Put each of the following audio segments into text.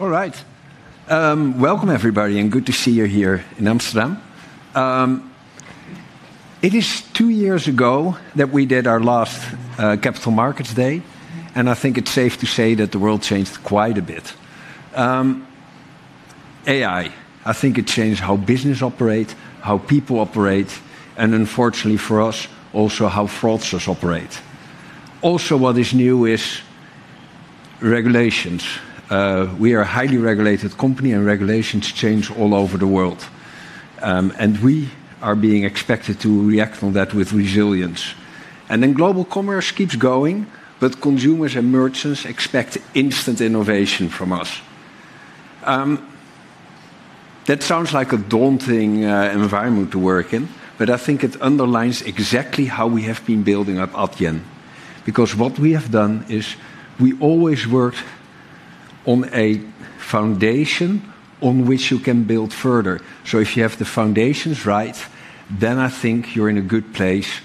All right. Welcome, everybody, and good to see you here in Amsterdam. It is two years ago that we did our last Capital Markets Day, and I think it's safe to say that the world changed quite a bit. AI, I think it changed how business operates, how people operate, and unfortunately for us, also how fraudsters operate. Also, what is new is regulations. We are a highly regulated company, and regulations change all over the world. We are being expected to react on that with resilience. Global Commerce keeps going, but consumers and merchants expect instant innovation from us. That sounds like a daunting environment to work in, but I think it underlines exactly how we have been building at Adyen. Because what we have done is we always worked on a foundation on which you can build further. If you have the foundations right, then I think you're in a good place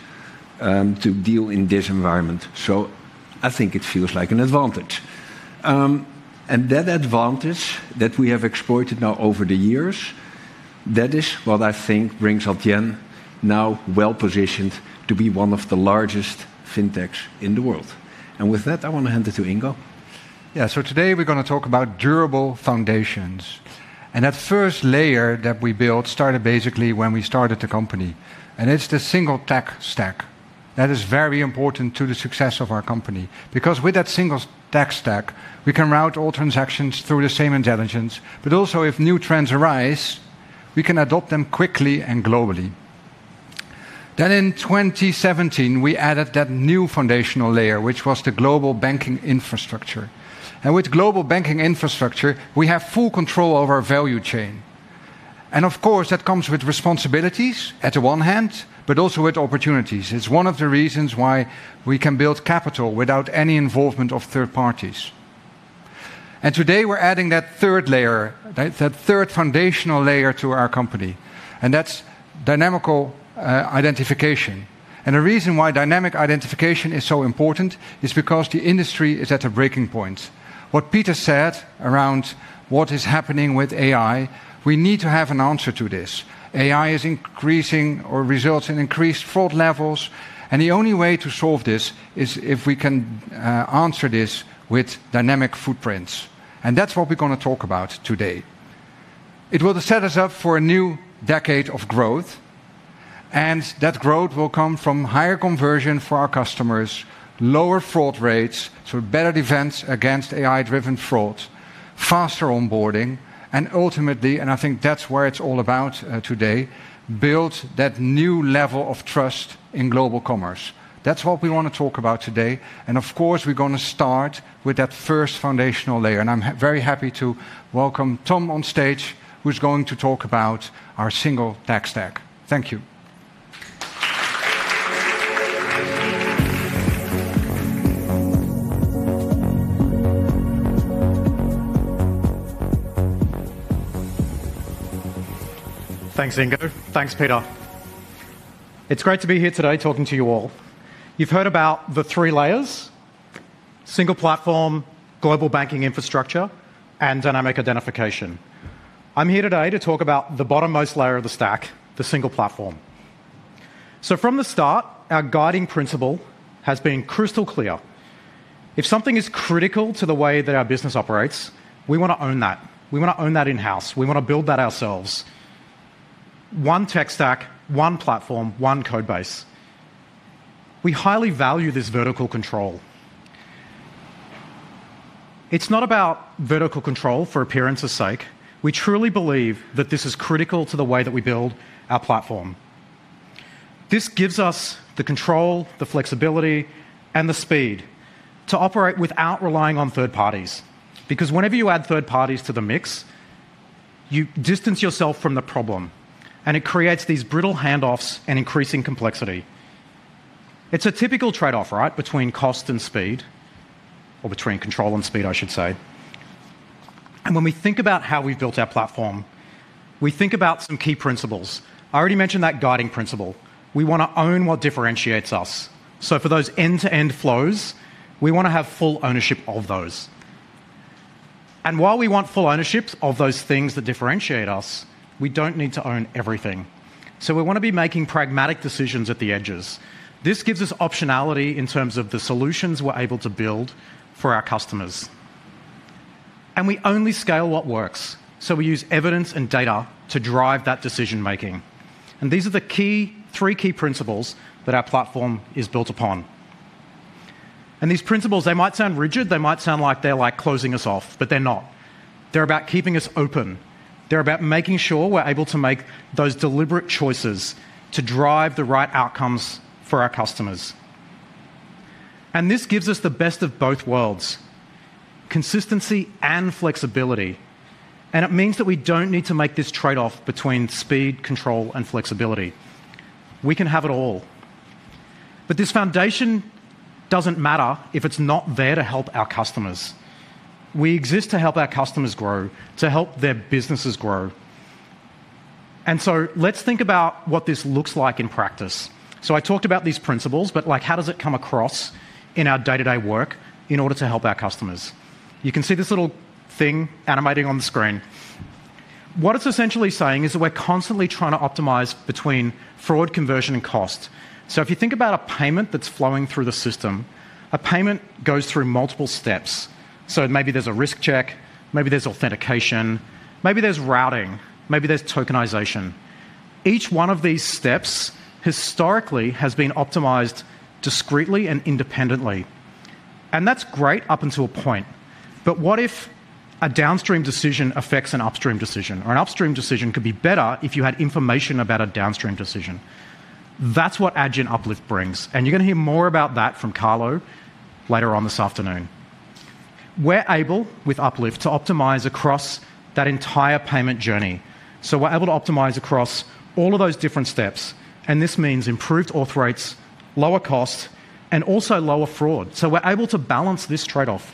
to deal in this environment. I think it feels like an advantage. That advantage that we have exploited now over the years, that is what I think brings Adyen now well positioned to be one of the largest FinTechs in the world. With that, I want to hand it to Ingo. Yeah, so today we're going to talk about durable foundations. That first layer that we built started basically when we started the company. It's the single tech stack. That is very important to the success of our company. Because with that single tech stack, we can route all transactions through the same intelligence, but also if new trends arise, we can adopt them quickly and globally. In 2017, we added that new foundational layer, which was global Banking Infrastructure, we have full control over our value chain. Of course, that comes with responsibilities at the one hand, but also with opportunities. It's one of the reasons why we can build capital without any involvement of third parties. Today we're adding that third layer, that third foundational layer to our company. That's Dynamic Identification. The reason why Dynamic Identification is so important is because the industry is at a breaking point. What Peter said around what is happening with AI, we need to have an answer to this. AI is increasing or results in increased fraud levels. The only way to solve this is if we can answer this with dynamic footprints. That is what we are going to talk about today. It will set us up for a new decade of growth. That growth will come from higher conversion for our customers, lower fraud rates, so better defense against AI-driven fraud, faster onboarding, and ultimately, and I think that is what it is all about today, build that new level of trust in Global Commerce. That is what we want to talk about today. Of course, we are going to start with that first foundational layer. I'm very happy to welcome Tom on stage, who's going to talk about our single tech stack. Thank you. Thanks, Ingo. Thanks, Pieter. It's great to be here today talking to you all. You've heard about the three layers: global Banking Infrastructure, and Dynamic Identification. I'm here today to talk about the bottommost layer of the stack, the Single Platform. From the start, our guiding principle has been crystal clear. If something is critical to the way that our business operates, we want to own that. We want to own that in-house. We want to build that ourselves. One tech stack, one platform, one code base. We highly value this vertical control. It's not about vertical control for appearance's sake. We truly believe that this is critical to the way that we build our platform. This gives us the control, the flexibility, and the speed to operate without relying on third parties. Because whenever you add third parties to the mix, you distance yourself from the problem. It creates these brittle handoffs and increasing complexity. It's a typical trade-off, right, between cost and speed, or between control and speed, I should say. When we think about how we've built our platform, we think about some key principles. I already mentioned that guiding principle. We want to own what differentiates us. For those end-to-end flows, we want to have full ownership of those. While we want full ownership of those things that differentiate us, we don't need to own everything. We want to be making pragmatic decisions at the edges. This gives us optionality in terms of the solutions we're able to build for our customers. We only scale what works. We use evidence and data to drive that decision-making. These are the three key principles that our platform is built upon. These principles, they might sound rigid. They might sound like they're like closing us off, but they're not. They're about keeping us open. They're about making sure we're able to make those deliberate choices to drive the right outcomes for our customers. This gives us the best of both worlds: consistency and flexibility. It means that we don't need to make this trade-off between speed, control, and flexibility. We can have it all. This foundation doesn't matter if it's not there to help our customers. We exist to help our customers grow, to help their businesses grow. Let's think about what this looks like in practice. I talked about these principles, but how does it come across in our day-to-day work in order to help our customers? You can see this little thing animating on the screen. What it's essentially saying is that we're constantly trying to optimize between fraud, conversion, and cost. If you think about a payment that's flowing through the system, a payment goes through multiple steps. Maybe there's a risk check, maybe there's authentication, maybe there's routing, maybe there's tokenization. Each one of these steps historically has been optimized discreetly and independently. That's great up until a point. What if a downstream decision affects an upstream decision? Or an upstream decision could be better if you had information about a downstream decision. That's what Adyen Uplift brings. You're going to hear more about that from Carlo later on this afternoon. We're able with Uplift to optimize across that entire payment journey. We're able to optimize across all of those different steps. This means improved auth rates, lower costs, and also lower fraud. We are able to balance this trade-off.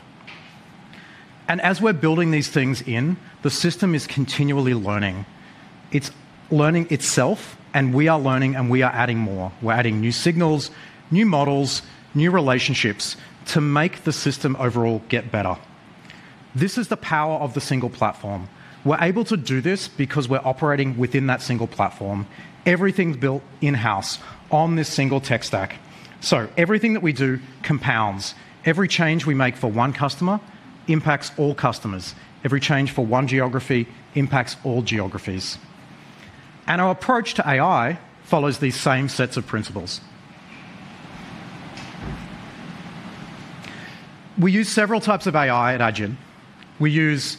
As we are building these things in, the system is continually learning. It is learning itself, and we are learning, and we are adding more. We are adding new signals, new models, new relationships to make the system overall get better. This is the power of the Single Platform. we are able to do this because we are operating within that Single Platform. everything is built in-house on this single tech stack. Everything that we do compounds. Every change we make for one customer impacts all customers. Every change for one geography impacts all geographies. Our approach to AI follows these same sets of principles. We use several types of AI at Adyen. We use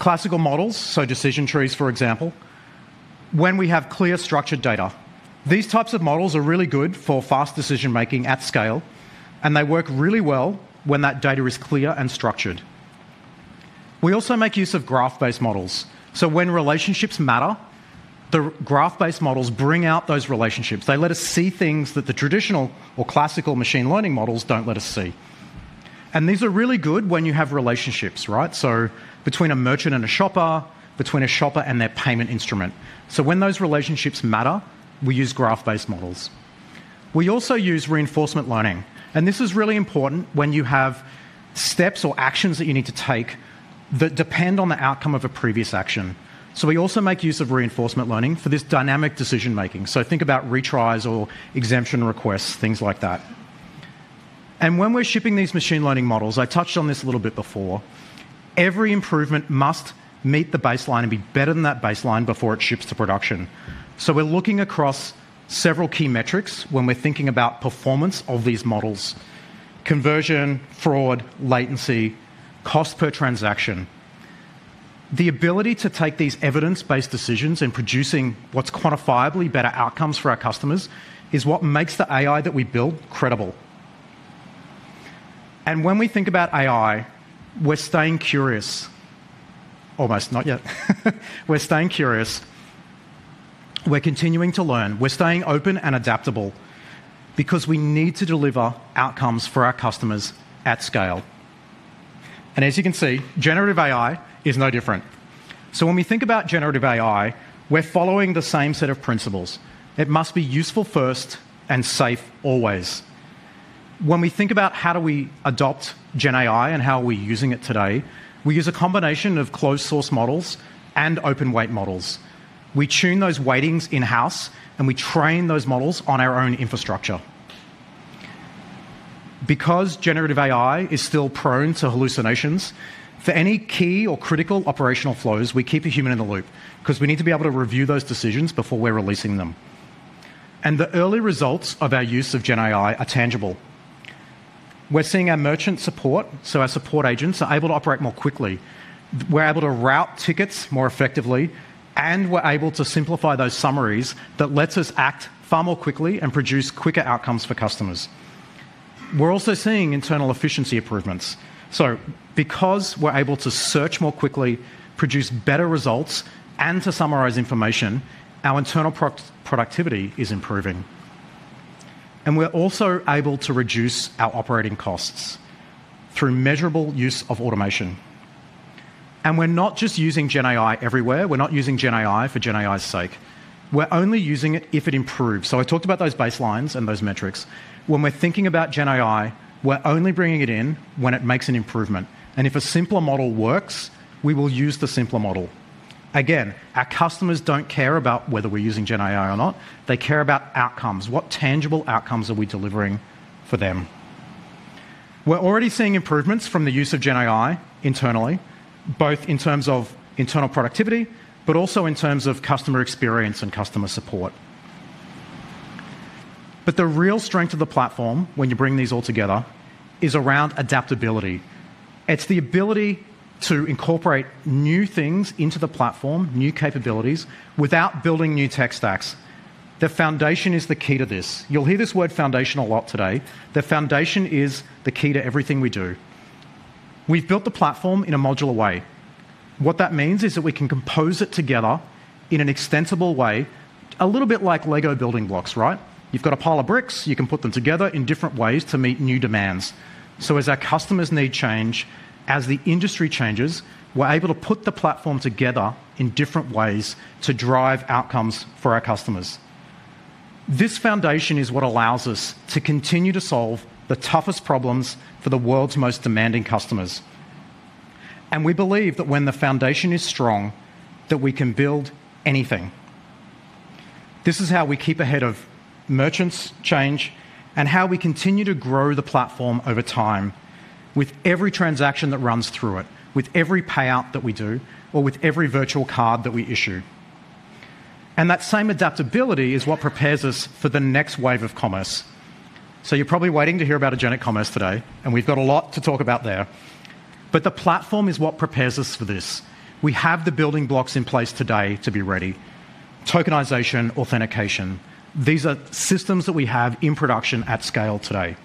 classical models, so decision trees, for example, when we have clear structured data. These types of models are really good for fast decision-making at scale, and they work really well when that data is clear and structured. We also make use of graph-based models. When relationships matter, the graph-based models bring out those relationships. They let us see things that the traditional or classical machine learning models do not let us see. These are really good when you have relationships, right? Between a merchant and a shopper, between a shopper and their payment instrument. When those relationships matter, we use graph-based models. We also use reinforcement learning. This is really important when you have steps or actions that you need to take that depend on the outcome of a previous action. We also make use of reinforcement learning for this dynamic decision-making. Think about retries or exemption requests, things like that. When we're shipping these machine learning models, I touched on this a little bit before. Every improvement must meet the baseline and be better than that baseline before it ships to production. We're looking across several key metrics when we're thinking about performance of these models: conversion, fraud, latency, cost per transaction. The ability to take these evidence-based decisions and producing what's quantifiably better outcomes for our customers is what makes the AI that we build credible. When we think about AI, we're staying curious. Almost not yet. We're staying curious. We're continuing to learn. We're staying open and adaptable because we need to deliver outcomes for our customers at scale. As you can see, Generative AI is no different. When we think about Generative AI, we're following the same set of principles. It must be useful first and safe always. When we think about how do we adopt GenAI and how are we using it today, we use a combination of closed-source models and open-weight models. We tune those weightings in-house, and we train those models on our own infrastructure. Because Generative AI is still prone to hallucinations, for any key or critical operational flows, we keep a human in the loop because we need to be able to review those decisions before we're releasing them. The early results of our use of GenAI are tangible. We're seeing our merchant support, so our support agents are able to operate more quickly. We're able to route tickets more effectively, and we're able to simplify those summaries that lets us act far more quickly and produce quicker outcomes for customers. We're also seeing internal efficiency improvements. Because we're able to search more quickly, produce better results, and to summarize information, our internal productivity is improving. We're also able to reduce our operating costs through measurable use of automation. We're not just using GenAI everywhere. We're not using GenAI for GenAI's sake. We're only using it if it improves. I talked about those baselines and those metrics. When we're thinking about GenAI, we're only bringing it in when it makes an improvement. If a simpler model works, we will use the simpler model. Again, our customers do not care about whether we're using GenAI or not. They care about outcomes. What tangible outcomes are we delivering for them? We're already seeing improvements from the use of GenAI internally, both in terms of internal productivity, but also in terms of customer experience and customer support. The real strength of the platform when you bring these all together is around adaptability. It's the ability to incorporate new things into the platform, new capabilities, without building new tech stacks. The foundation is the key to this. You'll hear this word foundation a lot today. The foundation is the key to everything we do. We've built the platform in a modular way. What that means is that we can compose it together in an extensible way, a little bit like LEGO building blocks, right? You've got a pile of bricks. You can put them together in different ways to meet new demands. As our customers' needs change, as the industry changes, we're able to put the platform together in different ways to drive outcomes for our customers. This foundation is what allows us to continue to solve the toughest problems for the world's most demanding customers. We believe that when the foundation is strong, that we can build anything. This is how we keep ahead of merchants' change and how we continue to grow the platform over time with every transaction that runs through it, with every payout that we do, or with every virtual card that we issue. That same adaptability is what prepares us for the next wave of commerce. You're probably waiting to hear about Agentic Commerce today, and we've got a lot to talk about there. The platform is what prepares us for this. We have the building blocks in place today to be ready: tokenization, authentication. These are systems that we have in production at scale today.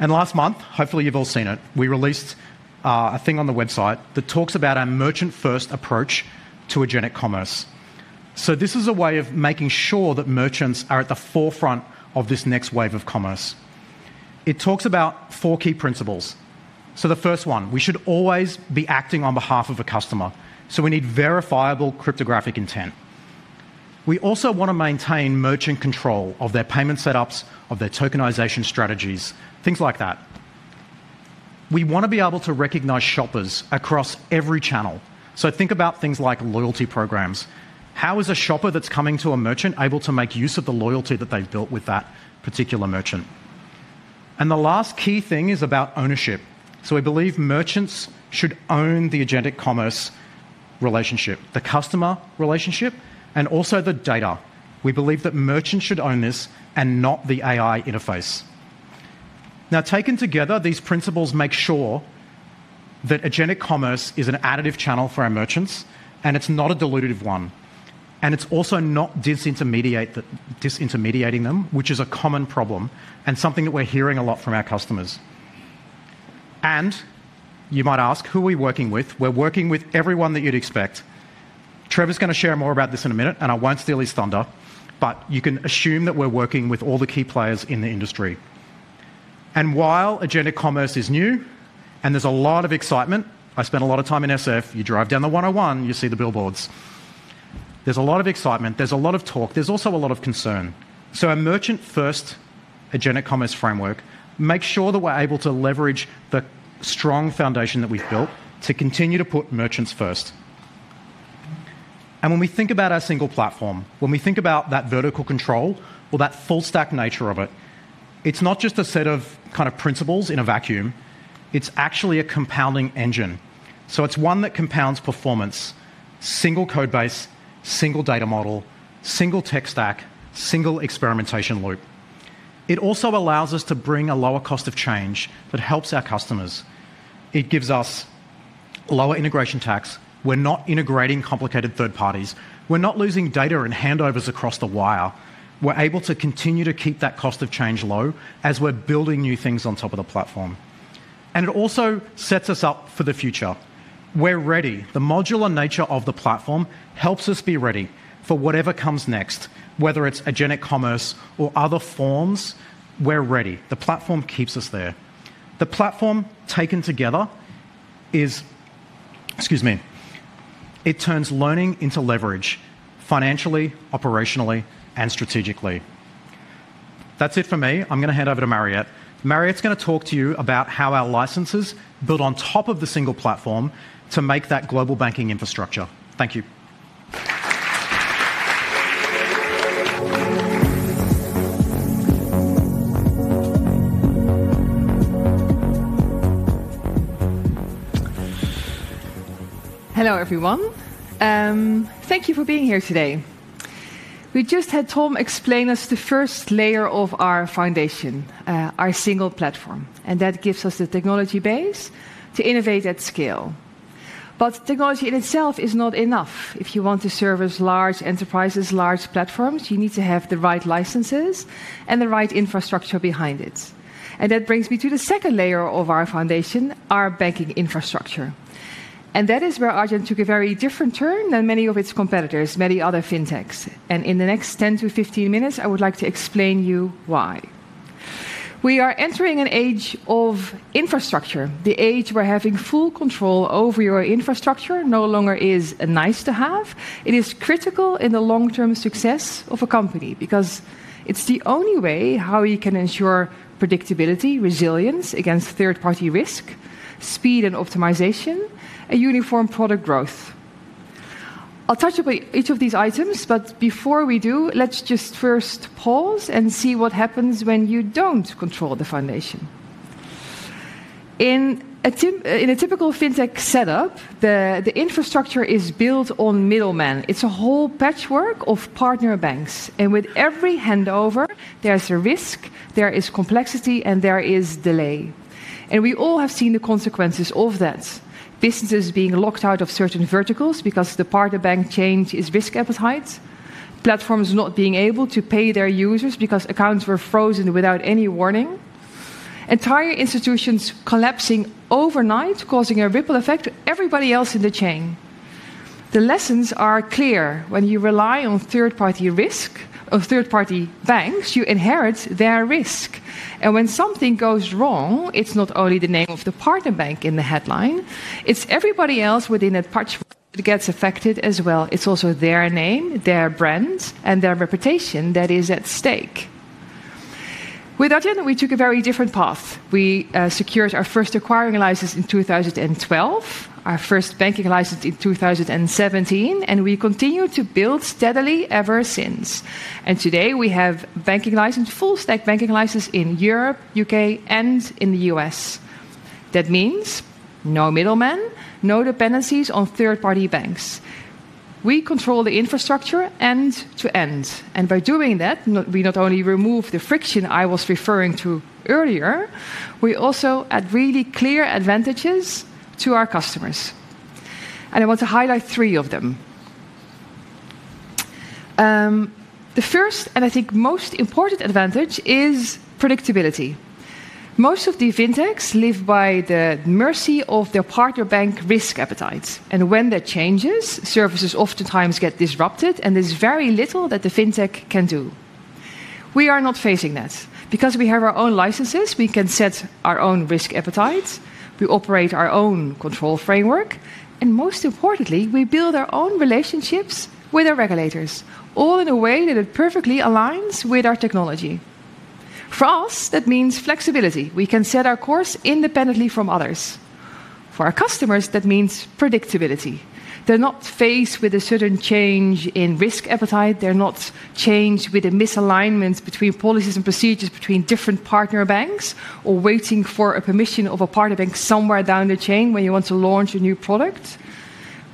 Last month, hopefully you've all seen it, we released a thing on the website that talks about our merchant-first approach to Agentic Commerce. This is a way of making sure that merchants are at the forefront of this next wave of commerce. It talks about four key principles. The first one, we should always be acting on behalf of a customer. We need verifiable cryptographic intent. We also want to maintain merchant control of their payment setups, of their tokenization strategies, things like that. We want to be able to recognize shoppers across every channel. Think about things like loyalty programs. How is a shopper that's coming to a merchant able to make use of the loyalty that they've built with that particular merchant? The last key thing is about ownership. We believe merchants should own the Agentic Commerce relationship, the customer relationship, and also the data. We believe that merchants should own this and not the AI interface. Now, taken together, these principles make sure that Agentic Commerce is an additive channel for our merchants, and it's not a dilutive one. It is also not disintermediating them, which is a common problem and something that we're hearing a lot from our customers. You might ask, who are we working with? We're working with everyone that you'd expect. Trevor's going to share more about this in a minute, and I won't steal his thunder, but you can assume that we're working with all the key players in the industry. While Agentic Commerce is new and there's a lot of excitement, I spent a lot of time in SF. You drive down the 101, you see the billboards. There's a lot of excitement. There's a lot of talk. There's also a lot of concern. Our merchant-first Agentic Commerce framework makes sure that we're able to leverage the strong foundation that we've built to continue to put merchants first. When we think about our Single Platform, when we think about that vertical control or that full-stack nature of it, it's not just a set of kind of principles in a vacuum. It's actually a compounding engine. It's one that compounds performance: single code base, single data model, single tech stack, single experimentation loop. It also allows us to bring a lower cost of change that helps our customers. It gives us lower integration tax. We're not integrating complicated third parties. We're not losing data and handovers across the wire. We're able to continue to keep that cost of change low as we're building new things on top of the platform. It also sets us up for the future. We're ready. The modular nature of the platform helps us be ready for whatever comes next, whether it's Agentic Commerce or other forms. We're ready. The platform keeps us there. The platform taken together is, excuse me, it turns learning into leverage financially, operationally, and strategically. That's it for me. I'm going to hand over to Mariëtte. Mariëtte's going to talk to you about how our licenses build on top of the Single Platform to make global Banking Infrastructure. thank you. Hello everyone. Thank you for being here today. We just had Tom explain us the first layer of our foundation, our Single Platform, and that gives us the technology base to innovate at scale. Technology in itself is not enough. If you want to service large enterprises, large platforms, you need to have the right licenses and the right infrastructure behind it. That brings me to the second layer of our foundation, our Banking Infrastructure. That is where Adyen took a very different turn than many of its competitors, many other FinTechs. In the next 10-15 minutes, I would like to explain to you why. We are entering an age of infrastructure. The age where having full control over your infrastructure no longer is a nice to have. It is critical in the long-term success of a company because it's the only way how you can ensure predictability, resilience against third-party risk, speed and optimization, and uniform product growth. I'll touch upon each of these items, but before we do, let's just first pause and see what happens when you don't control the foundation. In a typical FinTech setup, the infrastructure is built on middlemen. It's a whole patchwork of partner banks. With every handover, there is a risk, there is complexity, and there is delay. We all have seen the consequences of that: businesses being locked out of certain verticals because the partner bank changes risk appetite, platforms not being able to pay their users because accounts were frozen without any warning, entire institutions collapsing overnight, causing a ripple effect to everybody else in the chain. The lessons are clear. When you rely on third-party risk or third-party banks, you inherit their risk. When something goes wrong, it's not only the name of the partner bank in the headline, it's everybody else within that patchwork that gets affected as well. It's also their name, their brand, and their reputation that is at stake. With Adyen, we took a very different path. We secured our first acquiring license in 2012, our first banking license in 2017, and we continue to build steadily ever since. Today we have banking license, full-stack banking license in Europe, the U.K., and in the U.S. That means no middlemen, no dependencies on third-party banks. We control the infrastructure end-to-end. By doing that, we not only remove the friction I was referring to earlier, we also add really clear advantages to our customers. I want to highlight three of them. The first and I think most important advantage is predictability. Most of the FinTechs live by the mercy of their partner bank risk appetite. When that changes, services oftentimes get disrupted, and there is very little that the FinTech can do. We are not facing that because we have our own licenses. We can set our own risk appetite. We operate our own control framework. Most importantly, we build our own relationships with our regulators, all in a way that perfectly aligns with our technology. For us, that means flexibility. We can set our course independently from others. For our customers, that means predictability. They are not faced with a sudden change in risk appetite. They are not changed with a misalignment between policies and procedures between different partner banks or waiting for a permission of a partner bank somewhere down the chain when you want to launch a new product.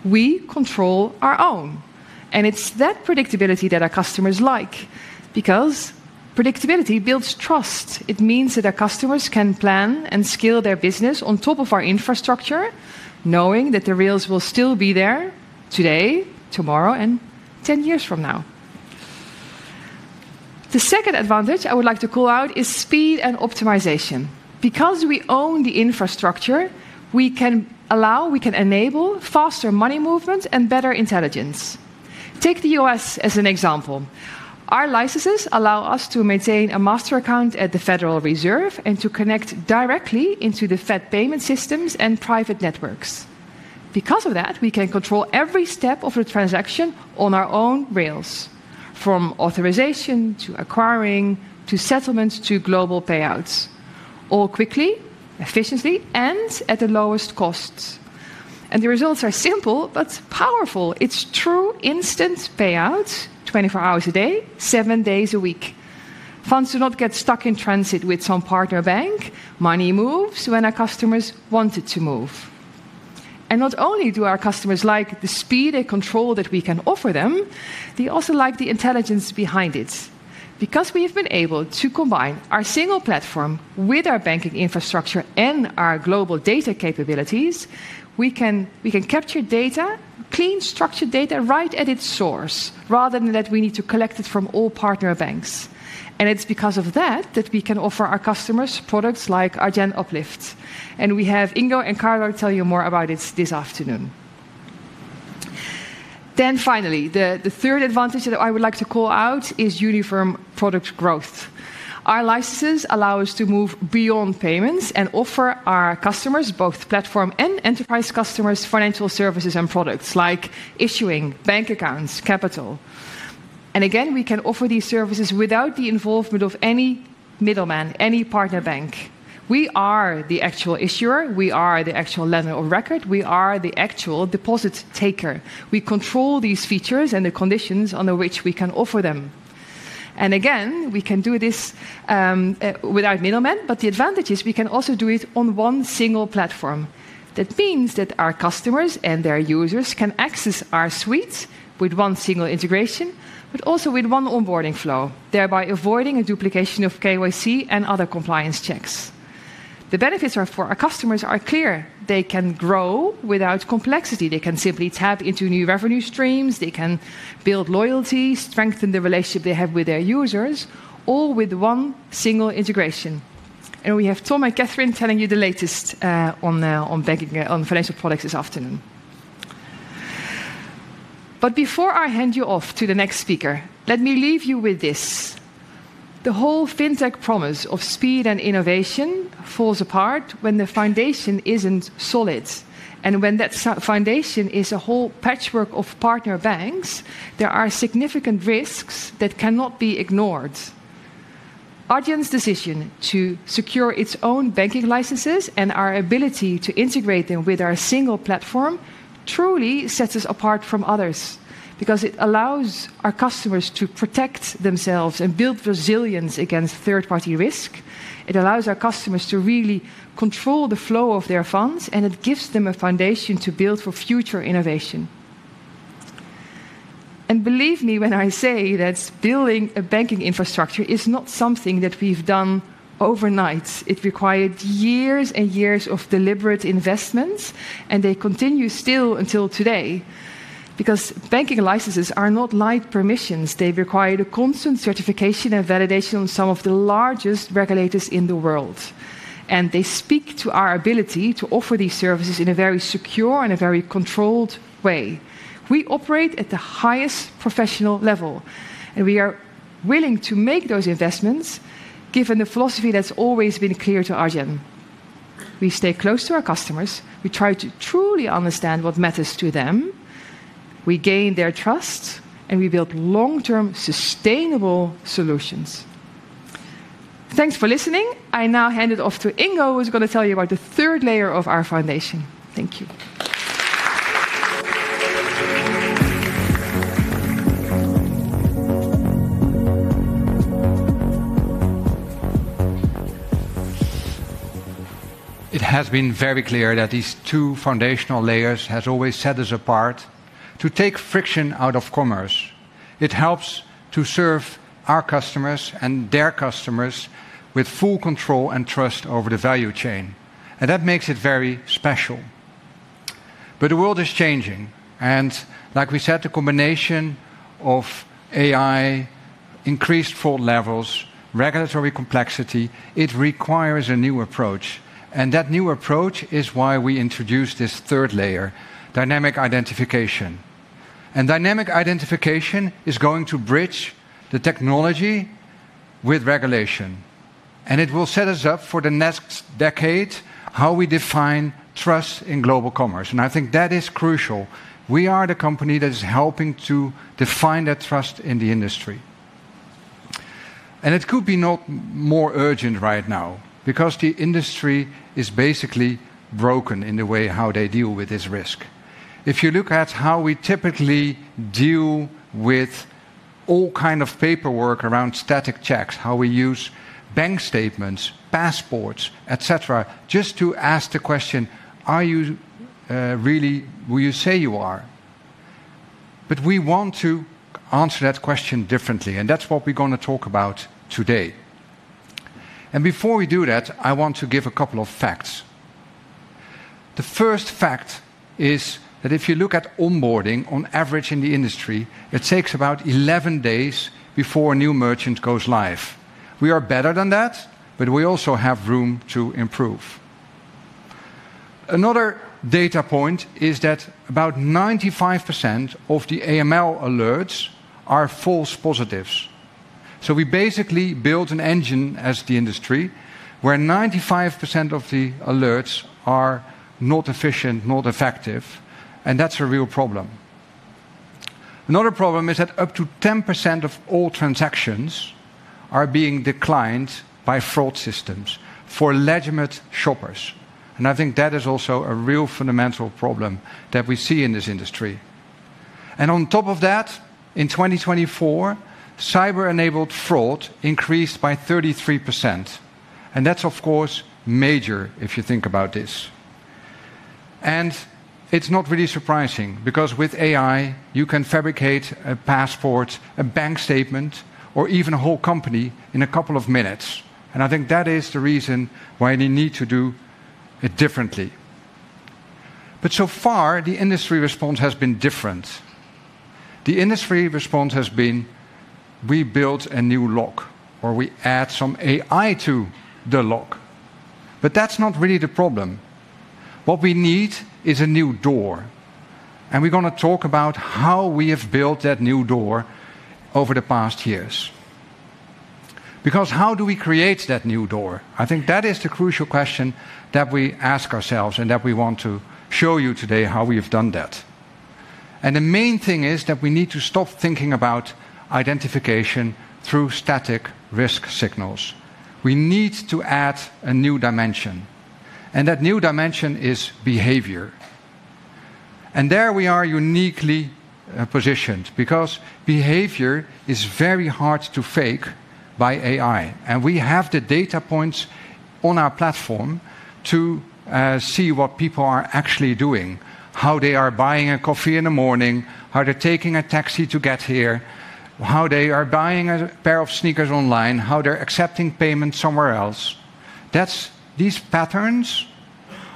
We control our own. It is that predictability that our customers like because predictability builds trust. It means that our customers can plan and scale their business on top of our infrastructure, knowing that the rails will still be there today, tomorrow, and 10 years from now. The second advantage I would like to call out is speed and optimization. Because we own the infrastructure, we can allow, we can enable faster money movement and better intelligence. Take the U.S. as an example. Our licenses allow us to maintain a master account at the Federal Reserve and to connect directly into the Fed payment systems and private networks. Because of that, we can control every step of the transaction on our own rails, from authorization to acquiring to settlements to global payouts, all quickly, efficiently, and at the lowest cost. The results are simple but powerful. It's true instant payouts, 24 hours a day, seven days a week. Funds do not get stuck in transit with some partner bank. Money moves when our customers want it to move. Not only do our customers like the speed and control that we can offer them, they also like the intelligence behind it. Because we have been able to combine our Single Platform with our Banking Infrastructure and our Global Data capabilities, we can capture data, clean structured data right at its source rather than that we need to collect it from all partner banks. It is because of that that we can offer our customers products like Adyen Uplift. We have Ingo and Carlo tell you more about it this afternoon. Finally, the third advantage that I would like to call out is uniform product growth. Our licenses allow us to move beyond payments and offer our customers, both platform and enterprise customers, financial services and products like issuing, bank accounts, capital. Again, we can offer these services without the involvement of any middleman, any partner bank. We are the actual issuer. We are the actual letter of record. We are the actual deposit taker. We control these features and the conditions on which we can offer them. Again, we can do this without middlemen, but the advantage is we can also do it on one Single Platform. That means that our customers and their users can access our suite with one single integration, but also with one onboarding flow, thereby avoiding a duplication of KYC and other compliance checks. The benefits for our customers are clear. They can grow without complexity. They can simply tap into new revenue streams. They can build loyalty, strengthen the relationship they have with their users, all with one single integration. We have Thom and Catherine telling you the latest on banking, on financial products this afternoon. Before I hand you off to the next speaker, let me leave you with this. The whole FinTech promise of speed and innovation falls apart when the foundation is not solid. When that foundation is a whole patchwork of partner banks, there are significant risks that cannot be ignored. Adyen's decision to secure its own banking licenses and our ability to integrate them with our Single Platform truly sets us apart from others because it allows our customers to protect themselves and build resilience against third-party risk. It allows our customers to really control the flow of their funds, and it gives them a foundation to build for future innovation. Believe me when I say that building a Banking Infrastructure is not something that we've done overnight. It required years and years of deliberate investments, and they continue still until today because banking licenses are not light permissions. They require constant certification and validation on some of the largest regulators in the world. They speak to our ability to offer these services in a very secure and a very controlled way. We operate at the highest professional level, and we are willing to make those investments given the philosophy that's always been clear to Adyen. We stay close to our customers. We try to truly understand what matters to them. We gain their trust, and we build long-term sustainable solutions. Thanks for listening. I now hand it off to Ingo, who's going to tell you about the third layer of our foundation. Thank you. It has been very clear that these two foundational layers have always set us apart. To take friction out of Commerce, it helps to serve our customers and their customers with full control and trust over the value chain. That makes it very special. The world is changing. Like we said, the combination of AI, increased fraud levels, regulatory complexity, it requires a new approach. That new approach is why we introduced this third layer, Dynamic Identification. Dynamic Identification is going to bridge the technology with regulation. It will set us up for the next decade how we define trust in Global Commerce. I think that is crucial. We are the company that is helping to define that trust in the industry. It could be not more urgent right now because the industry is basically broken in the way how they deal with this risk. If you look at how we typically deal with all kinds of paperwork around static checks, how we use bank statements, passports, etc., just to ask the question, are you really, will you say you are? We want to answer that question differently. That is what we are going to talk about today. Before we do that, I want to give a couple of facts. The first fact is that if you look at onboarding, on average in the industry, it takes about 11 days before a new merchant goes live. We are better than that, but we also have room to improve. Another data point is that about 95% of the AML alerts are false positives. We basically built an engine as the industry where 95% of the alerts are not efficient, not effective. That is a real problem. Another problem is that up to 10% of all transactions are being declined by fraud systems for legitimate shoppers. I think that is also a real fundamental problem that we see in this industry. On top of that, in 2024, cyber-enabled fraud increased by 33%. That is, of course, major if you think about this. It is not really surprising because with AI, you can fabricate a passport, a bank statement, or even a whole company in a couple of minutes. I think that is the reason why we need to do it differently. So far, the industry response has been different. The industry response has been we build a new lock or we add some AI to the lock. That is not really the problem. What we need is a new door. We are going to talk about how we have built that new door over the past years. How do we create that new door? I think that is the crucial question that we ask ourselves and that we want to show you today how we have done that. The main thing is that we need to stop thinking about identification through static risk signals. We need to add a new dimension. That new dimension is behavior. There we are uniquely positioned because behavior is very hard to fake by AI. We have the data points on our platform to see what people are actually doing, how they are buying a coffee in the morning, how they're taking a taxi to get here, how they are buying a pair of sneakers online, how they're accepting payments somewhere else. These patterns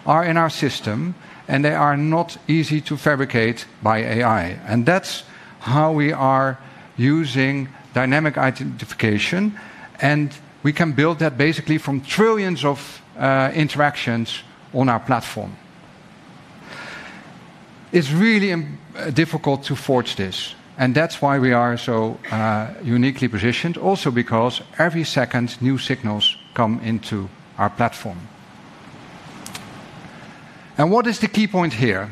are in our system, and they are not easy to fabricate by AI. That is how we are using Dynamic Identification. We can build that basically from trillions of interactions on our platform. It is really difficult to forge this. That is why we are so uniquely positioned, also because every second new signals come into our platform. What is the key point here?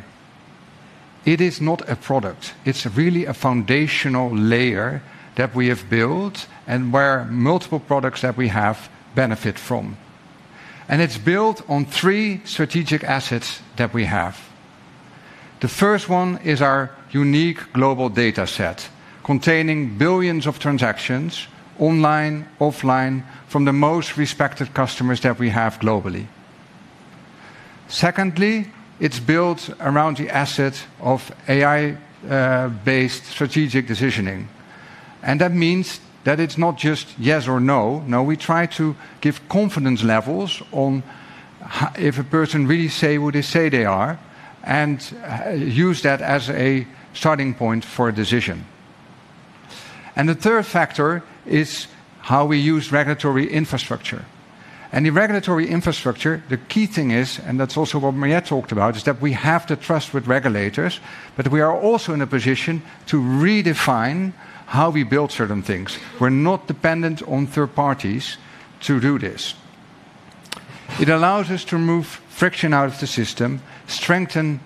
It is not a product. It is really a foundational layer that we have built and where multiple products that we have benefit from. It is built on three strategic assets that we have. The first one is our unique Global Data set containing billions of transactions online, offline, from the most respected customers that we have globally. Secondly, it is built around the asset of AI-based strategic decisioning. That means that it is not just yes or no. No, we try to give confidence levels on if a person really says what they say they are and use that as a starting point for a decision. The third factor is how we use regulatory infrastructure. In regulatory infrastructure, the key thing is, and that is also what Mariëtte talked about, that we have the trust with regulators, but we are also in a position to redefine how we build certain things. We are not dependent on third parties to do this. It allows us to remove friction out of the system, strengthen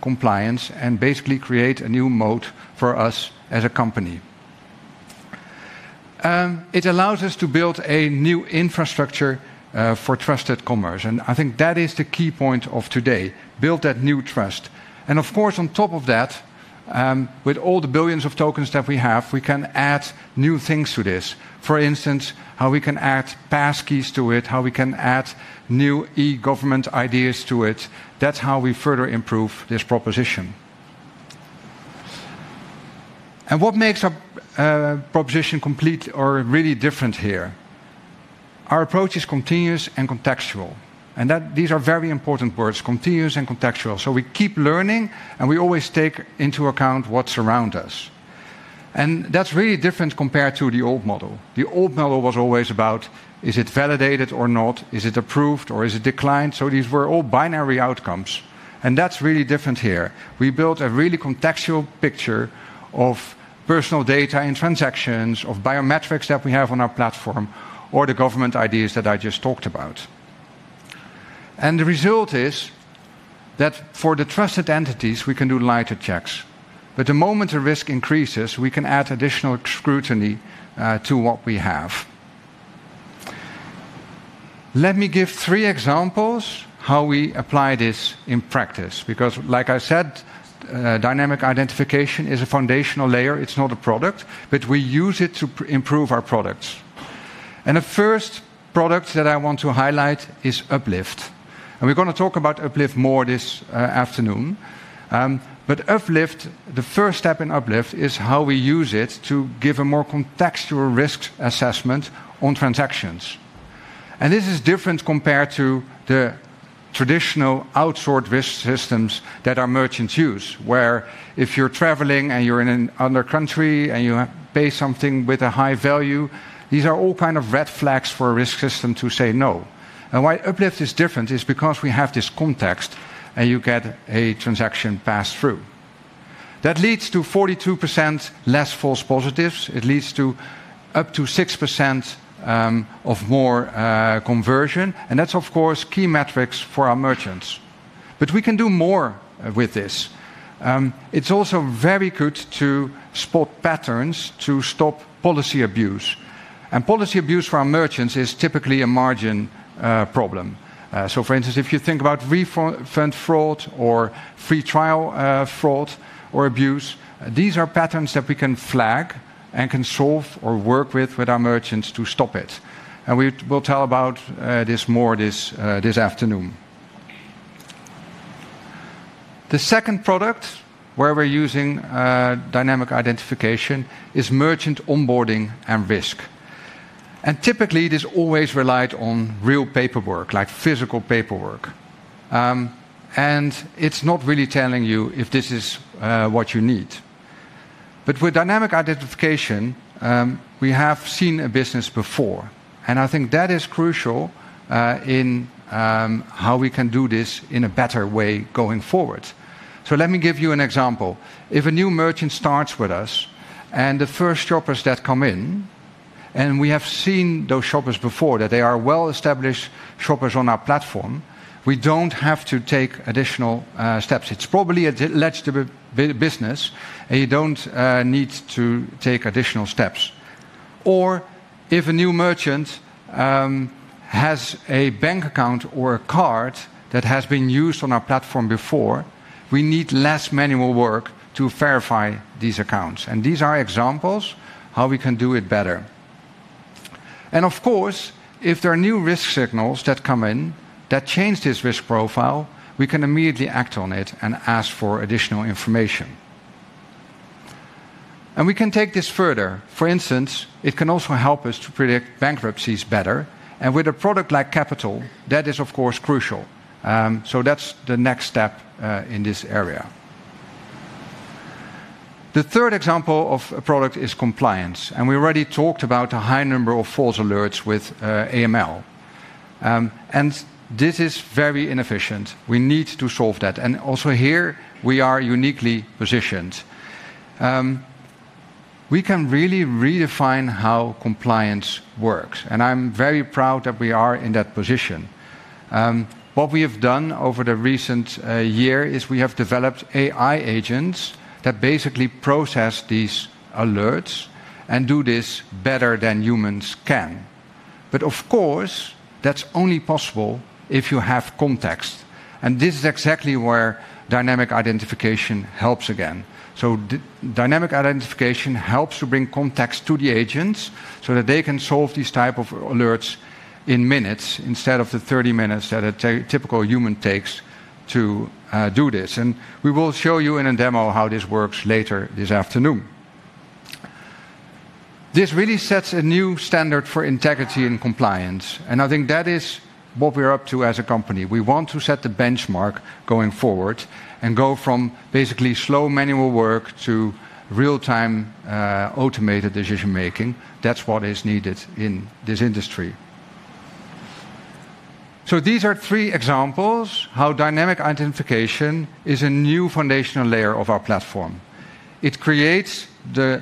compliance, and basically create a new mode for us as a company. It allows us to build a new infrastructure for trusted commerce. I think that is the key point of today, build that new trust. Of course, on top of that, with all the billions of tokens that we have, we can add new things to this. For instance, how we can add passkeys to it, how we can add new e-government ideas to it. That is how we further improve this proposition. What makes our proposition complete or really different here? Our approach is continuous and contextual. These are very important words, continuous and contextual. We keep learning, and we always take into account what is around us. That is really different compared to the old model. The old model was always about, is it validated or not? Is it approved or is it declined? These were all binary outcomes. That is really different here. We built a really contextual picture of personal data and transactions, of biometrics that we have on our platform, or the government IDs that I just talked about. The result is that for the trusted entities, we can do lighter checks. The moment the risk increases, we can add additional scrutiny to what we have. Let me give three examples of how we apply this in practice. Like I said, Dynamic Identification is a foundational layer. It is not a product, but we use it to improve our products. The first product that I want to highlight is Uplift. We are going to talk about Uplift more this afternoon. Uplift, the first step in Uplift is how we use it to give a more contextual risk assessment on transactions. This is different compared to the traditional outsourced risk systems that our merchants use, where if you're traveling and you're in another country and you pay something with a high value, these are all kind of red flags for a risk system to say no. Why Uplift is different is because we have this context and you get a transaction passed through. That leads to 42% less false positives. It leads to up to 6% more conversion. That's, of course, key metrics for our merchants. We can do more with this. It's also very good to spot patterns to stop policy abuse. Policy abuse for our merchants is typically a margin problem. For instance, if you think about refund fraud or free trial fraud or abuse, these are patterns that we can flag and can solve or work with with our merchants to stop it. We will tell about this more this afternoon. The second product where we're using Dynamic Identification is merchant onboarding and risk. Typically, it has always relied on real paperwork, like physical paperwork. It is not really telling you if this is what you need. With Dynamic Identification, we have seen a business before. I think that is crucial in how we can do this in a better way going forward. Let me give you an example. If a new merchant starts with us and the first shoppers that come in, and we have seen those shoppers before that they are well-established shoppers on our platform, we do not have to take additional steps. It is probably a legitimate business, and you do not need to take additional steps. If a new merchant has a bank account or a card that has been used on our platform before, we need less manual work to verify these accounts. These are examples of how we can do it better. If there are new risk signals that come in that change this risk profile, we can immediately act on it and ask for additional information. We can take this further. For instance, it can also help us to predict bankruptcies better. With a product like Capital, that is, of course, crucial. That's the next step in this area. The third example of a product is compliance. We already talked about a high number of false alerts with AML. This is very inefficient. We need to solve that. Also here, we are uniquely positioned. We can really redefine how compliance works. I'm very proud that we are in that position. What we have done over the recent year is we have developed AI agents that basically process these alerts and do this better than humans can. Of course, that's only possible if you have context. This is exactly where Dynamic Identification helps again. Dynamic Identification helps to bring context to the agents so that they can solve these types of alerts in minutes instead of the 30 minutes that a typical human takes to do this. We will show you in a demo how this works later this afternoon. This really sets a new standard for integrity and compliance. I think that is what we're up to as a company. We want to set the benchmark going forward and go from basically slow manual work to real-time automated decision-making. That is what is needed in this industry. These are three examples of how Dynamic Identification is a new foundational layer of our platform. It creates the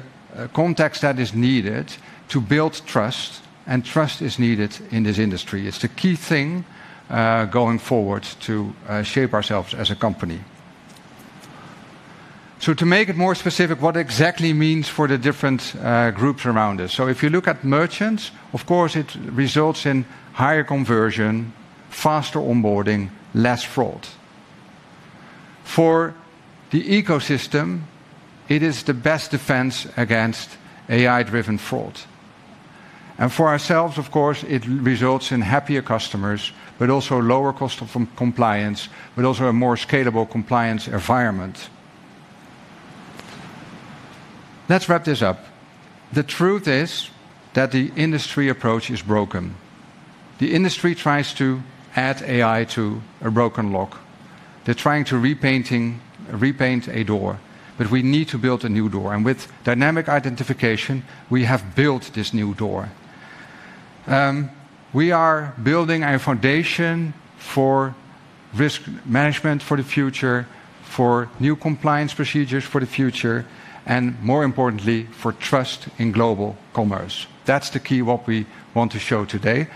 context that is needed to build trust. Trust is needed in this industry. It is the key thing going forward to shape ourselves as a company. To make it more specific, what exactly does it mean for the different groups around us? If you look at merchants, of course, it results in higher conversion, faster onboarding, less fraud. For the ecosystem, it is the best defense against AI-driven fraud. For ourselves, of course, it results in happier customers, but also lower cost of compliance, but also a more scalable compliance environment. Let's wrap this up. The truth is that the industry approach is broken. The industry tries to add AI to a broken lock. They're trying to repaint a door, but we need to build a new door. With Dynamic Identification, we have built this new door. We are building a foundation for risk management for the future, for new compliance procedures for the future, and more importantly, for trust in Global Commerce. that is the key what we want to show today.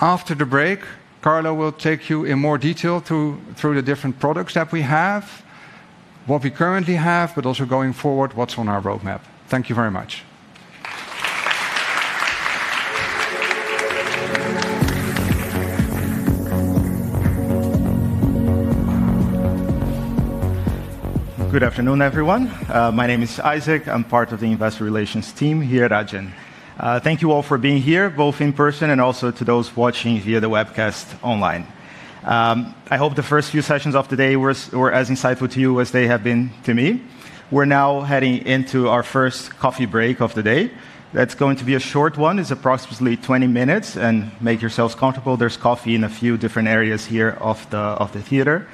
After the break, Carlo will take you in more detail through the different products that we have, what we currently have, but also going forward, what is on our roadmap. Thank you very much. Good afternoon, everyone. My name is Isaac. I'm part of the investor relations team here at Adyen. Thank you all for being here, both in person and also to those watching via the webcast online. I hope the first few sessions of today were as insightful to you as they have been to me. We're now heading into our first coffee break of the day. That's going to be a short one. It's approximately 20 minutes. Make yourselves comfortable. There's coffee in a few different areas here of the theater.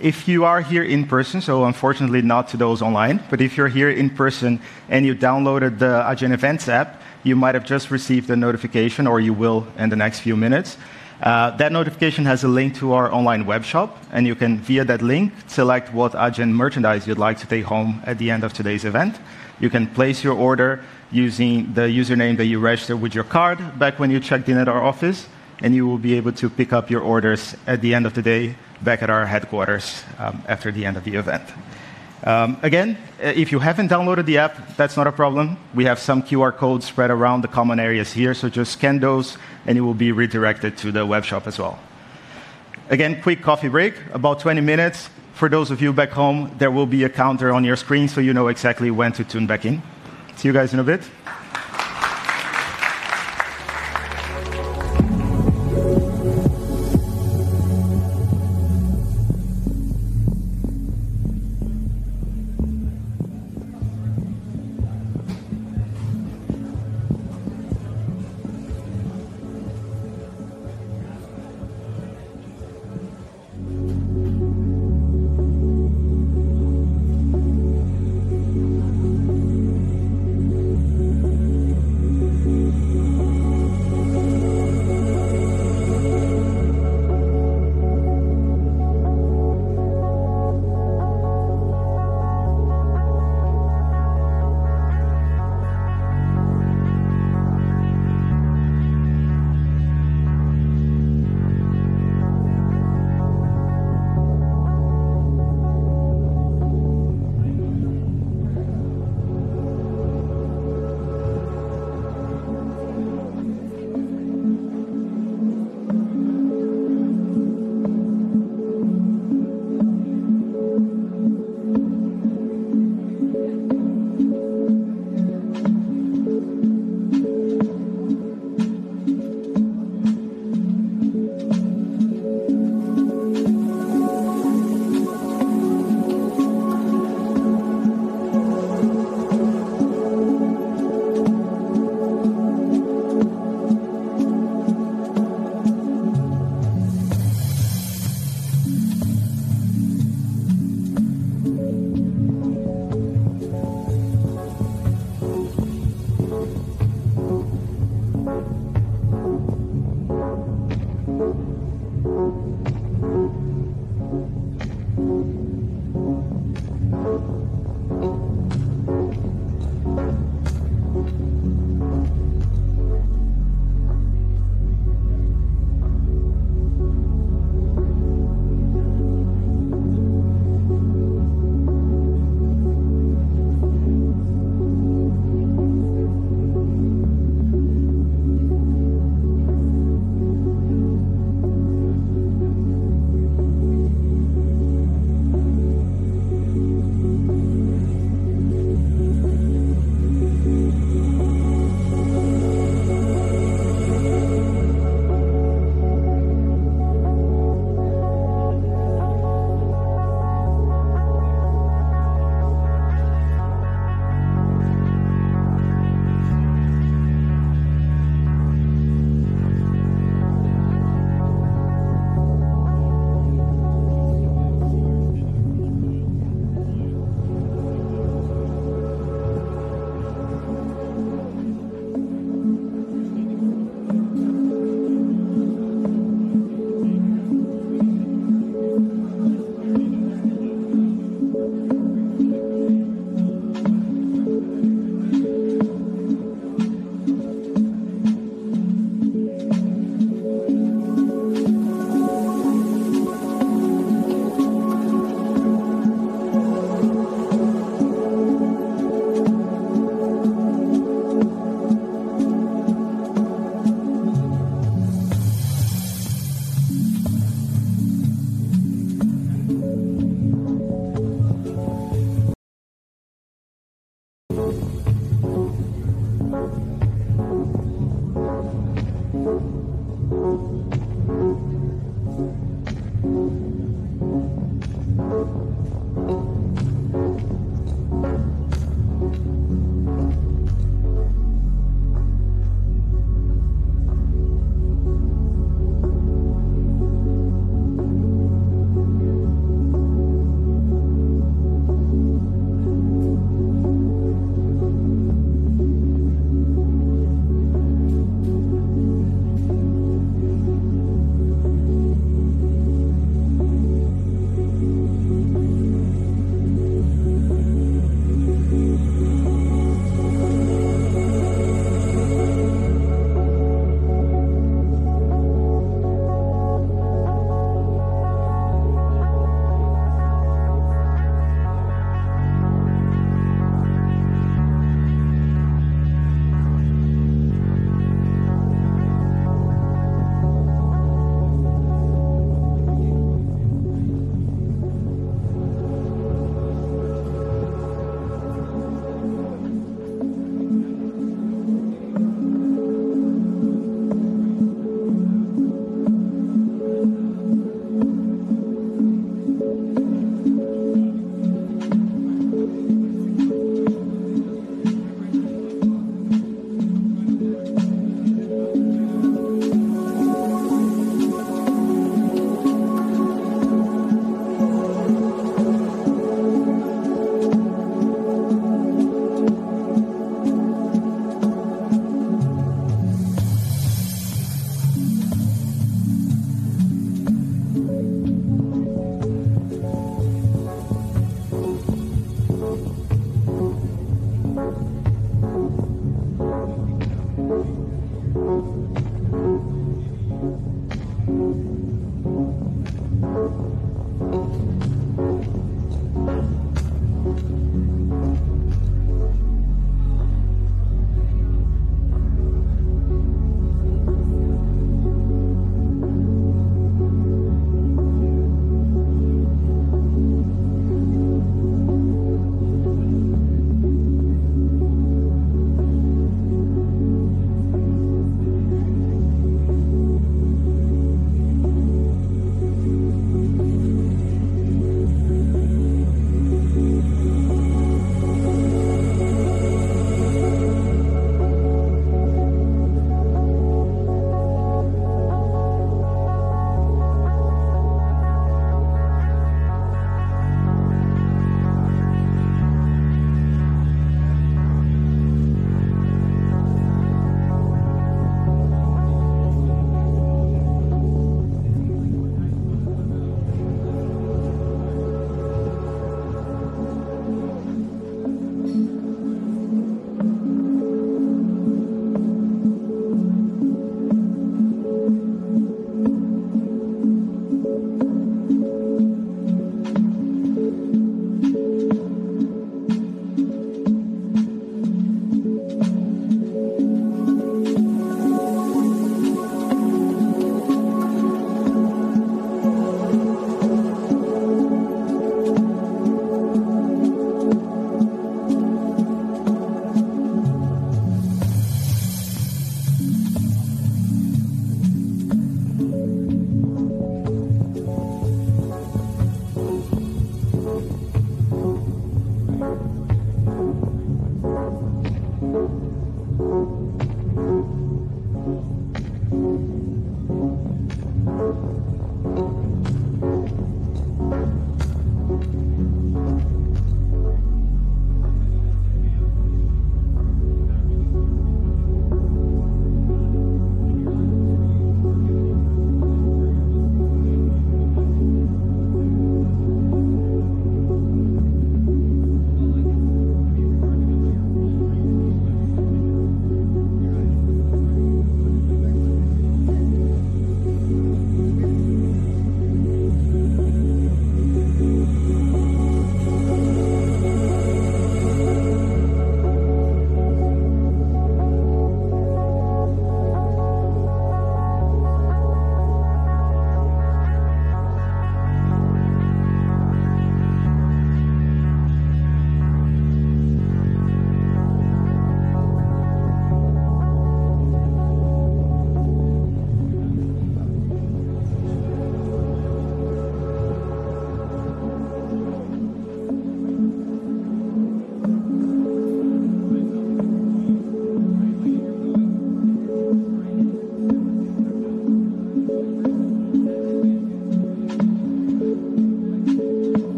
If you are here in person, so unfortunately not to those online, but if you're here in person and you downloaded the Adyen Events app, you might have just received a notification or you will in the next few minutes. That notification has a link to our online web shop, and you can, via that link, select what Adyen merchandise you'd like to take home at the end of today's event. You can place your order using the username that you registered with your card back when you checked in at our office, and you will be able to pick up your orders at the end of the day back at our headquarters after the end of the event. Again, if you haven't downloaded the app, that's not a problem. We have some QR codes spread around the common areas here, so just scan those and you will be redirected to the web shop as well. Again, quick coffee break, about 20 minutes. For those of you back home, there will be a counter on your screen so you know exactly when to tune back in. See you guys in a bit.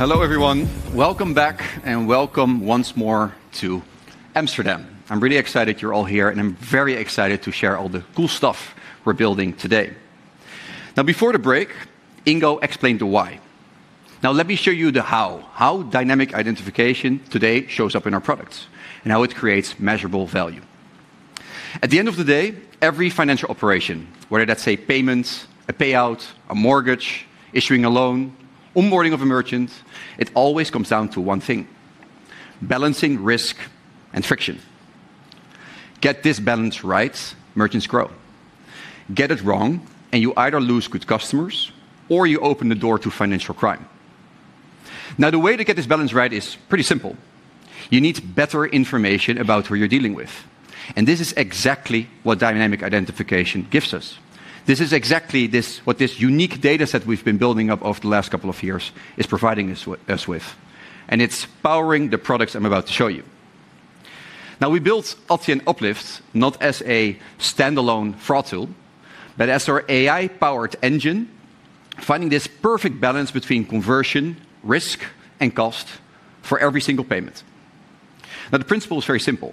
Hello everyone, welcome back, and welcome once more to Amsterdam. I'm really excited you're all here, and I'm very excited to share all the cool stuff we're building today. Now, before the break, Ingo explained the why. Now, let me show you the how, how Dynamic Identification today shows up in our products and how it creates measurable value. At the end of the day, every financial operation, whether that's a payment, a payout, a mortgage, issuing a loan, onboarding of a merchant, it always comes down to one thing: balancing risk and friction. Get this balance right, merchants grow. Get it wrong, and you either lose good customers or you open the door to financial crime. Now, the way to get this balance right is pretty simple. You need better information about who you're dealing with, and this is exactly what Dynamic Identification gives us. This is exactly what this unique data set we've been building up over the last couple of years is providing us with, and it's powering the products I'm about to show you. Now, we built Adyen Uplift, not as a standalone fraud tool, but as our AI-powered engine, finding this perfect balance between conversion, risk, and cost for every single payment. Now, the principle is very simple: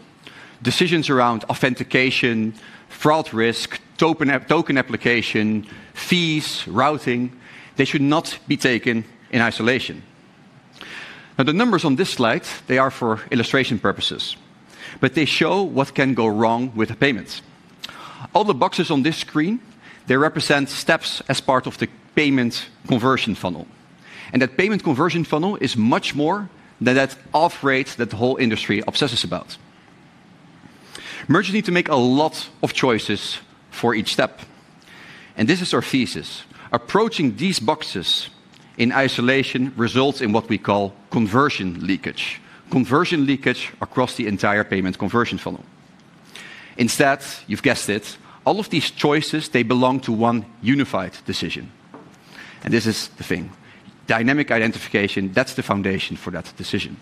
decisions around authentication, fraud risk, token application, fees, routing, they should not be taken in isolation. Now, the numbers on this slide, they are for illustration purposes, but they show what can go wrong with a payment. All the boxes on this screen, they represent steps as part of the payment conversion funnel, and that payment conversion funnel is much more than that off-rate that the whole industry obsesses about. Merchants need to make a lot of choices for each step, and this is our thesis. Approaching these boxes in isolation results in what we call conversion leakage, conversion leakage across the entire payment conversion funnel. Instead, you've guessed it, all of these choices, they belong to one unified decision, and this is the thing: Dynamic Identification, that's the foundation for that decision.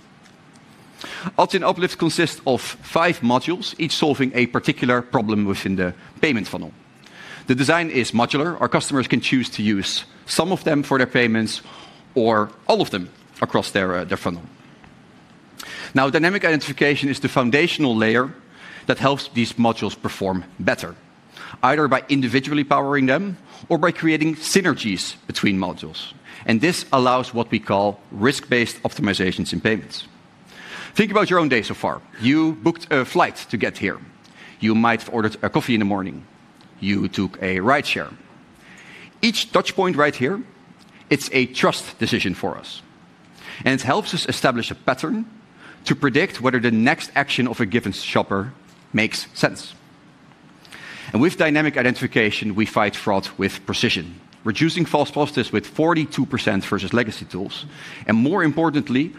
Auto and Uplift consist of five modules, each solving a particular problem within the payment funnel. The design is modular; our customers can choose to use some of them for their payments or all of them across their funnel. Now, Dynamic Identification is the foundational layer that helps these modules perform better, either by individually powering them or by creating synergies between modules, and this allows what we call risk-based optimizations in payments. Think about your own day so far: you booked a flight to get here, you might have ordered a coffee in the morning, you took a rideshare. Each touchpoint right here, it is a trust decision for us, and it helps us establish a pattern to predict whether the next action of a given shopper makes sense. With Dynamic Identification, we fight fraud with precision, reducing false positives with 42% versus legacy tools, and more importantly,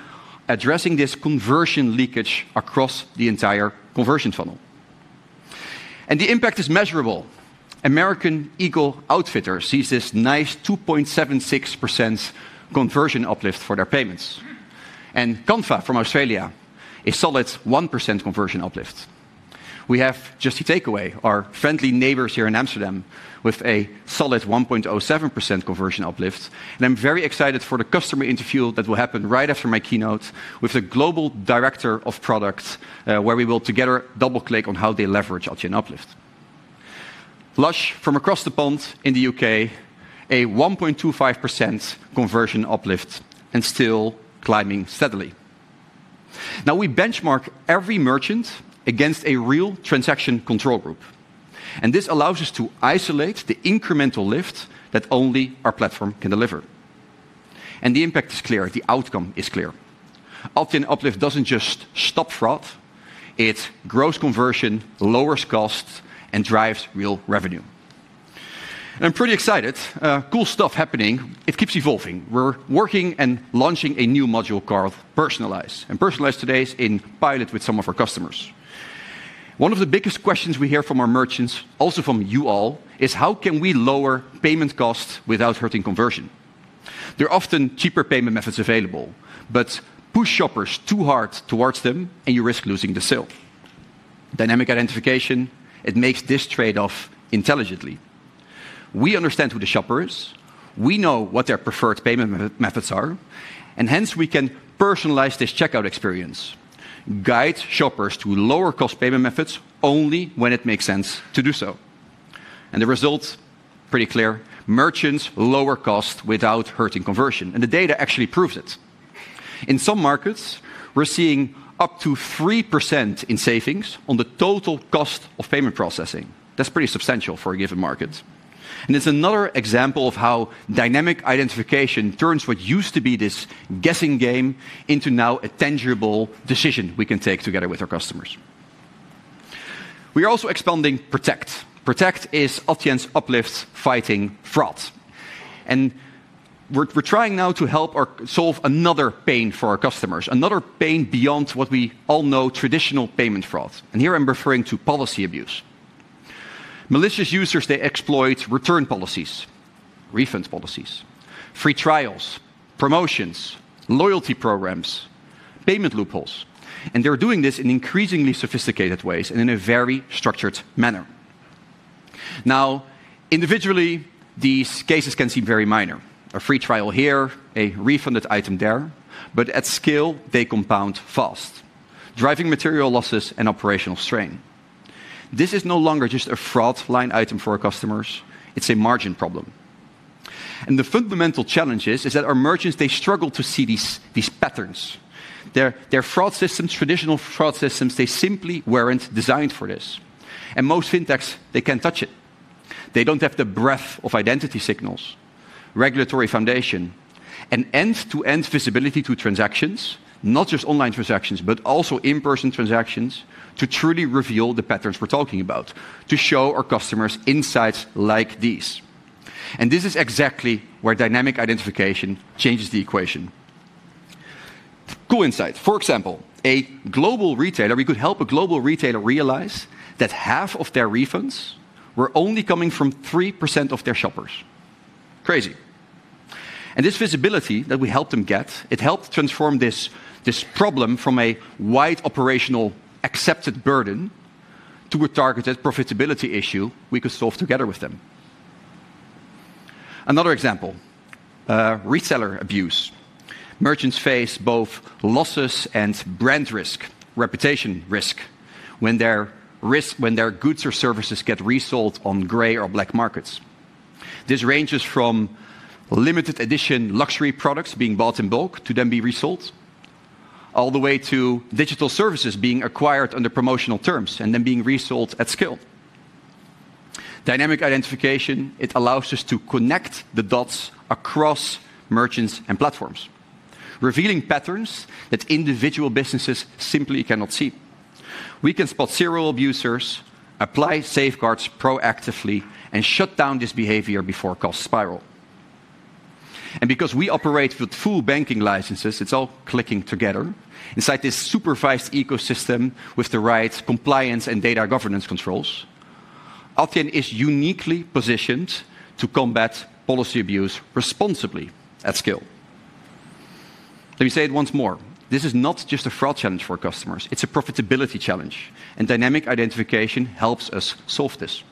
addressing this conversion leakage across the entire conversion funnel. The impact is measurable. American Eagle Outfitters sees this nice 2.76% conversion uplift for their payments, and Comfort from Australia is solid 1% conversion uplift. We have Just Eat Takeaway, our friendly neighbors here in Amsterdam, with a solid 1.07% conversion uplift, and I'm very excited for the customer interview that will happen right after my keynote with the Global Director of Products, where we will together double-click on how they leverage Auto and Uplift. Lush from across the pond in the U.K., a 1.25% conversion uplift and still climbing steadily. Now, we benchmark every merchant against a real transaction control group, and this allows us to isolate the incremental lift that only our platform can deliver. The impact is clear. The outcome is clear. Auto and Uplift doesn't just stop fraud; it grows conversion, lowers costs, and drives real revenue. I'm pretty excited; cool stuff happening, it keeps evolving. We're working and launching a new module called Personalize, and Personalize today is in pilot with some of our customers. One of the biggest questions we hear from our merchants, also from you all, is how can we lower payment costs without hurting conversion? There are often cheaper payment methods available, but push shoppers too hard towards them, and you risk losing the sale. Dynamic Identification, it makes this trade-off intelligently. We understand who the shopper is, we know what their preferred payment methods are, and hence we can personalize this checkout experience, guide shoppers to lower-cost payment methods only when it makes sense to do so. The result, pretty clear: merchants lower costs without hurting conversion, and the data actually proves it. In some markets, we're seeing up to 3% in savings on the total cost of payment processing. That's pretty substantial for a given market, and it's another example of how Dynamic Identification turns what used to be this guessing game into now a tangible decision we can take together with our customers. We are also expanding Protect. Protect is Auto and Uplift fighting fraud, and we're trying now to help or solve another pain for our customers, another pain beyond what we all know: traditional payment fraud. Here I'm referring to policy abuse. Malicious users, they exploit return policies, refund policies, free trials, promotions, loyalty programs, payment loopholes, and they're doing this in increasingly sophisticated ways and in a very structured manner. Now, individually, these cases can seem very minor: a free trial here, a refunded item there, but at scale, they compound fast, driving material losses and operational strain. This is no longer just a fraud line item for our customers; it's a margin problem. The fundamental challenge is that our merchants, they struggle to see these patterns. Their fraud systems, traditional fraud systems, they simply were not designed for this, and most FinTechs, they cannot touch it. They do not have the breadth of identity signals, regulatory foundation, and end-to-end visibility to transactions, not just online transactions, but also in-person transactions, to truly reveal the patterns we are talking about, to show our customers insights like these. This is exactly where Dynamic Identification changes the equation. Cool insight. For example, a global retailer, we could help a global retailer realize that half of their refunds were only coming from 3% of their shoppers. Crazy. This visibility that we helped them get, it helped transform this problem from a wide operational accepted burden to a targeted profitability issue we could solve together with them. Another example: retailer abuse. Merchants face both losses and brand risk, reputation risk, when their goods or services get resold on gray or black markets. This ranges from limited edition luxury products being bought in bulk to then be resold, all the way to digital services being acquired under promotional terms and then being resold at scale. Dynamic Identification, it allows us to connect the dots across merchants and platforms, revealing patterns that individual businesses simply cannot see. We can spot serial abusers, apply safeguards proactively, and shut down this behavior before costs spiral. Because we operate with full banking licenses, it is all clicking together inside this supervised ecosystem with the right compliance and data governance controls. Adyen is uniquely positioned to combat policy abuse responsibly at scale. Let me say it once more: this is not just a fraud challenge for customers; it's a profitability challenge, and Dynamic Identification helps us solve this.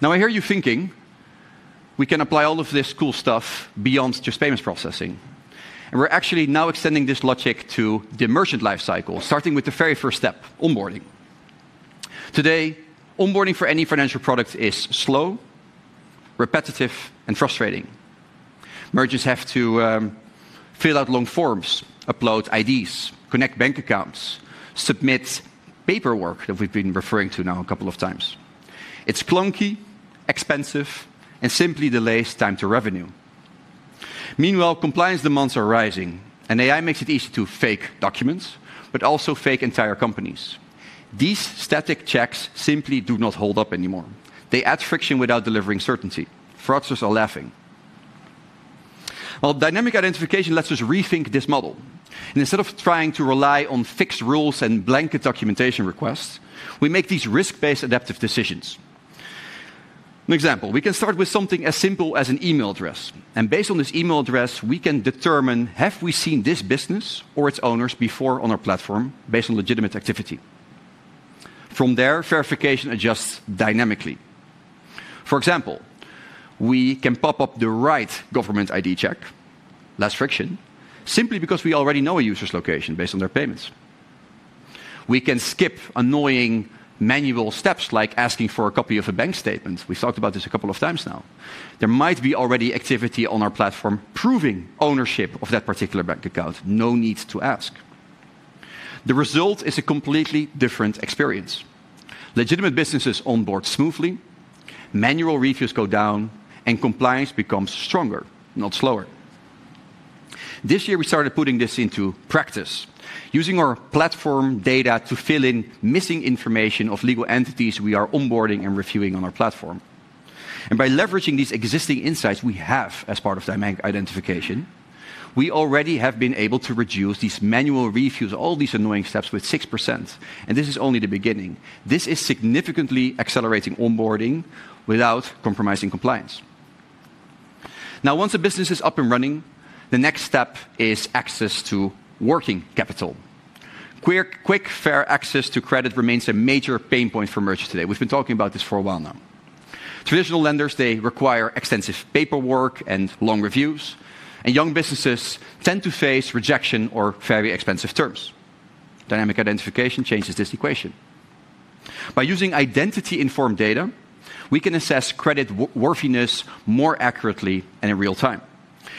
Now, I hear you thinking we can apply all of this cool stuff beyond just payments processing, and we're actually now extending this logic to the merchant lifecycle, starting with the very first step: onboarding. Today, onboarding for any financial product is slow, repetitive, and frustrating. Merchants have to fill out long forms, upload IDs, connect bank accounts, submit paperwork that we've been referring to now a couple of times. It's clunky, expensive, and simply delays time to revenue. Meanwhile, compliance demands are rising, and AI makes it easy to fake documents, but also fake entire companies. These static checks simply do not hold up anymore. They add friction without delivering certainty. Fraudsters are laughing. Dynamic Identification lets us rethink this model, and instead of trying to rely on fixed rules and blanket documentation requests, we make these risk-based adaptive decisions. An example: we can start with something as simple as an email address, and based on this email address, we can determine have we seen this business or its owners before on our platform based on legitimate activity. From there, verification adjusts dynamically. For example, we can pop up the right government ID check, less friction, simply because we already know a user's location based on their payments. We can skip annoying manual steps like asking for a copy of a bank statement. We've talked about this a couple of times now. There might be already activity on our platform proving ownership of that particular bank account. No need to ask. The result is a completely different experience. Legitimate businesses onboard smoothly, manual reviews go down, and compliance becomes stronger, not slower. This year, we started putting this into practice, using our platform data to fill in missing information of legal entities we are onboarding and reviewing on our platform. By leveraging these existing insights we have as part of Dynamic Identification, we already have been able to reduce these manual reviews, all these annoying steps, by 6%, and this is only the beginning. This is significantly accelerating onboarding without compromising compliance. Now, once a business is up and running, the next step is access to working capital. Quick, fair access to credit remains a major pain point for merchants today. We've been talking about this for a while now. Traditional lenders, they require extensive paperwork and long reviews, and young businesses tend to face rejection or very expensive terms. Dynamic Identification changes this equation. By using identity-informed data, we can assess credit worthiness more accurately and in real time.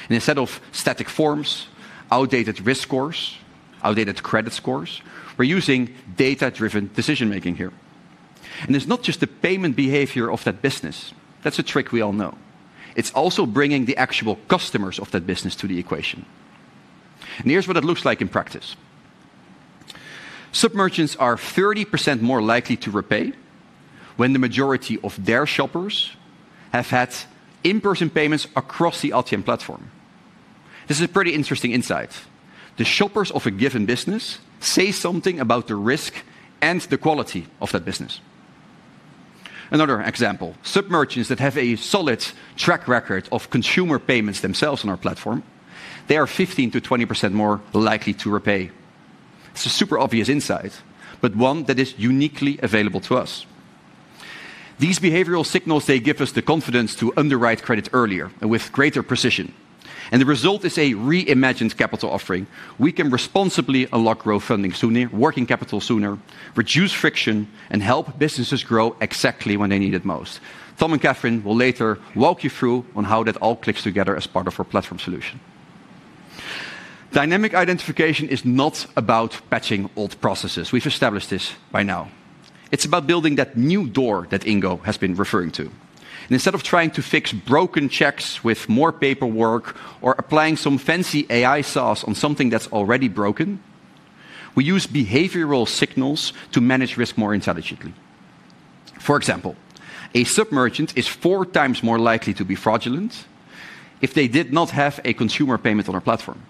Instead of static forms, outdated risk scores, outdated credit scores, we're using data-driven decision-making here. It is not just the payment behavior of that business; that's a trick we all know. It is also bringing the actual customers of that business to the equation. Here is what it looks like in practice. Submerchants are 30% more likely to repay when the majority of their shoppers have had in-person payments across the Adyen platform. This is a pretty interesting insight. The shoppers of a given business say something about the risk and the quality of that business. Another example: submerchants that have a solid track record of consumer payments themselves on our platform, they are 15%-20% more likely to repay. It is a super obvious insight, but one that is uniquely available to us. These behavioral signals, they give us the confidence to underwrite credit earlier and with greater precision, and the result is a reimagined capital offering. We can responsibly unlock growth funding sooner, working capital sooner, reduce friction, and help businesses grow exactly when they need it most. Tom and Catherine will later walk you through on how that all clicks together as part of our platform solution. Dynamic Identification is not about patching old processes. We have established this by now. It is about building that new door that Ingo has been referring to. Instead of trying to fix broken checks with more paperwork or applying some fancy AI sauce on something that is already broken, we use behavioral signals to manage risk more intelligently. For example, a submerchant is 4x more likely to be fraudulent if they did not have a consumer payment on our platform.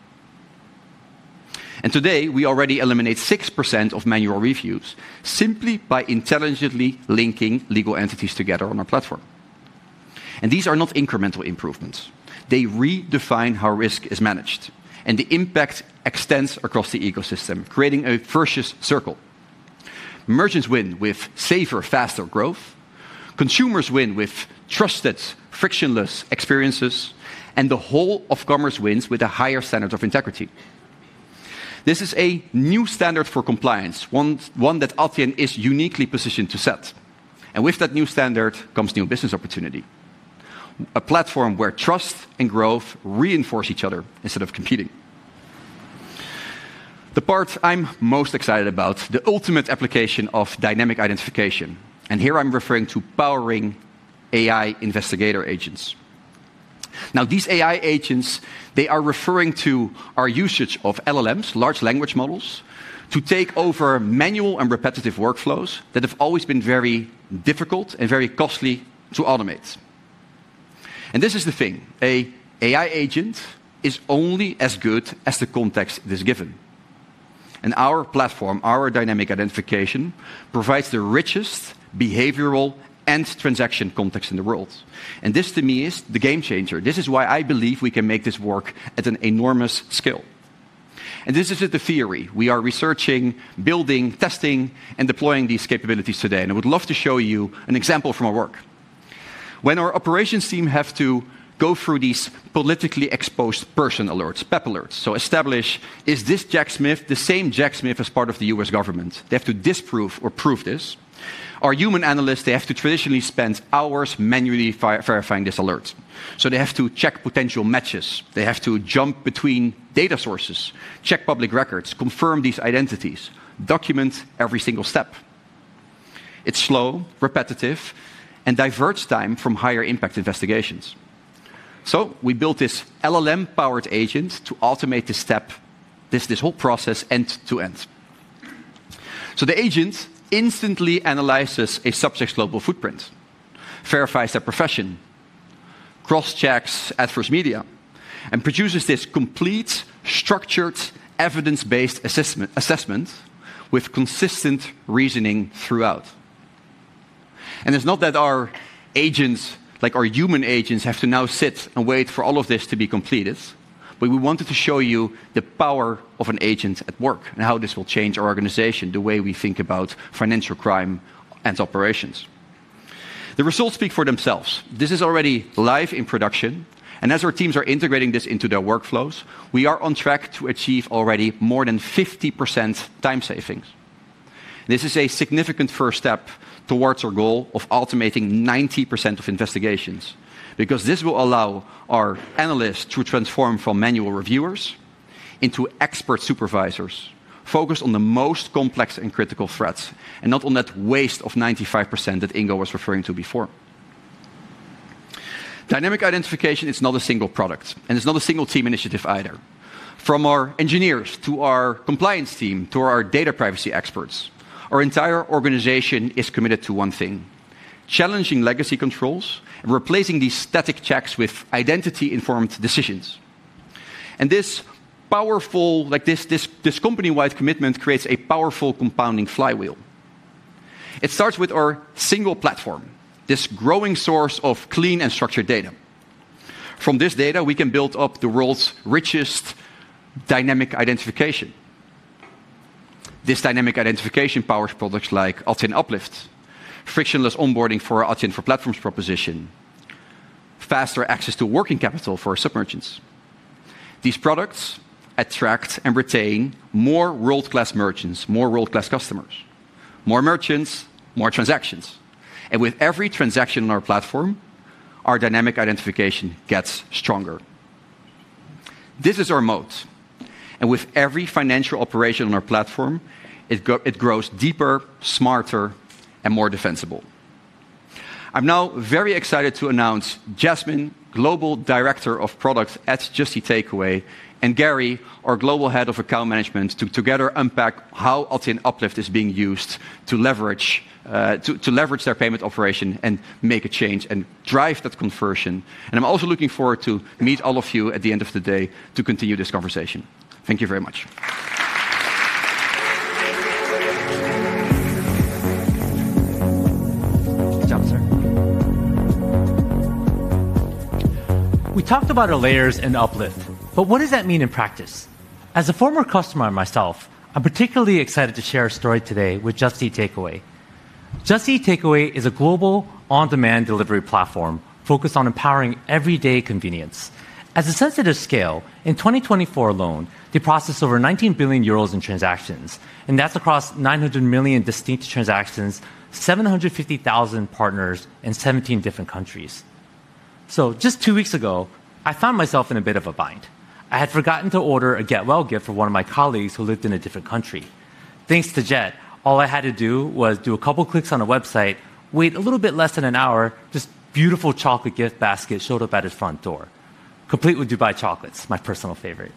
Today, we already eliminate 6% of manual reviews simply by intelligently linking legal entities together on our platform. These are not incremental improvements. They redefine how risk is managed, and the impact extends across the ecosystem, creating a virtuous circle. Merchants win with safer, faster growth. Consumers win with trusted, frictionless experiences, and the whole of commerce wins with a higher standard of integrity. This is a new standard for compliance, one that Adyen is uniquely positioned to set. With that new standard comes new business opportunity: a platform where trust and growth reinforce each other instead of competing. The part I'm most excited about is the ultimate application of Dynamic Identification, and here I'm referring to powering AI investigator agents. Now, these AI agents, they are referring to our usage of LLMs, Large Language Models, to take over manual and repetitive workflows that have always been very difficult and very costly to automate. This is the thing: an AI agent is only as good as the context it is given. Our platform, our Dynamic Identification, provides the richest behavioral and transaction context in the world. This, to me, is the game changer. This is why I believe we can make this work at an enormous scale. This is not the theory. We are researching, building, testing, and deploying these capabilities today, and I would love to show you an example from our work. When our operations team has to go through these politically exposed person alerts, PEP alerts, to establish: is this Jack Smith the same Jack Smith as part of the U.S. government? They have to disprove or prove this. Our human analysts, they have to traditionally spend hours manually verifying this alert. They have to check potential matches. They have to jump between data sources, check public records, confirm these identities, document every single step. It is slow, repetitive, and diverts time from higher impact investigations. We built this LLM-powered agent to automate this step, this whole process end-to-end. The agent instantly analyzes a subject's global footprint, verifies their profession, cross-checks adverse media, and produces this complete, structured, evidence-based assessment with consistent reasoning throughout. It is not that our agents, like our human agents, have to now sit and wait for all of this to be completed, but we wanted to show you the power of an agent at work and how this will change our organization, the way we think about financial crime and operations. The results speak for themselves. This is already live in production, and as our teams are integrating this into their workflows, we are on track to achieve already more than 50% time savings. This is a significant first step towards our goal of automating 90% of investigations because this will allow our analysts to transform from manual reviewers into expert supervisors focused on the most complex and critical threats and not on that waste of 95% that Ingo was referring to before. Dynamic Identification is not a single product, and it is not a single team initiative either. From our engineers to our compliance team to our data privacy experts, our entire organization is committed to one thing: challenging legacy controls and replacing these static checks with identity-informed decisions. This powerful, like this company-wide commitment, creates a powerful compounding flywheel. It starts with our Single Platform, this growing source of clean and structured data. From this data, we can build up the world's richest Dynamic Identification. This Dynamic Identification powers products like Auto and Uplift, frictionless onboarding for our Auto and for platforms proposition, faster access to working capital for our submerchants. These products attract and retain more world-class merchants, more world-class customers, more merchants, more transactions. With every transaction on our platform, our Dynamic Identification gets stronger. This is our moat. With every financial operation on our platform, it grows deeper, smarter, and more defensible. I'm now very excited to announce Yasmine, Global Product Director of Product at Just Eat Takeaway, and Gary, our Global Head of Account Management, to together unpack how Auto and Uplift is being used to leverage their payment operation and make a change and drive that conversion. I'm also looking forward to meeting all of you at the end of the day to continue this conversation. Thank you very much. We talked about our layers and Uplift, but what does that mean in practice? As a former customer myself, I'm particularly excited to share a story today with Just Eat Takeaway. Just Eat Takeaway is a global on-demand delivery platform focused on empowering everyday convenience. As a sense of scale, in 2024 alone, they processed over 19 billion euros in transactions, and that's across 900 million distinct transactions, 750,000 partners, and 17 different countries. Just two weeks ago, I found myself in a bit of a bind. I had forgotten to order a get-well gift for one of my colleagues who lived in a different country. Thanks to JET, all I had to do was do a couple of clicks on a website, wait a little bit less than an hour, this beautoful chocolate gift basket showed up at his front door, complete with Dubai chocolates, my personal favorite.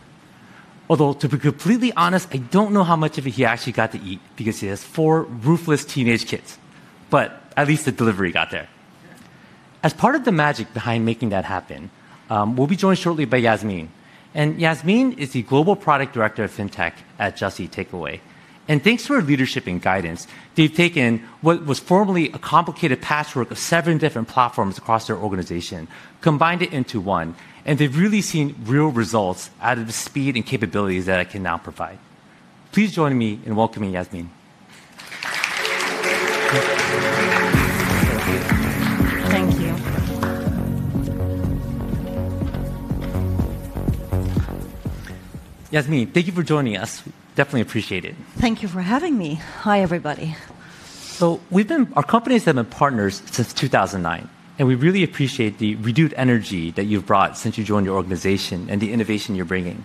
Although, to be completely honest, I do not know how much of it he actually got to eat because he has four ruthless teenage kids, but at least the delivery got there. As part of the magic behind making that happen, we will be joined shortly by Yasmine. Yasmine is the Global Product Director of FinTech at Just Eat Takeaway. Thanks to her leadership and guidance, they have taken what was formerly a complicated patchwork of seven different platforms across their organization, combined it into one, and they have really seen real results out of the speed and capabilities that it can now provide. Please join me in welcoming Yasmine. Thank you. Yasmine, thank you for joining us. Definitely appreciate it. Thank you for having me. Hi, everybody. Our companies have been partners since 2009, and we really appreciate the renewed energy that you've brought since you joined your organization and the innovation you're bringing.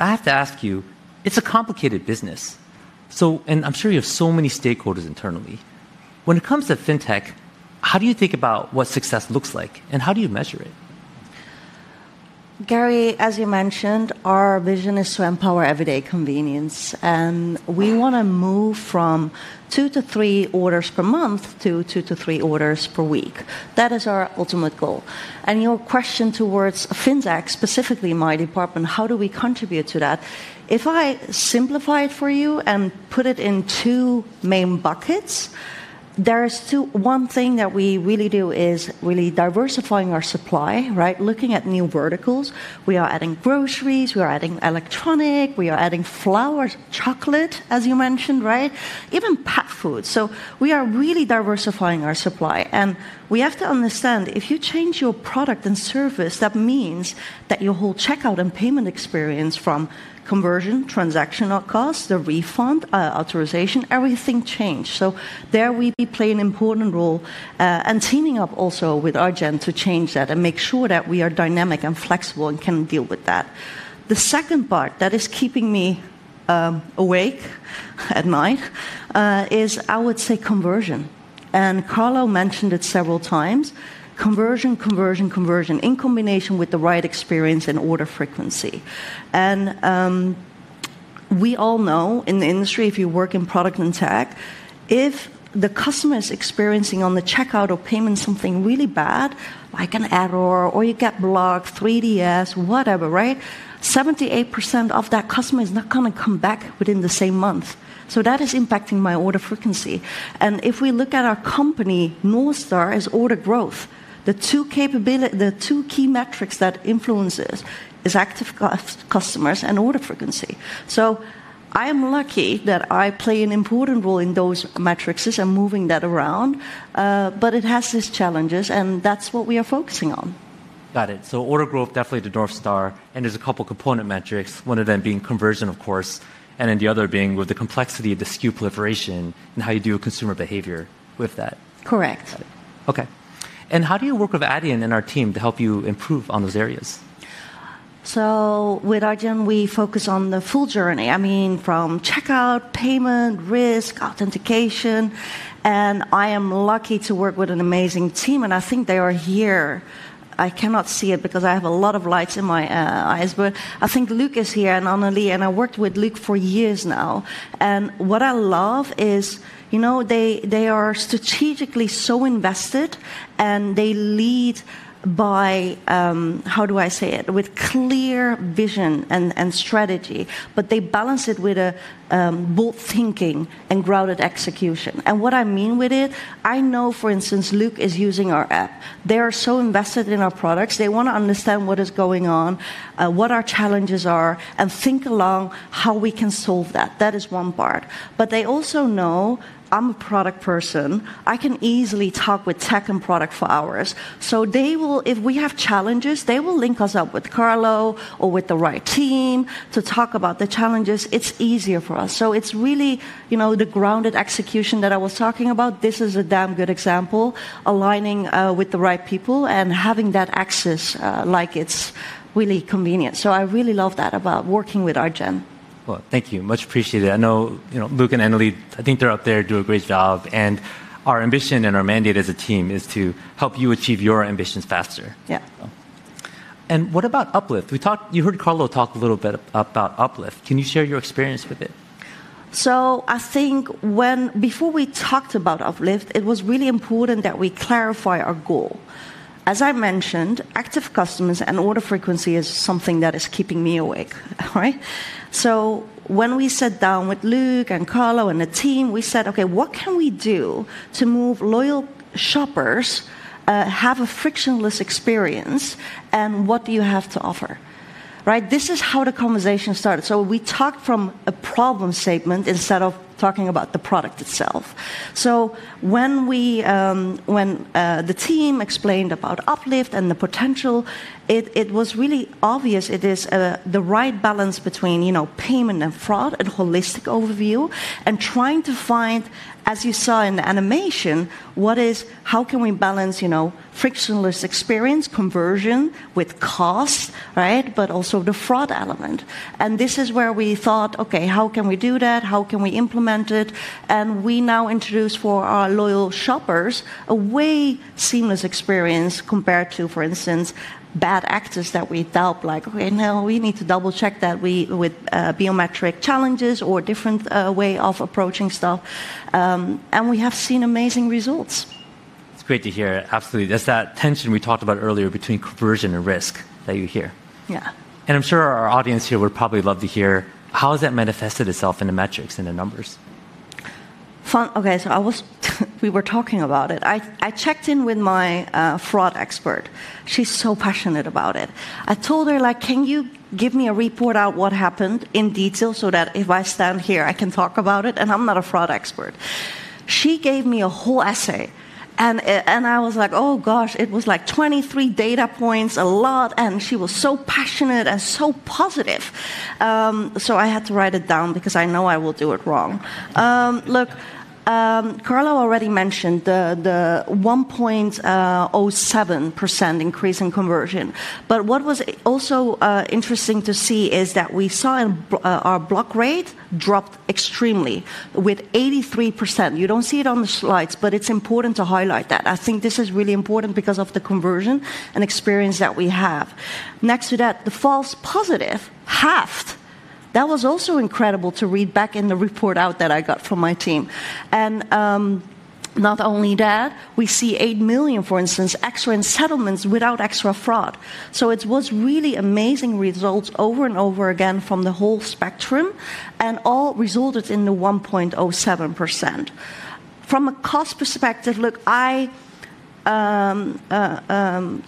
I have to ask you, it's a complicated business. I'm sure you have so many stakeholders internally. When it comes to FinTech, how do you think about what success looks like, and how do you measure it? Gary, as you mentioned, our vision is to empower everyday convenience, and we want to move from two to three orders per month to two to three orders per week. That is our ultimate goal. Your question towards FinTech, specifically my department, how do we contribute to that? If I simplify it for you and put it in two main buckets, there is one thing that we really do is really diversifying our supply, right? Looking at new verticals, we are adding groceries, we are adding electronics, we are adding flour, chocolate, as you mentioned, right? Even pet food. We are really diversifying our supply. We have to understand if you change your product and service, that means that your whole checkout and payment experience from conversion, transactional costs, the refund, authorization, everything changed. There we play an important role and teaming up also with Adyen to change that and make sure that we are dynamic and flexible and can deal with that. The second part that is keeping me awake at night is, I would say, conversion. Carlo mentioned it several times: conversion, conversion, conversion in combination with the right experience and order frequency. We all know in the industry, if you work in product and tech, if the customer is experiencing on the checkout or payment something really bad, like an error or you get blocked, 3DS, whatever, right? 78% of that customer is not going to come back within the same month. That is impacting my order frequency. If we look at our company, Northstar, is order growth. The two key metrics that influence this are active customers and order frequency. I am lucky that I play an important role in those metrics and moving that around, but it has its challenges, and that's what we are focusing on. Got it. Order growth, definitely to Northstar, and there's a couple of component metrics, one of them being conversion, of course, and then the other being with the complexity of the SKU proliferation and how you do consumer behavior with that. Correct. Okay. How do you work with Adyen and our team to help you improve on those areas? With Adyen, we focus on the full journey. I mean, from checkout, payment, risk, authentication, and I am lucky to work with an amazing team, and I think they are here. I cannot see it because I have a lot of lights in my eyes, but I think Luke is here and Annali, and I worked with Luke for years now. What I love is, you know, they are strategically so invested and they lead by, how do I say it, with clear vision and strategy, but they balance it with a bold thinking and grounded execution. What I mean with it, I know, for instance, Luke is using our app. They are so invested in our products. They want to understand what is going on, what our challenges are, and think along how we can solve that. That is one part. They also know I'm a product person. I can easily talk with tech and product for hours. If we have challenges, they will link us up with Carlo or with the right team to talk about the challenges. It's easier for us. It's really, you know, the grounded execution that I was talking about. This is a damn good example, aligning with the right people and having that access, like it's really convenient. I really love that about working with Adyen. Thank you. Much appreciated. I know, you know, Luke and Annali, I think they're up there and do a great job. Our ambition and our mandate as a team is to help you achieve your ambitions faster. Yeah. What about Uplift? We talked, you heard Carlo talk a little bit about Uplift. Can you share your experience with it? I think when before we talked about Uplift, it was really important that we clarify our goal. As I mentioned, active customers and order frequency is something that is keeping me awake, right? When we sat down with Luke and Carlo and the team, we said, okay, what can we do to move loyal shoppers to have a frictionless experience? And what do you have to offer, right? This is how the conversation started. We talked from a problem statement instead of talking about the product itself. When the team explained about Uplift and the potential, it was really obvious it is the right balance between, you know, payment and fraud and holistic overview and trying to find, as you saw in the animation, what is, how can we balance, you know, frictionless experience, conversion with cost, right? But also the fraud element. This is where we thought, okay, how can we do that? How can we implement it? We now introduce for our loyal shoppers a way seamless experience compared to, for instance, bad actors that we doubt, like, okay, now we need to double-check that with biometric challenges or a different way of approaching stuff. We have seen amazing results. It's great to hear. Absolutely. That is that tension we talked about earlier between conversion and risk that you hear. Yeah. I'm sure our audience here would probably love to hear how has that manifested itself in the metrics and the numbers. Fun. Okay. I was, we were talking about it. I checked in with my fraud expert. She's so passionate about it. I told her, like, can you give me a report out what happened in detail so that if I stand here, I can talk about it. I'm not a fraud expert. She gave me a whole essay, and I was like, oh gosh, it was like 23 data points, a lot, and she was so passionate and so positive. I had to write it down because I know I will do it wrong. Look, Carlo already mentioned the 1.07% increase in conversion, but what was also interesting to see is that we saw our block rate dropped extremely with 83%. You do not see it on the slides, but it is important to highlight that. I think this is really important because of the conversion and experience that we have. Next to that, the false positive halved, that was also incredible to read back in the report out that I got from my team. Not only that, we see $8 million, for instance, extra in settlements without extra fraud. It was really amazing results over and over again from the whole spectrum, and all resulted in the 1.07%. From a cost perspective, look, I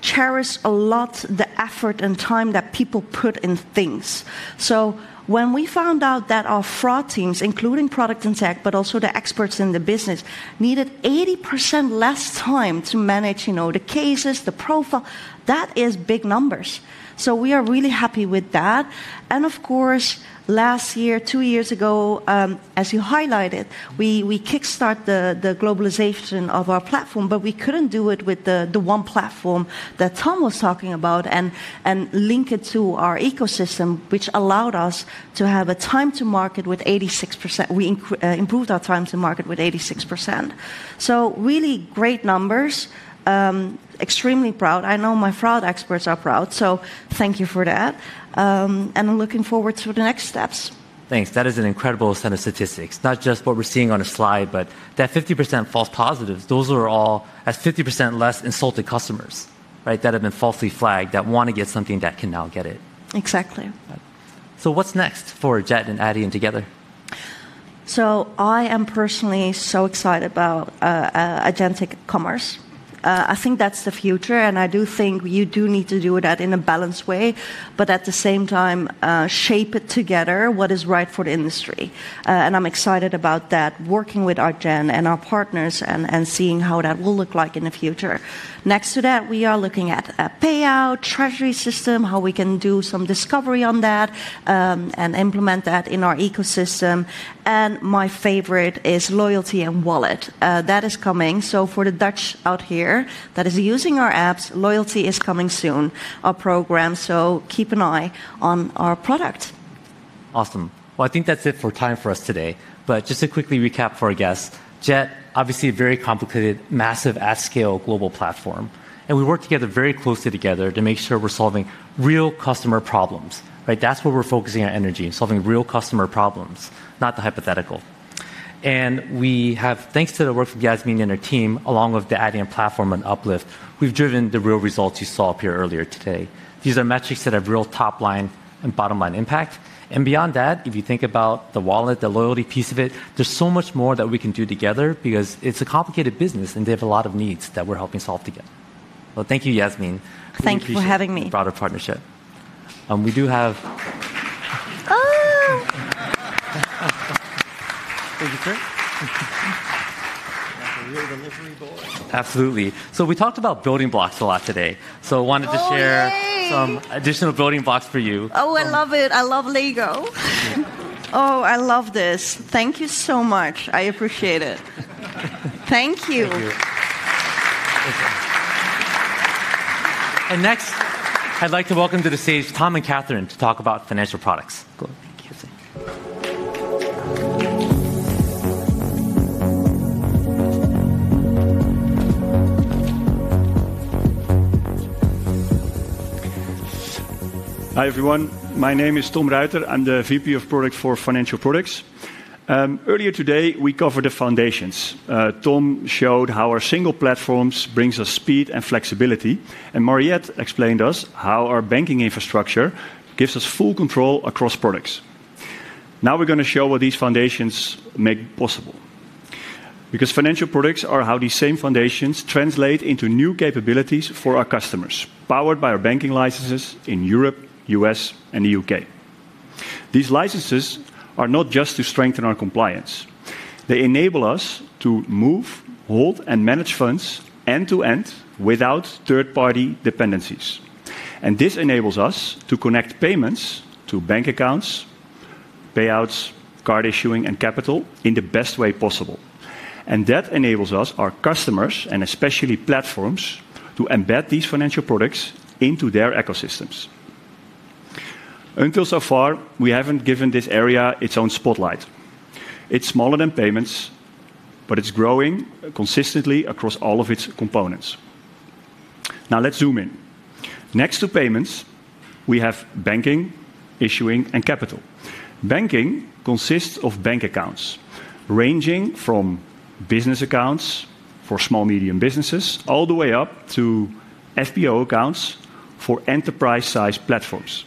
cherish a lot the effort and time that people put in things. When we found out that our fraud teams, including product and tech, but also the experts in the business, needed 80% less time to manage, you know, the cases, the profile, that is big numbers. We are really happy with that. Of course, last year, two years ago, as you highlighted, we kickstarted the globalization of our platform, but we could not do it with the one platform that Tom was talking about and link it to our ecosystem, which allowed us to have a time to market with 86%. We improved our time to market with 86%. Really great numbers, extremely proud. I know my fraud experts are proud, so thank you for that. I am looking forward to the next steps. Thanks. That is an incredible set of statistics, not just what we are seeing on a slide, but that 50% false positives, those are all as 50% less insulted customers, right, that have been falsely flagged that want to get something that can now get it. Exactly. What is next for JET and Adyen together? I am personally so excited about Agentic Commerce. I think that is the future, and I do think you do need to do that in a balanced way, but at the same time, shape it together, what is right for the industry. I am excited about that, working with our gen and our partners and seeing how that will look like in the future. Next to that, we are looking at a payout treasury system, how we can do some discovery on that and implement that in our ecosystem. My favorite is loyalty and wallet. That is coming. For the Dutch out here that are using our apps, loyalty is coming soon, our program. Keep an eye on our product. Awesome. I think that's it for time for us today. Just to quickly recap for our guests, JET, obviously a very complicated, massive at-scale global platform, and we work together very closely to make sure we're solving real customer problems, right? That's what we're focusing on, energy, solving real customer problems, not the hypothetical. We have, thanks to the work of Yasmine and her team, along with the Adyen platform and Uplift, driven the real results you saw up here earlier today. These are metrics that have real top-line and bottom-line impact. Beyond that, if you think about the wallet, the loyalty piece of it, there's so much more that we can do together because it's a complicated business and they have a lot of needs that we're helping solve together. Thank you, Yasmine. Thank you for having me. Broader partnership. We do have. Thank you, sir. Absolutely. We talked about building blocks a lot today. I wanted to share some additional building blocks for you. Oh, I love it. I love LEGO. Oh, I love this. Thank you so much. I appreciate it. Thank you. Thank you. Next, I'd like to welcome to the stage Thom and Catherine to talk about financial products. Cool. Thank you. Hi everyone. My name is Thom Ruiter. I'm the VP of Product for Financial Products. Earlier today, we covered the foundations. Tom showed how our Single Platforms bring us speed and flexibility, and Mariëtte explained to us how our Banking Infrastructure gives us full control across products. Now we are going to show what these foundations make possible. Because financial products are how these same foundations translate into new capabilities for our customers, powered by our banking licenses in Europe, the U.S., and the U.K. These licenses are not just to strengthen our compliance. They enable us to move, hold, and manage funds end-to-end without third-party dependencies. This enables us to connect payments to bank accounts, payouts, card issuing, and capital in the best way possible. That enables us, our customers, and especially platforms, to embed these financial products into their ecosystems. Until so far, we have not given this area its own spotlight. It's smaller than payments, but it's growing consistently across all of its components. Now let's zoom in. Next to payments, we have banking, issuing, and capital. Banking consists of bank accounts ranging from business accounts for small, medium businesses all the way up to FBO accounts for enterprise-sized platforms.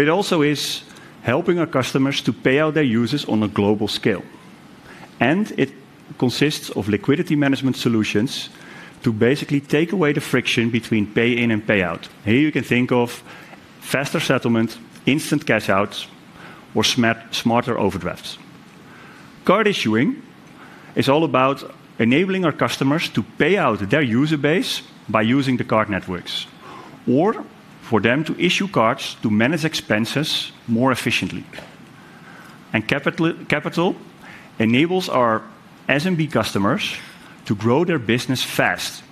It also is helping our customers to pay out their users on a global scale. It consists of liquidity management solutions to basically take away the friction between pay-in and payout. Here you can think of faster settlement, instant cash-outs, or smarter overdrafts. Card issuing is all about enabling our customers to pay out their user base by using the card networks or for them to issue cards to manage expenses more efficiently. Capital enables our SMB customers to grow their business fast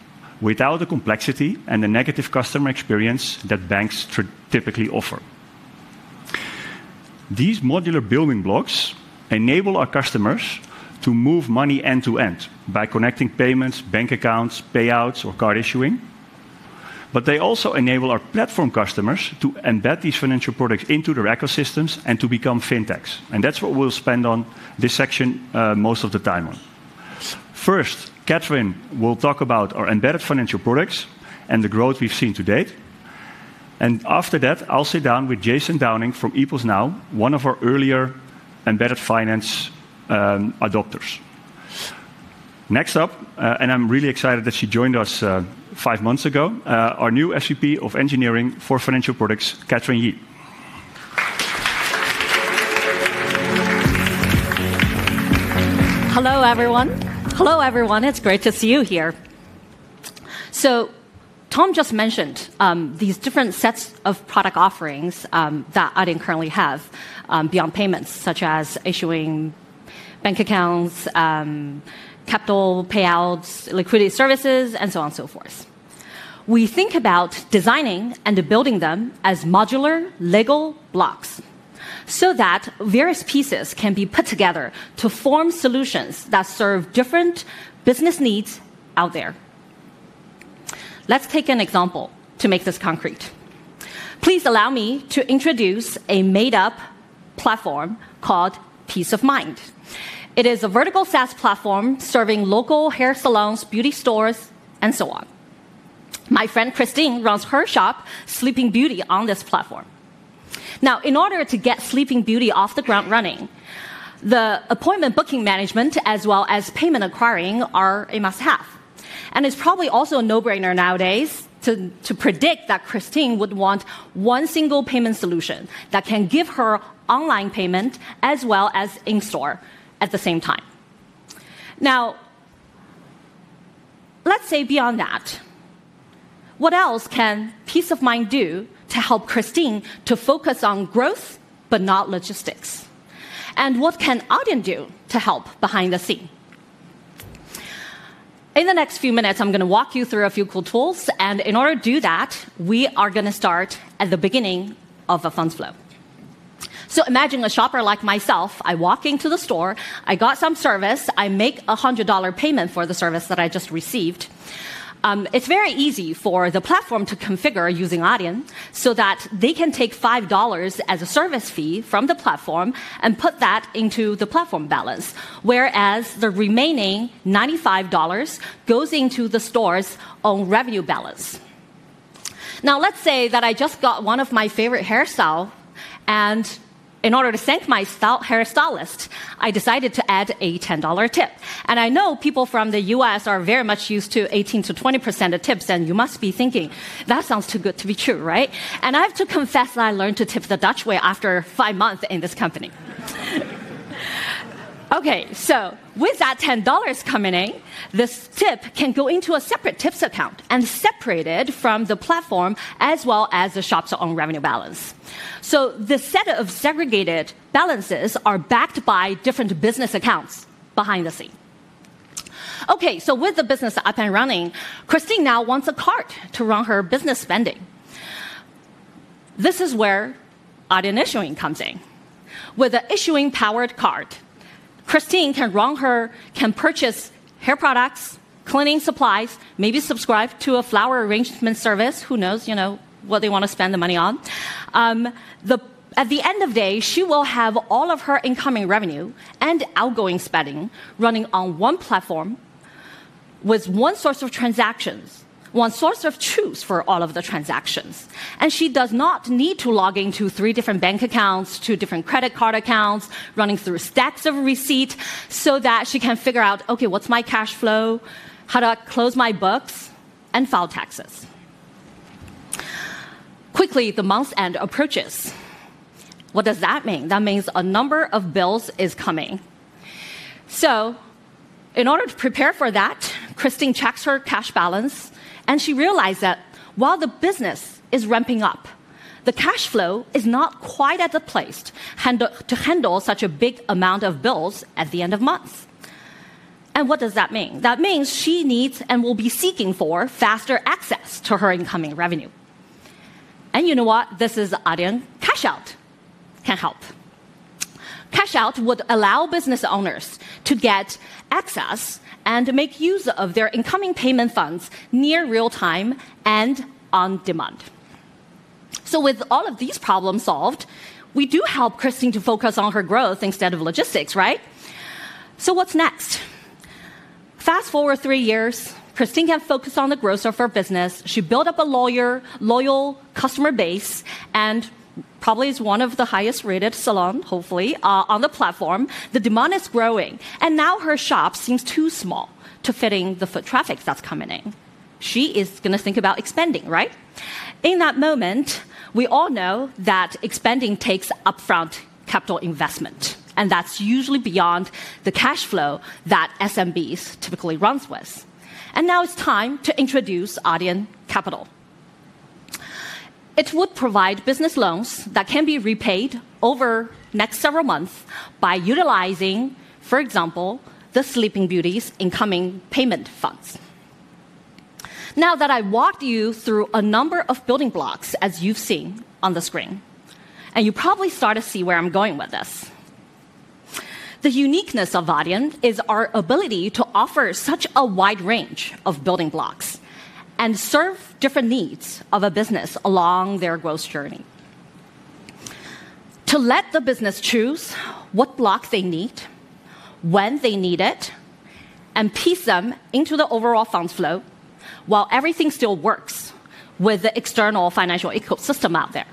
without the complexity and the negative customer experience that banks typically offer. These modular building blocks enable our customers to move money end-to-end by connecting payments, bank accounts, payouts, or card issuing. They also enable our platform customers to embed these financial products into their ecosystems and to become FinTechs. That is what we will spend on this section most of the time on. First, Catherine will talk about our embedded financial products and the growth we have seen to date. After that, I will sit down with Jason Downing from Epos Now, one of our earlier embedded finance adopters. Next up, and I am really excited that she joined us five months ago, our new SVP of Engineering for Financial Products, Catherine Ye. Hello, everyone. Hello, everyone. It is great to see you here. Thom just mentioned these different sets of product offerings that Adyen currently has beyond payments, such as issuing bank accounts, capital payouts, liquidity services, and so on and so forth. We think about designing and building them as modular legal blocks so that various pieces can be put together to form solutions that serve different business needs out there. Let's take an example to make this concrete. Please allow me to introduce a made-up platform called Peace of Mind. It is a vertical SaaS platform serving local hair salons, beauty stores, and so on. My friend Christine runs her shop, Sleeping Beauty, on this platform. Now, in order to get Sleeping Beauty off the ground running, the appointment booking management, as well as payment acquiring, are a must-have. It is probably also a no-brainer nowadays to predict that Christine would want one single payment solution that can give her online payment as well as in-store at the same time. Now, let's say beyond that, what else can Peace of Mind do to help Christine to focus on growth but not logistics? What can Adyen do to help behind the scene? In the next few minutes, I'm going to walk you through a few cool tools. In order to do that, we are going to start at the beginning of a funds flow. Imagine a shopper like myself. I walk into the store, I got some service, I make a $100 payment for the service that I just received. It's very easy for the platform to configure using Adyen so that they can take $5 as a service fee from the platform and put that into the platform balance, whereas the remaining $95 goes into the store's own revenue balance. Now, let's say that I just got one of my favorite hairstyles, and in order to thank my stylist, I decided to add a $10 tip. I know people from the U.S. are very much used to 18%-20% of tips, and you must be thinking, that sounds too good to be true, right? I have to confess that I learned to tip the Dutch way after five months in this company. Okay, with that $10 coming in, this tip can go into a separate tips account and separate it from the platform as well as the shop's own revenue balance. The set of segregated balances are backed by different business accounts behind the scene. Okay, with the business up and running, Christine now wants a card to run her business spending. This is where Adyen Issuing comes in. With an issuing-powered card, Christine can run her, can purchase hair products, cleaning supplies, maybe subscribe to a flower arrangement service, who knows what they want to spend the money on. At the end of the day, she will have all of her incoming revenue and outgoing spending running on one platform with one source of transactions, one source of truth for all of the transactions. She does not need to log into three different bank accounts, two different credit card accounts, running through stacks of receipts so that she can figure out, okay, what's my cash flow, how do I close my books, and file taxes. Quickly, the month's end approaches. What does that mean? That means a number of bills is coming. In order to prepare for that, Christine checks her cash balance, and she realized that while the business is ramping up, the cash flow is not quite at the place to handle such a big amount of bills at the end of month. What does that mean? That means she needs and will be seeking for faster access to her incoming revenue. You know what? This is where Adyen CashOut can help. CashOut would allow business owners to get access and make use of their incoming payment funds near real-time and on demand. With all of these problems solved, we do help Christine to focus on her growth instead of logistics, right? What's next? Fast forward three years, Christine can focus on the growth of her business. She built up a loyal customer base and probably is one of the highest-rated salons, hopefully, on the platform. The demand is growing, and now her shop seems too small to fit in the foot traffic that's coming in. She is going to think about expanding, right? In that moment, we all know that expanding takes upfront capital investment, and that's usually beyond the cash flow that SMBs typically run with. Now it is time to introduce Adyen Capital. It would provide business loans that can be repaid over the next several months by utilizing, for example, the Sleeping Beauty's incoming payment funds. Now that I walked you through a number of building blocks, as you've seen on the screen, and you probably start to see where I'm going with this. The uniqueness of Adyen is our ability to offer such a wide range of building blocks and serve different needs of a business along their growth journey. To let the business choose what blocks they need, when they need it, and piece them into the overall funds flow while everything still works with the external financial ecosystem out there.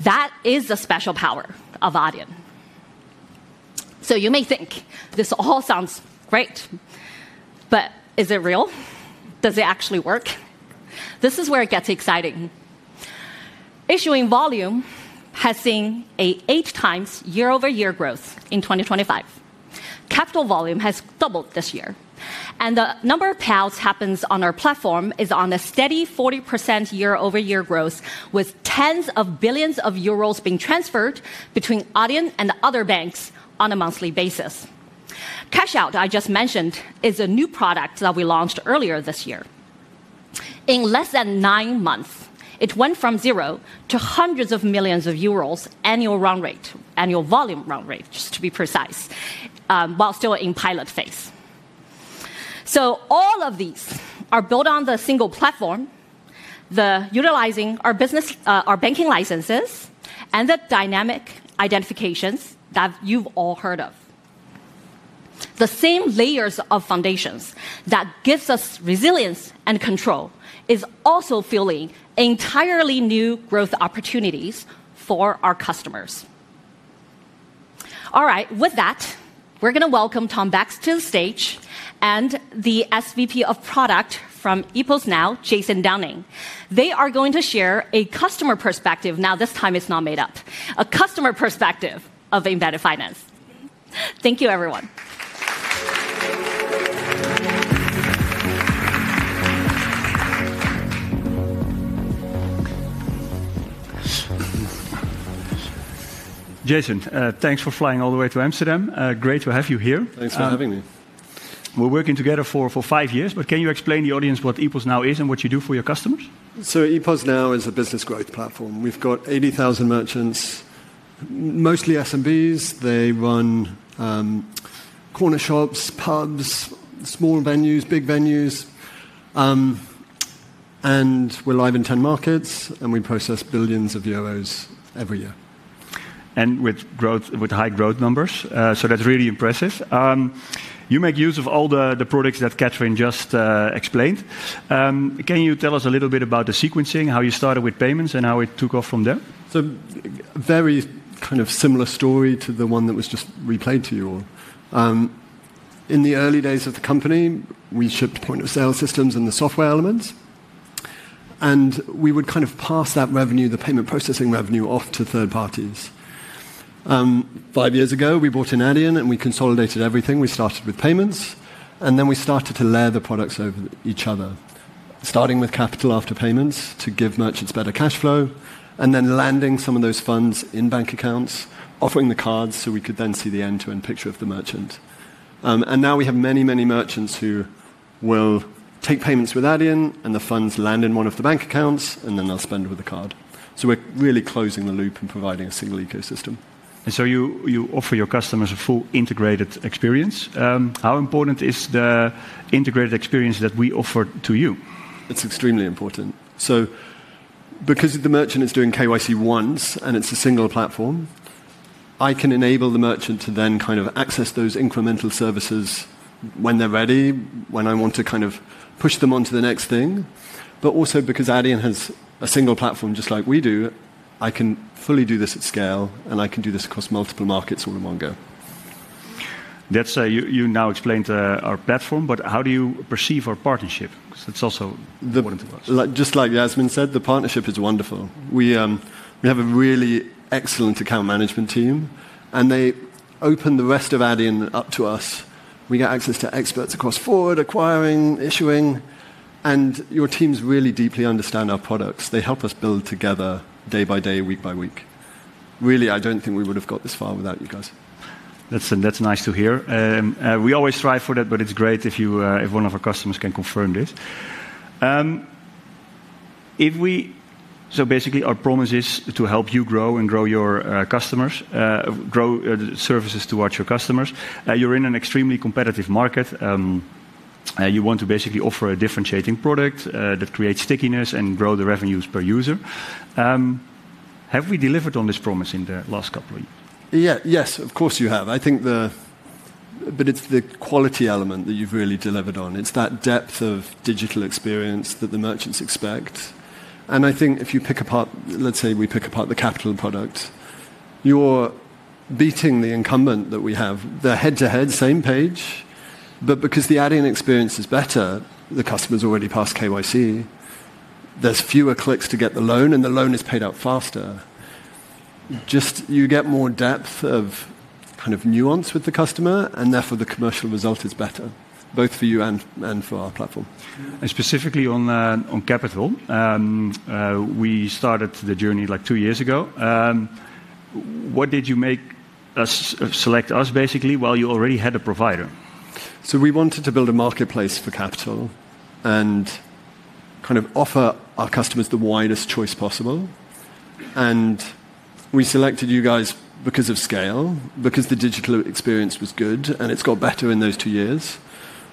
That is the special power of Adyen. You may think this all sounds great, but is it real? Does it actually work? This is where it gets exciting. Issuing volume has seen an 8x year-over-year growth in 2025. Capital volume has doubled this year. The number of payouts that happens on our platform is on a steady 40% year-over-year growth, with tens of billions of EUR being transferred between Adyen and other banks on a monthly basis. CashOut, I just mentioned, is a new product that we launched earlier this year. In less than nine months, it went from zero to hundreds of millions of euros annual run rate, annual volume run rate, just to be precise, while still in pilot phase. All of these are built on the Single Platform, utilizing our banking licenses and the Dynamic Identifications that you've all heard of. The same layers of foundations that give us resilience and control are also filling entirely new growth opportunities for our customers. All right, with that, we're going to welcome Thom back to the stage and the SVP of Product from Epos Now, Jason Downing. They are going to share a customer perspective. Now, this time it's not made up. A customer perspective of embedded finance. Thank you, everyone. Jason, thanks for flying all the way to Amsterdam. Great to have you here. Thanks for having me. We're working together for five years, but can you explain to the audience what Epos Now is and what you do for your customers? Epos Now is a business growth platform. We've got 80,000 merchants, mostly SMBs. They run corner shops, pubs, small venues, big venues. We're live in 10 markets, and we process billions of EUR every year. With high growth numbers, that's really impressive. You make use of all the products that Catherine just explained. Can you tell us a little bit about the sequencing, how you started with payments, and how it took off from there? Very kind of similar story to the one that was just replayed to you all. In the early days of the company, we shipped point-of-sale systems and the software elements, and we would kind of pass that revenue, the payment processing revenue, off to third parties. Five years ago, we brought in Adyen, and we consolidated everything. We started with payments, and then we started to layer the products over each other, starting with capital after payments to give merchants better cash flow, and then landing some of those funds in bank accounts, offering the cards so we could then see the end-to-end picture of the merchant. Now we have many, many merchants who will take payments with Adyen, and the funds land in one of the bank accounts, and then they'll spend with the card. We are really closing the loop and providing a single ecosystem. You offer your customers a full integrated experience. How important is the integrated experience that we offer to you? It's extremely important. Because the merchant is doing KYC once and it's a single platform, I can enable the merchant to then kind of access those incremental services when they're ready, when I want to kind of push them on to the next thing. Also, because Adyen has a single platform just like we do, I can fully do this at scale, and I can do this across multiple markets all in one go. You now explained our platform, but how do you perceive our partnership? Because that's also important to us. Just like Yasmine said, the partnership is wonderful. We have a really excellent account management team, and they open the rest of Adyen up to us. We get access to experts across forward, acquiring, issuing, and your teams really deeply understand our products. They help us build together day-by-day, week-by-week. Really, I do not think we would have got this far without you guys. That is nice to hear. We always strive for that, but it is great if one of our customers can confirm this. Basically, our promise is to help you grow and grow your customers, grow the services towards your customers. You are in an extremely competitive market. You want to basically offer a differentiating product that creates stickiness and grows the revenues per user. Have we delivered on this promise in the last couple of years? Yeah, yes, of course you have. I think the quality element that you have really delivered on, it is that depth of digital experience that the merchants expect. I think if you pick apart, let us say we pick apart the capital product, you are beating the incumbent that we have. They're head-to-head, same page, but because the Adyen experience is better, the customer's already passed KYC, there's fewer clicks to get the loan, and the loan is paid out faster. You just get more depth of kind of nuance with the customer, and therefore the commercial result is better, both for you and for our platform. Specifically on capital, we started the journey like two years ago. What did you make us select us basically while you already had a provider? We wanted to build a marketplace for capital and kind of offer our customers the widest choice possible. We selected you guys because of scale, because the digital experience was good, and it's got better in those two years.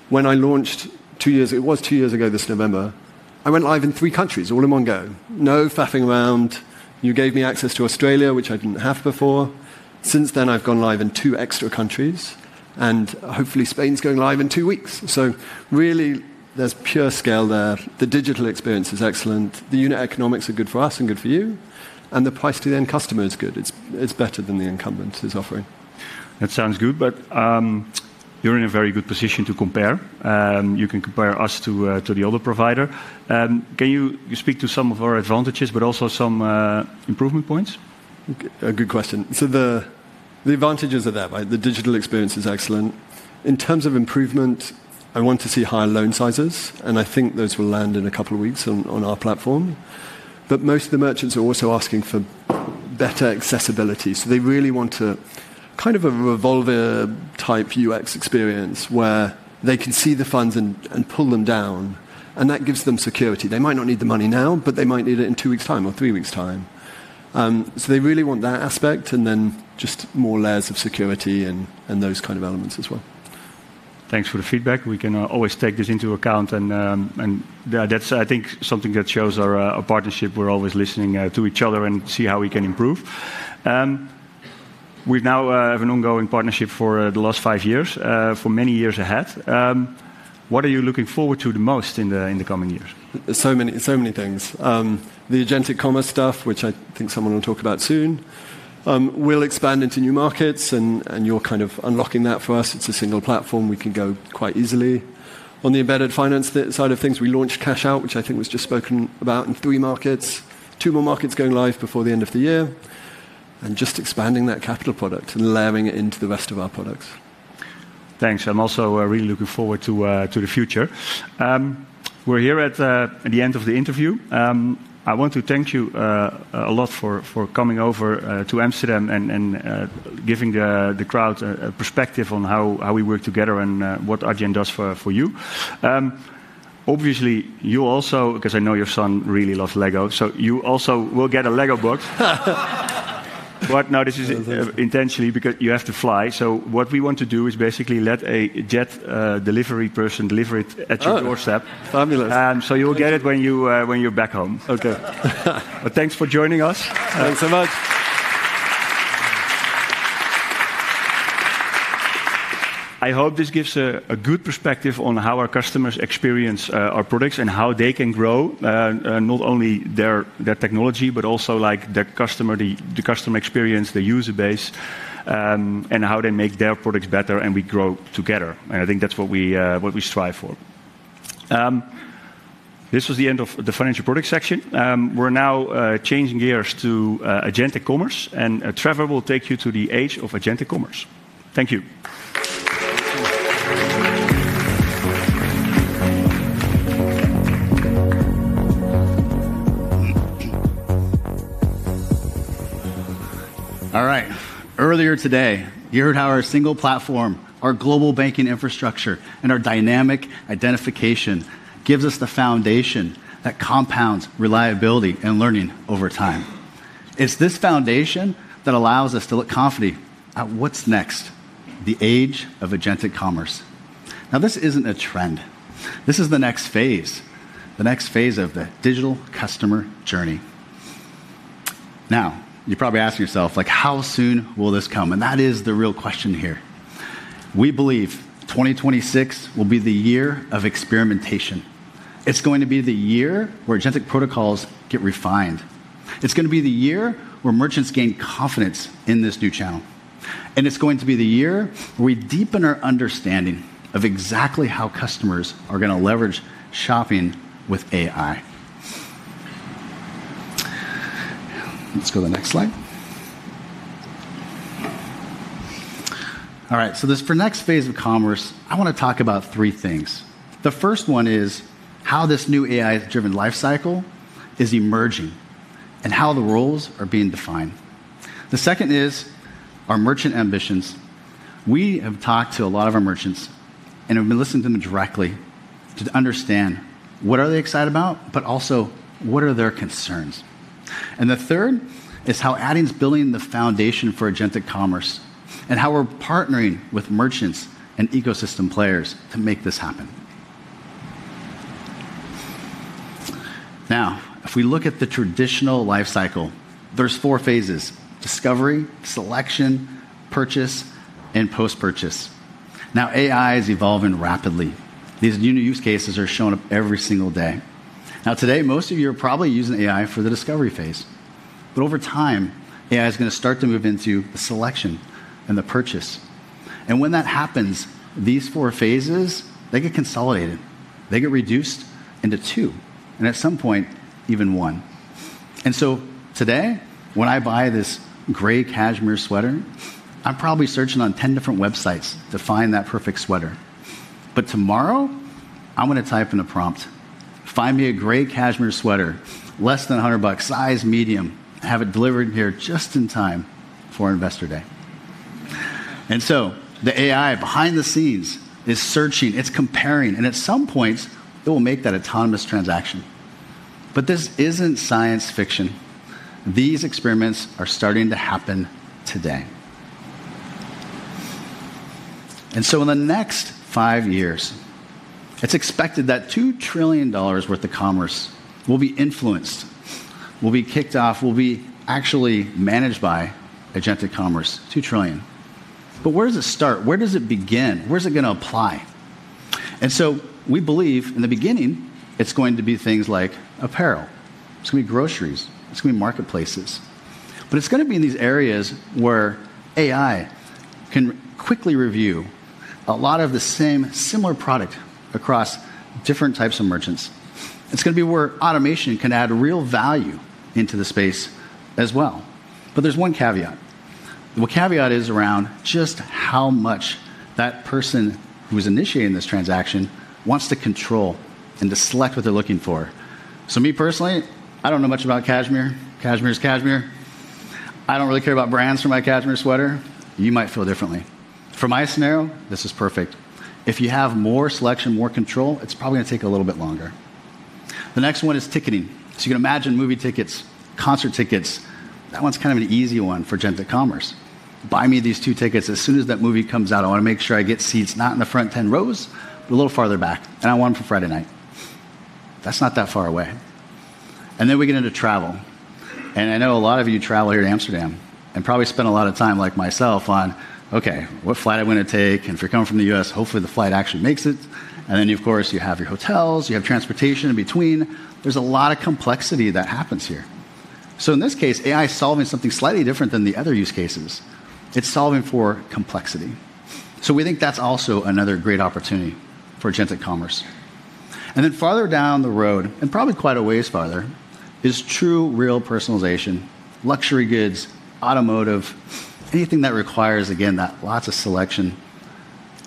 When I launched two years, it was two years ago this November, I went live in three countries all in one go. No faffing around. You gave me access to Australia, which I didn't have before. Since then, I've gone live in two extra countries, and hopefully Spain's going live in two weeks. There is pure scale there. The digital experience is excellent. The unit economics are good for us and good for you, and the price to the end customer is good. It's better than the incumbent is offering. That sounds good, but you're in a very good position to compare. You can compare us to the other provider. Can you speak to some of our advantages, but also some improvement points? A good question. The advantages are there, right? The digital experience is excellent. In terms of improvement, I want to see higher loan sizes, and I think those will land in a couple of weeks on our platform. Most of the merchants are also asking for better accessibility. They really want kind of a revolver-type UX experience where they can see the funds and pull them down, and that gives them security. They might not need the money now, but they might need it in two weeks' time or three weeks' time. They really want that aspect and then just more layers of security and those kind of elements as well. Thanks for the feedback. We can always take this into account, and that's, I think, something that shows our partnership. We're always listening to each other and see how we can improve. We now have an ongoing partnership for the last five years for many years ahead. What are you looking forward to the most in the coming years? So many things. The Agentic Commerce stuff, which I think someone will talk about soon. We'll expand into new markets, and you're kind of unlocking that for us. It's a single platform. We can go quite easily. On the embedded finance side of things, we launched CashOut, which I think was just spoken about in three markets. Two more markets going live before the end of the year, and just expanding that capital product and layering it into the rest of our products. Thanks. I'm also really looking forward to the future. We're here at the end of the interview. I want to thank you a lot for coming over to Amsterdam and giving the crowd a perspective on how we work together and what Adyen does for you. Obviously, you also, because I know your son really loves LEGO, so you also will get a LEGO box. Now this is intentionally because you have to fly. What we want to do is basically let a JET delivery person deliver it at your doorstep. Oh, fabulous. You'll get it when you're back home. Okay. Thanks for joining us. Thanks so much. I hope this gives a good perspective on how our customers experience our products and how they can grow not only their technology, but also the customer experience, the user base, and how they make their products better and we grow together. I think that's what we strive for. This was the end of the financial product section. We're now changing gears to Agentic Commerce, and Trevor will take you to the age of Agentic Commerce. Thank you. All right. Earlier today, you heard how our Single Platform, Global Banking Infrastructure, and our Dynamic Identification gives us the foundation that compounds reliability and learning over time. It's this foundation that allows us to look confidently at what's next, the age of Agentic Commerce. Now, this isn't a trend. This is the next phase, the next phase of the digital customer journey. Now, you're probably asking yourself, like, how soon will this come? That is the real question here. We believe 2026 will be the year of experimentation. It's going to be the year where agentic protocols get refined. It's going to be the year where merchants gain confidence in this new channel. It's going to be the year where we deepen our understanding of exactly how customers are going to leverage shopping with AI. Let's go to the next slide. All right, so this for next phase of commerce, I want to talk about three things. The first one is how this new AI-driven lifecycle is emerging and how the roles are being defined. The second is our merchant ambitions. We have talked to a lot of our merchants and have been listening to them directly to understand what are they excited about, but also what are their concerns. The third is how Adyen's building the foundation for Agentic Commerce and how we're partnering with merchants and ecosystem players to make this happen. Now, if we look at the traditional lifecycle, there are four phases: discovery, selection, purchase, and post-purchase. AI is evolving rapidly. These new use cases are showing up every single day. Today, most of you are probably using AI for the discovery phase, but over time, AI is going to start to move into the selection and the purchase. When that happens, these four phases, they get consolidated. They get reduced into two, and at some point, even one. Today, when I buy this gray cashmere sweater, I'm probably searching on 10 different websites to find that perfect sweater. Tomorrow, I'm going to type in a prompt: find me a gray cashmere sweater, less than $100, size medium, have it delivered here just in time Investor Day. the AI behind the scenes is searching, it's comparing, and at some point, it will make that autonomous transaction. This is not science fiction. These experiments are starting to happen today. In the next five years, it is expected that $2 trillion worth of commerce will be influenced, will be kicked off, will be actually managed by Agentic Commerce, $2 trillion. Where does it start? Where does it begin? Where is it going to apply? We believe in the beginning, it is going to be things like apparel. It is going to be groceries. It's going to be marketplaces. It's going to be in these areas where AI can quickly review a lot of the same similar product across different types of merchants. It's going to be where automation can add real value into the space as well. There is one caveat. The caveat is around just how much that person who is initiating this transaction wants to control and to select what they're looking for. Me personally, I don't know much about cashmere. Cashmere is cashmere. I don't really care about brands for my cashmere sweater. You might feel differently. For my scenario, this is perfect. If you have more selection, more control, it's probably going to take a little bit longer. The next one is ticketing. You can imagine movie tickets, concert tickets. That one's kind of an easy one for Agentic Commerce. Buy me these two tickets as soon as that movie comes out. I want to make sure I get seats not in the front 10 rows, but a little farther back, and I want them for Friday night. That is not that far away. Then we get into travel. I know a lot of you travel here to Amsterdam and probably spend a lot of time like myself on, okay, what flight I am going to take, and if you are coming from the U.S., hopefully the flight actually makes it. Of course, you have your hotels, you have transportation in between. There is a lot of complexity that happens here. In this case, AI is solving something slightly different than the other use cases. It is solving for complexity. We think that is also another great opportunity for Agentic Commerce. Farther down the road, and probably quite a ways farther, is true real personalization, luxury goods, automotive, anything that requires, again, lots of selection.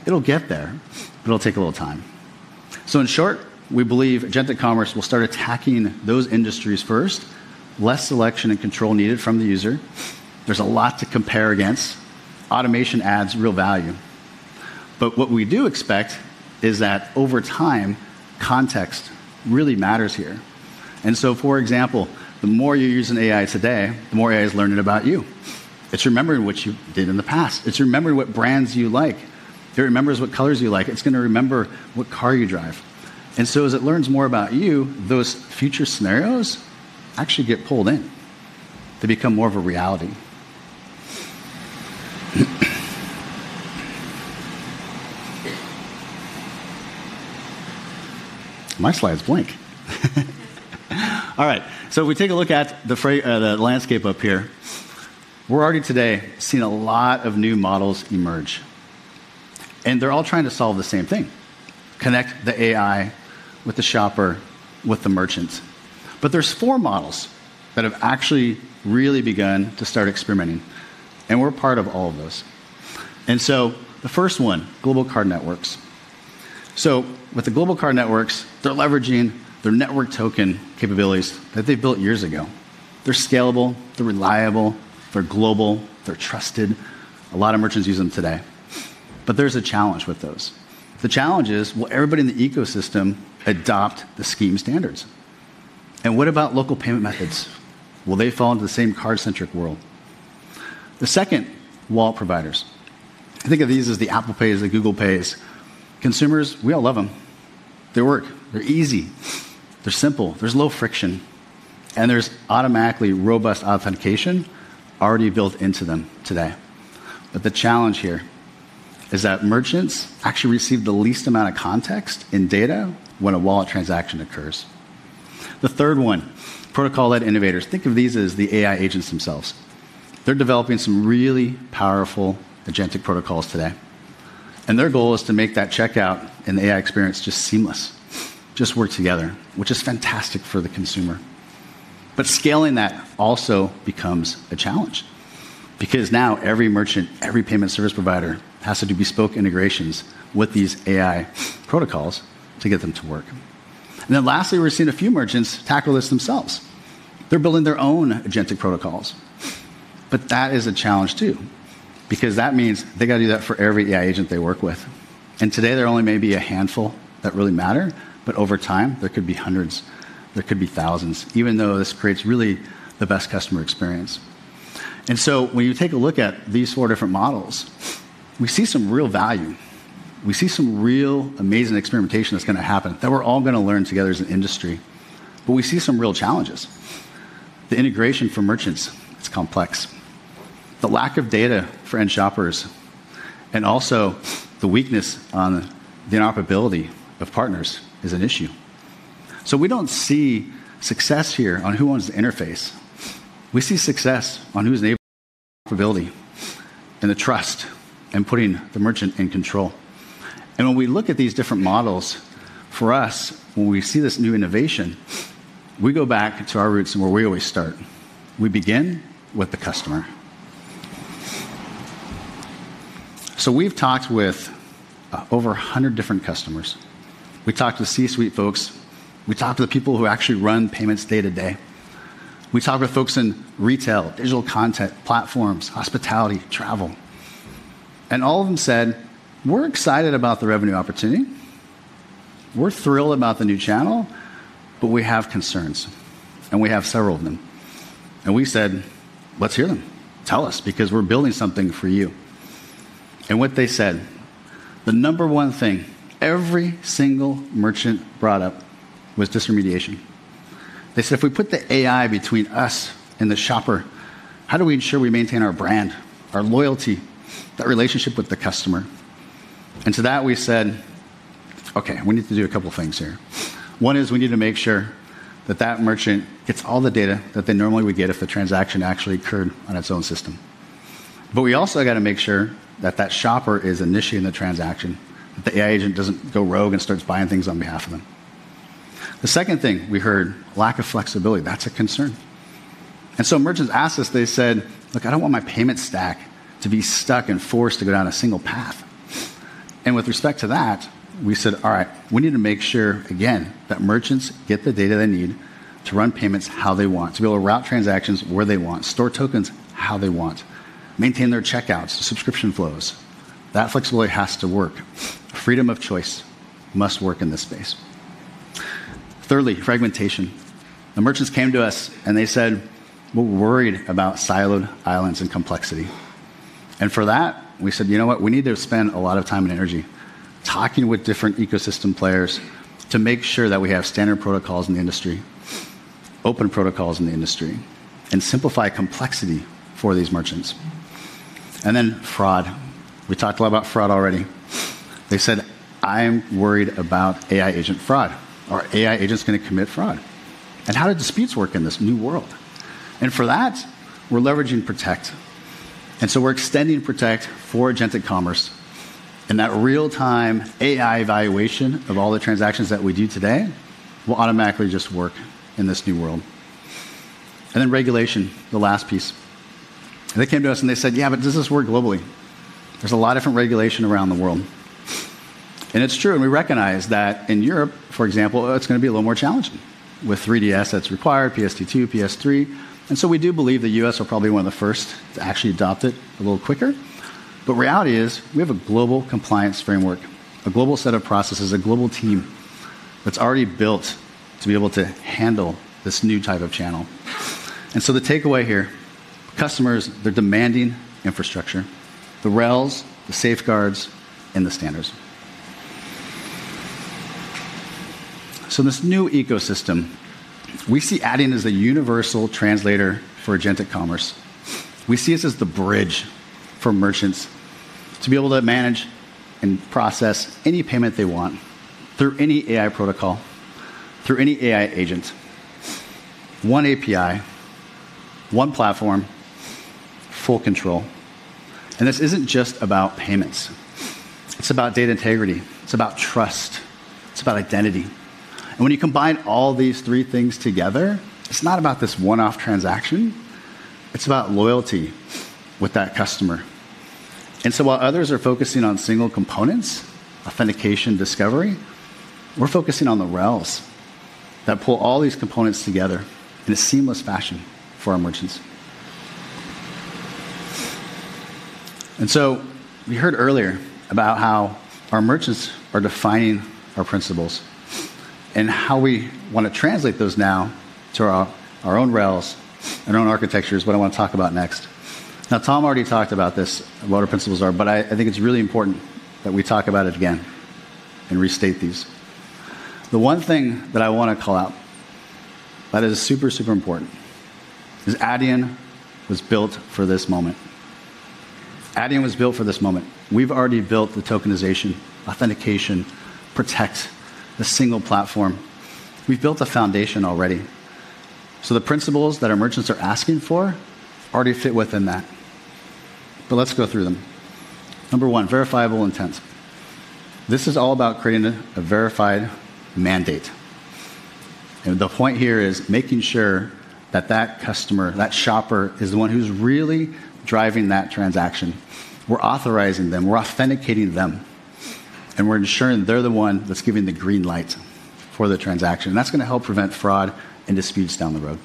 It'll get there, but it'll take a little time. In short, we believe Agentic Commerce will start attacking those industries first, less selection and control needed from the user. There's a lot to compare against. Automation adds real value. What we do expect is that over time, context really matters here. For example, the more you're using AI today, the more AI is learning about you. It's remembering what you did in the past. It's remembering what brands you like. It remembers what colors you like. It's going to remember what car you drive. As it learns more about you, those future scenarios actually get pulled in. They become more of a reality. My slide's blank. All right, so if we take a look at the landscape up here, we're already today seeing a lot of new models emerge. They're all trying to solve the same thing: connect the AI with the shopper, with the merchant. There are four models that have actually really begun to start experimenting, and we're part of all of those. The first one, Global Card Networks. With the Global Card Networks, they're leveraging their network token capabilities that they built years ago. They're scalable, they're reliable, they're global, they're trusted. A lot of merchants use them today. There is a challenge with those. The challenge is, will everybody in the ecosystem adopt the scheme standards? What about local payment methods? Will they fall into the same card-centric world? The second, wallet providers. I think of these as the Apple Pays, the Google Pays. Consumers, we all love them. They work. They're easy. They're simple. There's low friction. There's automatically robust authentication already built into them today. The challenge here is that merchants actually receive the least amount of context in data when a wallet transaction occurs. The third one, protocol-led innovators. Think of these as the AI agents themselves. They're developing some really powerful agentic protocols today. Their goal is to make that checkout and the AI experience just seamless, just work together, which is fantastic for the consumer. Scaling that also becomes a challenge because now every merchant, every payment service provider has to do bespoke integrations with these AI protocols to get them to work. Lastly, we're seeing a few merchants tackle this themselves. They're building their own agentic protocols. That is a challenge too because that means they got to do that for every AI agent they work with. Today, there only may be a handful that really matter, but over time, there could be hundreds. There could be thousands, even though this creates really the best customer experience. When you take a look at these four different models, we see some real value. We see some real amazing experimentation that's going to happen that we're all going to learn together as an industry. We see some real challenges. The integration for merchants, it's complex. The lack of data for end shoppers and also the weakness on the interoperability of partners is an issue. We do not see success here on who owns the interface. We see success on who's able to operate and the trust and putting the merchant in control. When we look at these different models, for us, when we see this new innovation, we go back to our roots and where we always start. We begin with the customer. We have talked with over 100 different customers. We talked to the C-suite folks. We talked to the people who actually run payments day-to-day. We talked with folks in retail, digital content, platforms, hospitality, travel. All of them said, "We're excited about the revenue opportunity. We're thrilled about the new channel, but we have concerns." We have several of them. We said, "Let's hear them. Tell us because we're building something for you." What they said, the number one thing every single merchant brought up was disremediation. They said, "If we put the AI between us and the shopper, how do we ensure we maintain our brand, our loyalty, that relationship with the customer?" To that, we said, "Okay, we need to do a couple of things here. One is we need to make sure that that merchant gets all the data that they normally would get if the transaction actually occurred on its own system. We also got to make sure that that shopper is initiating the transaction, that the AI agent doesn't go rogue and starts buying things on behalf of them." The second thing we heard, lack of flexibility. That's a concern. Merchants asked us, they said, "Look, I don't want my payment stack to be stuck and forced to go down a single path." With respect to that, we said, "All right, we need to make sure again that merchants get the data they need to run payments how they want, to be able to route transactions where they want, store tokens how they want, maintain their checkouts, subscription flows. That flexibility has to work. Freedom of choice must work in this space." Thirdly, fragmentation. The merchants came to us and they said, "We're worried about siloed islands and complexity." For that, we said, "You know what? We need to spend a lot of time and energy talking with different ecosystem players to make sure that we have standard protocols in the industry, open protocols in the industry, and simplify complexity for these merchants." And then fraud. We talked a lot about fraud already. They said, "I'm worried about AI agent fraud or AI agents going to commit fraud." How do disputes work in this new world? For that, we're leveraging Protect. We're extending Protect for Agentic Commerce. That real-time AI evaluation of all the transactions that we do today will automatically just work in this new world. Regulation, the last piece. They came to us and they said, "Yeah, but does this work globally? There's a lot of different regulation around the world." It's true. We recognize that in Europe, for example, it's going to be a little more challenging with 3DS that's required, PSD2, PS3. We do believe the US will probably be one of the first to actually adopt it a little quicker. Reality is we have a global compliance framework, a global set of processes, a global team that's already built to be able to handle this new type of channel. The takeaway here, customers, they're demanding infrastructure, the rails, the safeguards, and the standards. In this new ecosystem, we see Adyen as a universal translator for Agentic Commerce. We see it as the bridge for merchants to be able to manage and process any payment they want through any AI protocol, through any AI agent. One API, one platform, full control. This isn't just about payments. It's about data integrity. It's about trust. It's about identity. When you combine all these three things together, it's not about this one-off transaction. It's about loyalty with that customer. While others are focusing on single components, authentication, discovery, we are focusing on the rails that pull all these components together in a seamless fashion for our merchants. We heard earlier about how our merchants are defining our principles and how we want to translate those now to our own rails and our own architectures, which is what I want to talk about next. Thom already talked about this, what our principles are, but I think it is really important that we talk about it again and restate these. The one thing that I want to call out that is super, super important is Adyen was built for this moment. Adyen was built for this moment. We have already built the tokenization, authentication, Protect, the Single Platform. we have built the foundation already. The principles that our merchants are asking for already fit within that. Let us go through them. Number one, verifiable intent. This is all about creating a verified mandate. The point here is making sure that that customer, that shopper is the one who's really driving that transaction. We're authorizing them. We're authenticating them. We're ensuring they're the one that's giving the green light for the transaction. That is going to help prevent fraud and disputes down the road.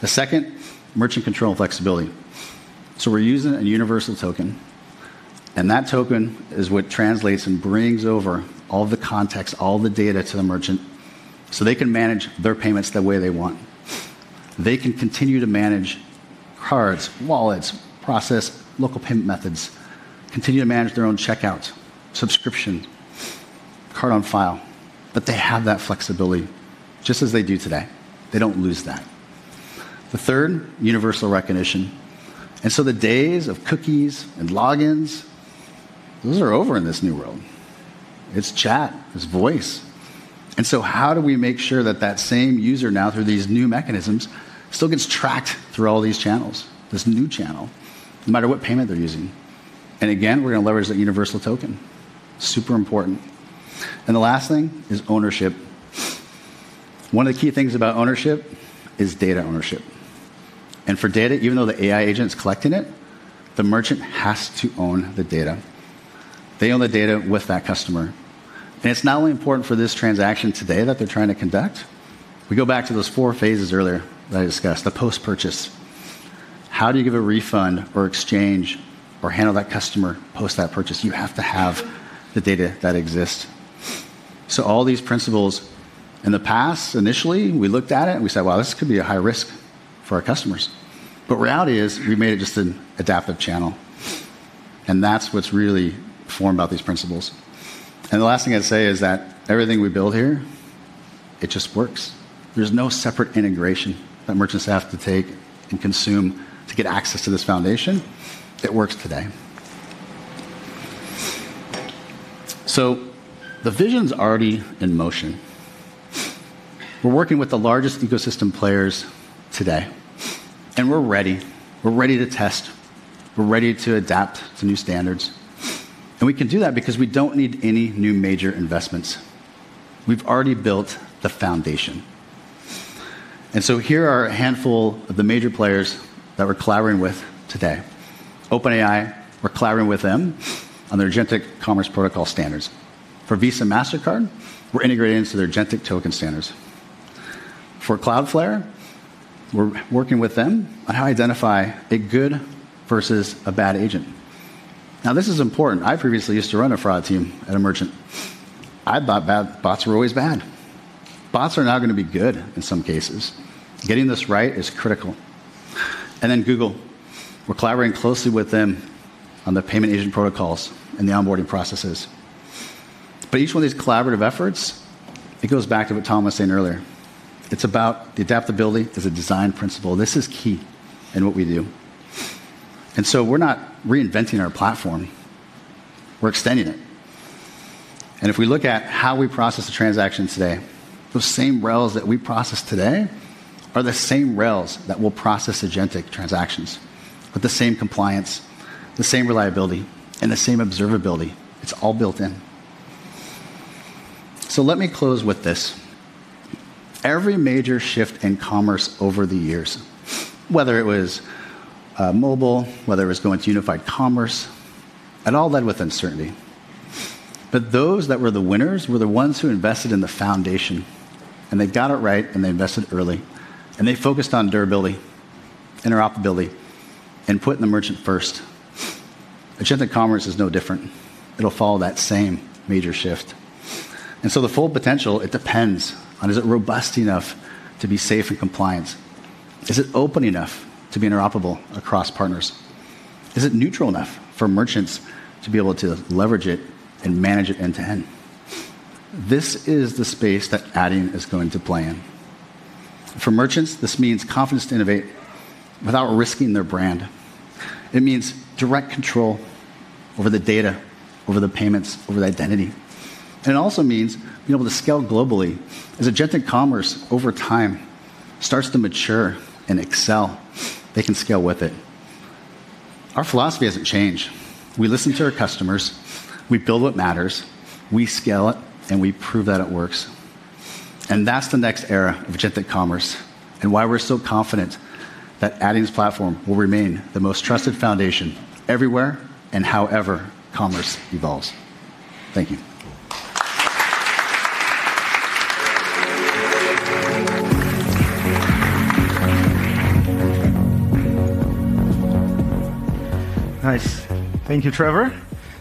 The second, merchant control and flexibility. We're using a universal token. That token is what translates and brings over all the context, all the data to the merchant so they can manage their payments the way they want. They can continue to manage cards, wallets, process local payment methods, continue to manage their own checkout, subscription, card on file, but they have that flexibility just as they do today. They do not lose that. The third, universal recognition. The days of cookies and logins, those are over in this new world. It's chat, it's voice. How do we make sure that that same user now, through these new mechanisms, still gets tracked through all these channels, this new channel, no matter what payment they're using? Again, we're going to leverage that universal token. Super important. The last thing is ownership. One of the key things about ownership is data ownership. For data, even though the AI agent's collecting it, the merchant has to own the data. They own the data with that customer. It's not only important for this transaction today that they're trying to conduct. We go back to those four phases earlier that I discussed, the post-purchase. How do you give a refund or exchange or handle that customer post that purchase? You have to have the data that exists. All these principles in the past, initially, we looked at it and we said, "Well, this could be a high risk for our customers." Reality is we made it just an adaptive channel. That is what is really formed about these principles. The last thing I'd say is that everything we build here, it just works. There is no separate integration that merchants have to take and consume to get access to this foundation. It works today. The vision is already in motion. We are working with the largest ecosystem players today. We are ready. We are ready to test. We are ready to adapt to new standards. We can do that because we do not need any new major investments. We have already built the foundation. Here are a handful of the major players that we are collaborating with today. OpenAI, we're collaborating with them on their Agentic Commerce protocol standards. For Visa and Mastercard, we're integrating into their agentic token standards. For Cloudflare, we're working with them on how to identify a good versus a bad agent. Now, this is important. I previously used to run a fraud team at a merchant. I thought bad bots were always bad. Bots are now going to be good in some cases. Getting this right is critical. I mean, Google, we're collaborating closely with them on the payment agent protocols and the onboarding processes. Each one of these collaborative efforts, it goes back to what Thom was saying earlier. It's about the adaptability as a design principle. This is key in what we do. We're not reinventing our platform. We're extending it. If we look at how we process the transactions today, those same rails that we process today are the same rails that will process agentic transactions with the same compliance, the same reliability, and the same observability. It is all built in. Let me close with this. Every major shift in commerce over the years, whether it was mobile, whether it was going to unified commerce, it all led with uncertainty. Those that were the winners were the ones who invested in the foundation. They got it right, and they invested early. They focused on durability, interoperability, and putting the merchant first. Agentic Commerce is no different. It will follow that same major shift. The full potential depends on is it robust enough to be safe and compliant? Is it open enough to be interoperable across partners? Is it neutral enough for merchants to be able to leverage it and manage it end-to-end? This is the space that Adyen is going to play in. For merchants, this means confidence to innovate without risking their brand. It means direct control over the data, over the payments, over the identity. It also means being able to scale globally as Agentic Commerce over time starts to mature and excel. They can scale with it. Our philosophy hasn't changed. We listen to our customers. We build what matters. We scale it, and we prove that it works. That is the next era of Agentic Commerce and why we're so confident that Adyen's platform will remain the most trusted foundation everywhere and however commerce evolves. Thank you. Nice. Thank you, Trevor.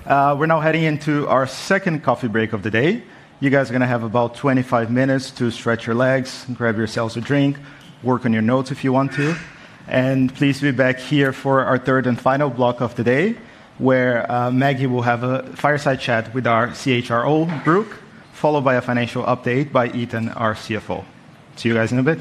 We're now heading into our second coffee break of the day. You guys are going to have about 25 minutes to stretch your legs, grab yourselves a drink, work on your notes if you want to. Please be back here for our third and final block of the day where Maggie will have a fireside chat with our CHRO, Brooke, followed by a financial update by Ethan, our CFO. See you guys in a bit.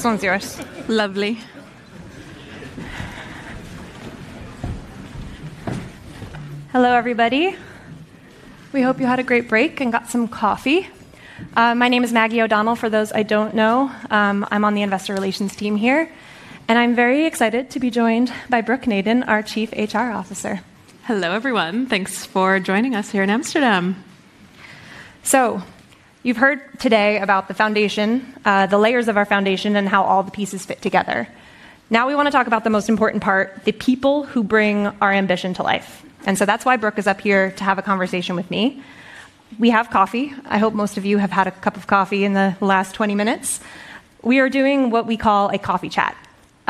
This one, this one. This one's yours. Lovely. Hello, everybody. We hope you had a great break and got some coffee. My name is Maggie O'Donnell. For those I do not know, I am on the Investor Relations team here, and I am very excited to be joined by Brooke Nayden, our Chief HR Officer. Hello, everyone. Thanks for joining us here in Amsterdam. You have heard today about the foundation, the layers of our foundation, and how all the pieces fit together. Now we want to talk about the most important part: the people who bring our ambition to life. That is why Brooke is up here to have a conversation with me. We have coffee. I hope most of you have had a cup of coffee in the last 20 minutes. We are doing what we call a coffee chat.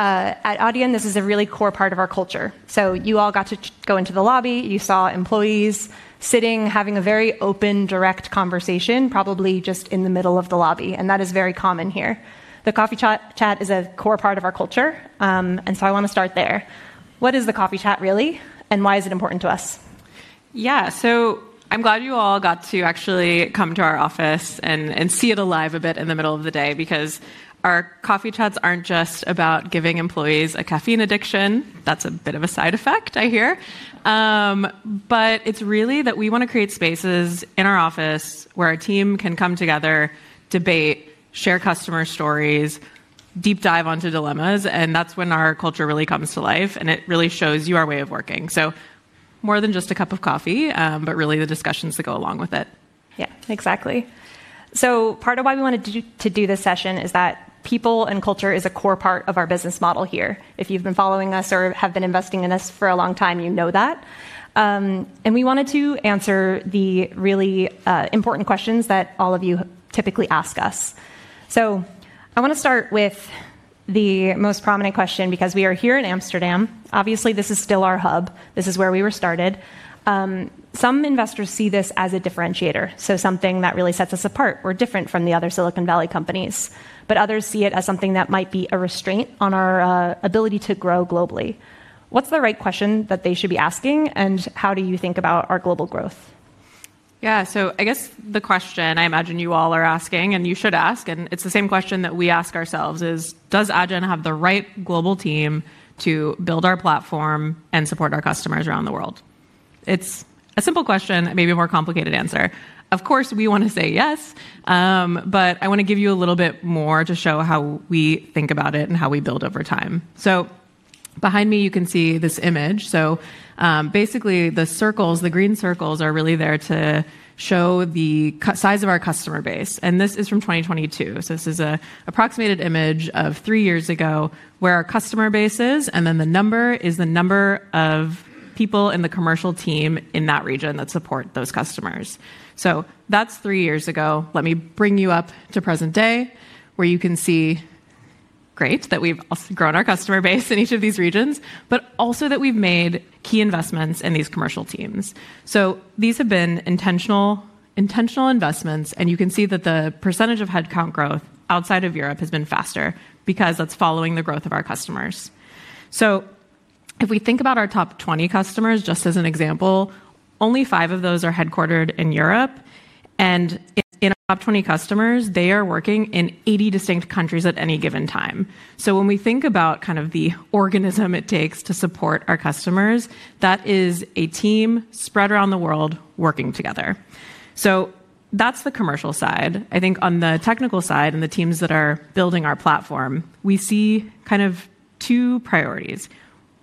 At Adyen, this is a really core part of our culture. You all got to go into the lobby. You saw employees sitting, having a very open, direct conversation, probably just in the middle of the lobby. That is very common here. The coffee chat is a core part of our culture. I want to start there. What is the coffee chat really, and why is it important to us? Yeah, so I'm glad you all got to actually come to our office and see it alive a bit in the middle of the day, because our coffee chats aren't just about giving employees a caffeine addiction. That's a bit of a side effect, I hear. It's really that we want to create spaces in our office where our team can come together, debate, share customer stories, deep dive onto dilemmas. That's when our culture really comes to life, and it really shows you our way of working. More than just a cup of coffee, but really the discussions that go along with it. Yeah, exactly. Part of why we wanted to do this session is that people and culture is a core part of our business model here. If you've been following us or have been investing in us for a long time, you know that. We wanted to answer the really important questions that all of you typically ask us. I want to start with the most prominent question, because we are here in Amsterdam. Obviously, this is still our hub. This is where we were started. Some investors see this as a differentiator, something that really sets us apart. We're different from the other Silicon Valley companies. Others see it as something that might be a restraint on our ability to grow globally. What's the right question that they should be asking, and how do you think about our global growth? Yeah, so I guess the question I imagine you all are asking, and you should ask, and it's the same question that we ask ourselves, is: does Adyen have the right global team to build our platform and support our customers around the world? It's a simple question, maybe a more complicated answer. Of course, we want to say yes. I want to give you a little bit more to show how we think about it and how we build over time. Behind me, you can see this image. Basically, the circles, the green circles, are really there to show the size of our customer base. This is from 2022. This is an approximated image of three years ago where our customer base is, and then the number is the number of people in the commercial team in that region that support those customers. That's three years ago. Let me bring you up to present day, where you can see great that we've grown our customer base in each of these regions, but also that we've made key investments in these commercial teams. These have been intentional investments, and you can see that the percentage of headcount growth outside of Europe has been faster, because that's following the growth of our customers. If we think about our top 20 customers, just as an example, only five of those are headquartered in Europe. In our top 20 customers, they are working in 80 distinct countries at any given time. When we think about kind of the organism it takes to support our customers, that is a team spread around the world working together. That's the commercial side. I think on the technical side and the teams that are building our platform, we see kind of two priorities.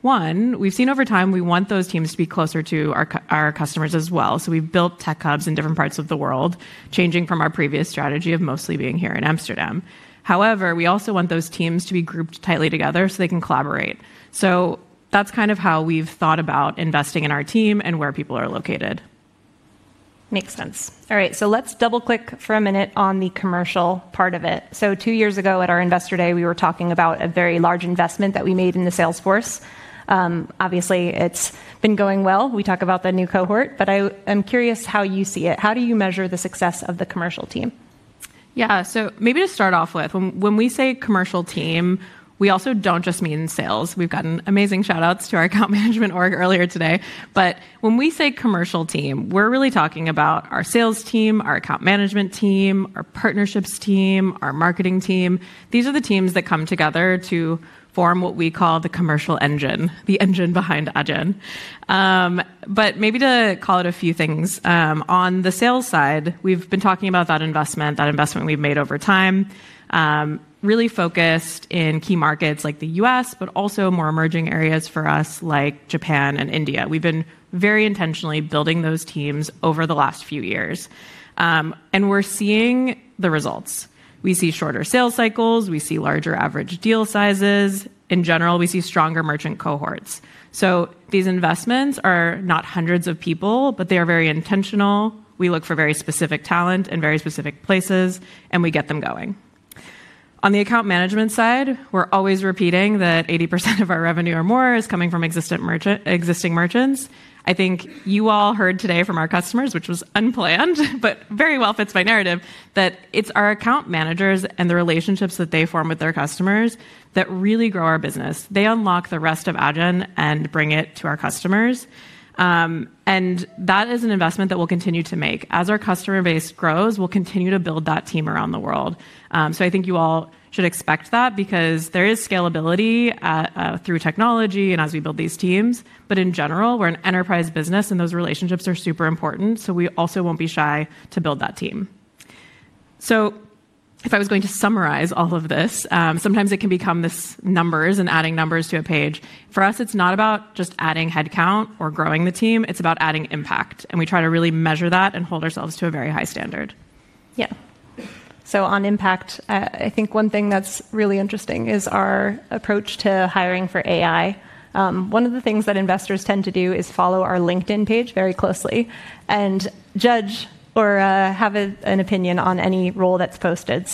One, we've seen over time we want those teams to be closer to our customers as well. So we've built tech hubs in different parts of the world, changing from our previous strategy of mostly being here in Amsterdam. However, we also want those teams to be grouped tightly together so they can collaborate. So that's kind of how we've thought about investing in our team and where people are located. Makes sense. All right, let's double-click for a minute on the commercial part of it. Two years ago at Investor Day, we were talking about a very large investment that we made in the Salesforce. Obviously, it's been going well. We talk about the new cohort, but I am curious how you see it. How do you measure the success of the commercial team? Yeah, so maybe to start off with, when we say commercial team, we also do not just mean sales. We have gotten amazing shout-outs to our account management org earlier today. When we say commercial team, we are really talking about our sales team, our account management team, our partnerships team, our marketing team. These are the teams that come together to form what we call the commercial engine, the engine behind Adyen. Maybe to call out a few things. On the sales side, we have been talking about that investment, that investment we have made over time, really focused in key markets like the U.S., but also more emerging areas for us like Japan and India. We have been very intentionally building those teams over the last few years. We are seeing the results. We see shorter sales cycles. We see larger average deal sizes. In general, we see stronger merchant cohorts. These investments are not hundreds of people, but they are very intentional. We look for very specific talent in very specific places, and we get them going. On the Account Management side, we're always repeating that 80% of our revenue or more is coming from existing merchants. I think you all heard today from our customers, which was unplanned, but very well fits my narrative, that it's our account managers and the relationships that they form with their customers that really grow our business. They unlock the rest of Adyen and bring it to our customers. That is an investment that we'll continue to make. As our customer base grows, we'll continue to build that team around the world. I think you all should expect that, because there is scalability through technology and as we build these teams. In general, we're an enterprise business, and those relationships are super important. We also won't be shy to build that team. If I was going to summarize all of this, sometimes it can become this numbers and adding numbers to a page. For us, it's not about just adding headcount or growing the team. It's about adding impact. We try to really measure that and hold ourselves to a very high standard. Yeah. On impact, I think one thing that's really interesting is our approach to hiring for AI. One of the things that investors tend to do is follow our LinkedIn page very closely and judge or have an opinion on any role that's posted.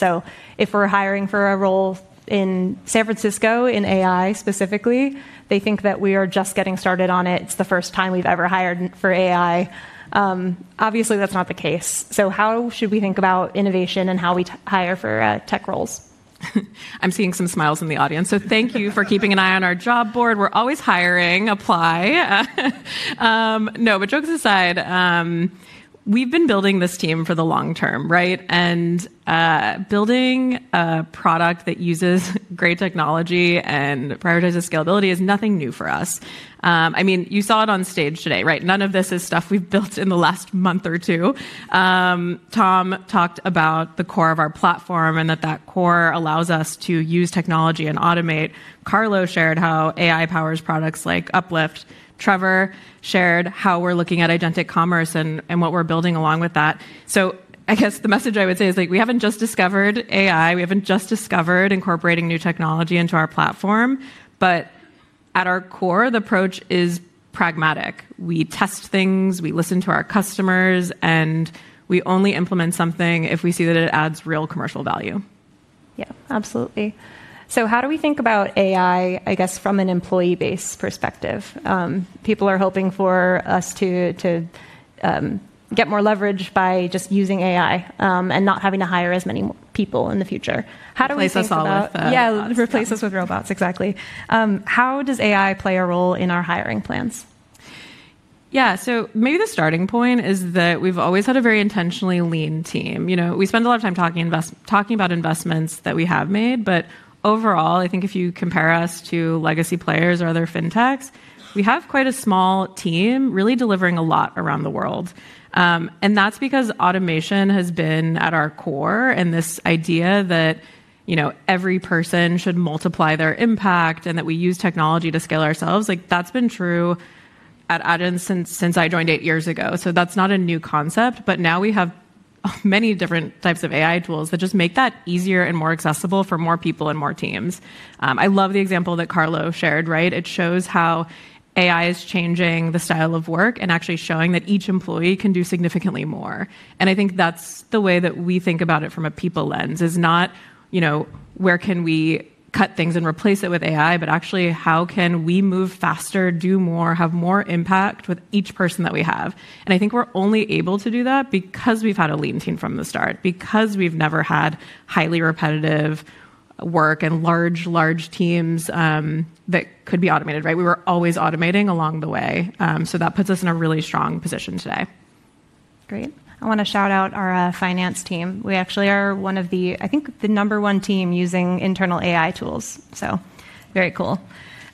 If we're hiring for a role in San Francisco, in AI specifically, they think that we are just getting started on it. It's the first time we've ever hired for AI. Obviously, that's not the case. How should we think about innovation and how we hire for tech roles? I'm seeing some smiles in the audience. Thank you for keeping an eye on our job board. We're always hiring. Apply. No, but jokes aside, we've been building this team for the long-hterm, right? Building a product that uses great technology and prioritizes scalability is nothing new for us. I mean, you saw it on stage today, right? None of this is stuff we've built in the last month or two. Tom talked about the core of our platform and that that core allows us to use technology and automate. Carlo shared how AI powers products like Uplift. Trevor shared how we're looking at Agentic Commerce and what we're building along with that. I guess the message I would say is we haven't just discovered AI. We haven't just discovered incorporating new technology into our platform. At our core, the approach is pragmatic. We test things. We listen to our customers. We only implement something if we see that it adds real commercial value. Yeah, absolutely. How do we think about AI, I guess, from an employee-based perspective? People are hoping for us to get more leverage by just using AI and not having to hire as many people in the future. How do we do that? Yeah, replace us with robots. Exactly. How does AI play a role in our hiring plans? Yeah, so maybe the starting point is that we've always had a very intentionally lean team. We spend a lot of time talking about investments that we have made. Overall, I think if you compare us to legacy players or other FinTechs, we have quite a small team really delivering a lot around the world. That is because automation has been at our core and this idea that every person should multiply their impact and that we use technology to scale ourselves. That has been true at Adyen since I joined eight years ago. That is not a new concept. Now we have many different types of AI tools that just make that easier and more accessible for more people and more teams. I love the example that Carlo shared, right? It shows how AI is changing the style of work and actually showing that each employee can do significantly more. I think that's the way that we think about it from a people lens, is not where can we cut things and replace it with AI, but actually how can we move faster, do more, have more impact with each person that we have. I think we're only able to do that because we've had a lean team from the start, because we've never had highly repetitive work and large, large teams that could be automated, right? We were always automating along the way. That puts us in a really strong position today. Great. I want to shout out our finance team. We actually are one of the, I think, the number one team using internal AI tools. Very cool.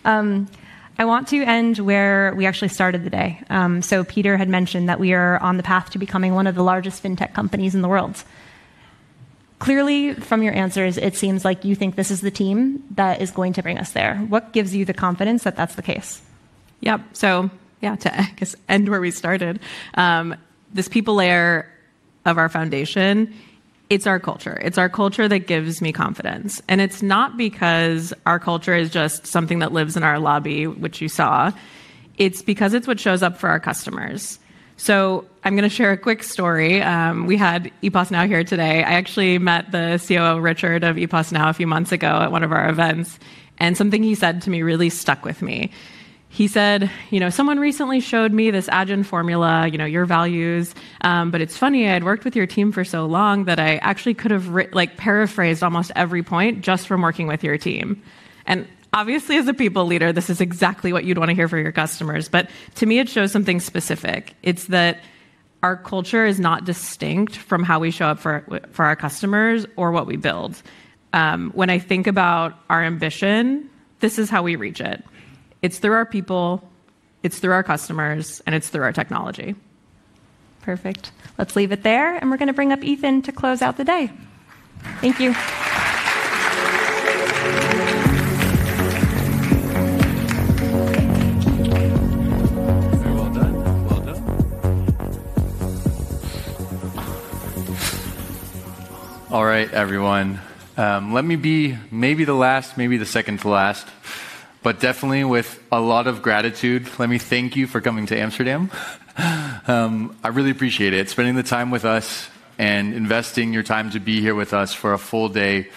I want to end where we actually started the day. Peter had mentioned that we are on the path to becoming one of the largest FinTech companies in the world. Clearly, from your answers, it seems like you think this is the team that is going to bring us there. What gives you the confidence that that's the case? Yep. To end where we started, this people layer of our foundation, it's our culture. It's our culture that gives me confidence. It's not because our culture is just something that lives in our lobby, which you saw. It's because it's what shows up for our customers. I'm going to share a quick story. We had Epos Now here today. I actually met the COO, Richard, of Epos Now a few months ago at one of our events. Something he said to me really stuck with me. He said, "Someone recently showed me this Adyen formula, your values. But it's funny. I had worked with your team for so long that I actually could have paraphrased almost every point just from working with your team." Obviously, as a people leader, this is exactly what you'd want to hear for your customers. To me, it shows something specific. It's that our culture is not distinct from how we show up for our customers or what we build. When I think about our ambition, this is how we reach it. It's through our people. It's through our customers. It's through our technology. Perfect. Let's leave it there. We're going to bring up Ethan to close out the day. Thank you. All right, everyone. Let me be maybe the last, maybe the second to last, but definitely with a lot of gratitude. Let me thank you for coming to Amsterdam. I really appreciate it. Spending the time with us and investing your time to be here with us for a full day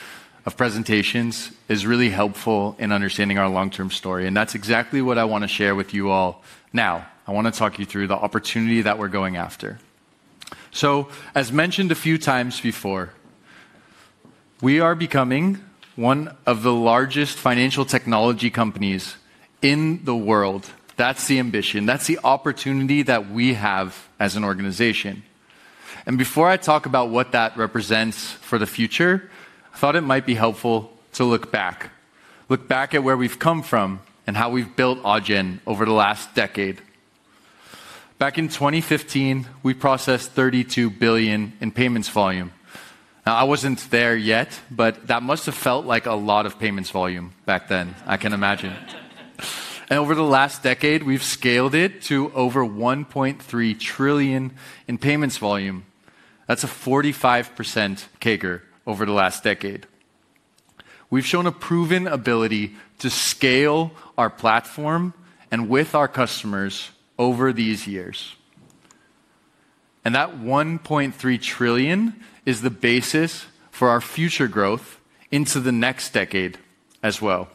of presentations is really helpful in understanding our long-term story. That is exactly what I want to share with you all now. I want to talk you through the opportunity that we are going after. As mentioned a few times before, we are becoming one of the largest financial technology companies in the world. That is the ambition. That is the opportunity that we have as an organization. Before I talk about what that represents for the future, I thought it might be helpful to look back, look back at where we have come from and how we have built Adyen over the last decade. Back in 2015, we processed 32 billion in payments volume. Now, I wasn't there yet, but that must have felt like a lot of payments volume back then, I can imagine. Over the last decade, we've scaled it to over $1.3 trillion in payments volume. That's a 45% CAGR over the last decade. We've shown a proven ability to scale our platform and with our customers over these years. That $1.3 trillion is the basis for our future growth into the next decade as well.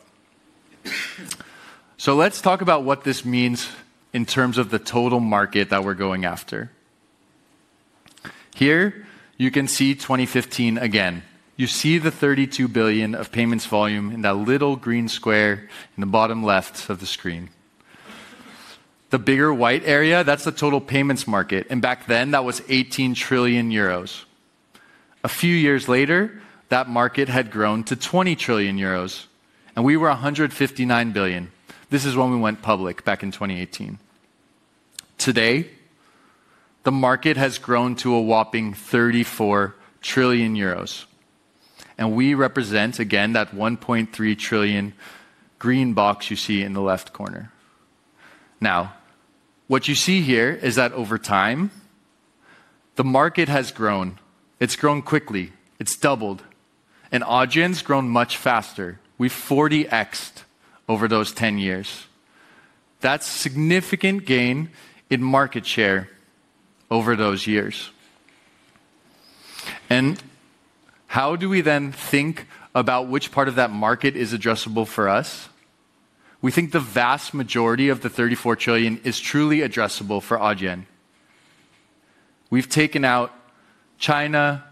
Let's talk about what this means in terms of the total market that we're going after. Here you can see 2015 again. You see the $32 billion of payments volume in that little green square in the bottom left of the screen. The bigger white area, that's the total payments market. Back then, that was 18 trillion euros. A few years later, that market had grown to 20 trillion euros. We were 159 billion. This is when we went public back in 2018. Today, the market has grown to a whopping 34 trillion euros. We represent, again, that 1.3 trillion green box you see in the left corner. What you see here is that over time, the market has grown. It has grown quickly. It has doubled. Adyen has grown much faster. We have 40x'd over those 10 years. That is significant gain in market share over those years. How do we then think about which part of that market is addressable for us? We think the vast majority of the 34 trillion is truly addressable for Adyen. We have taken out China.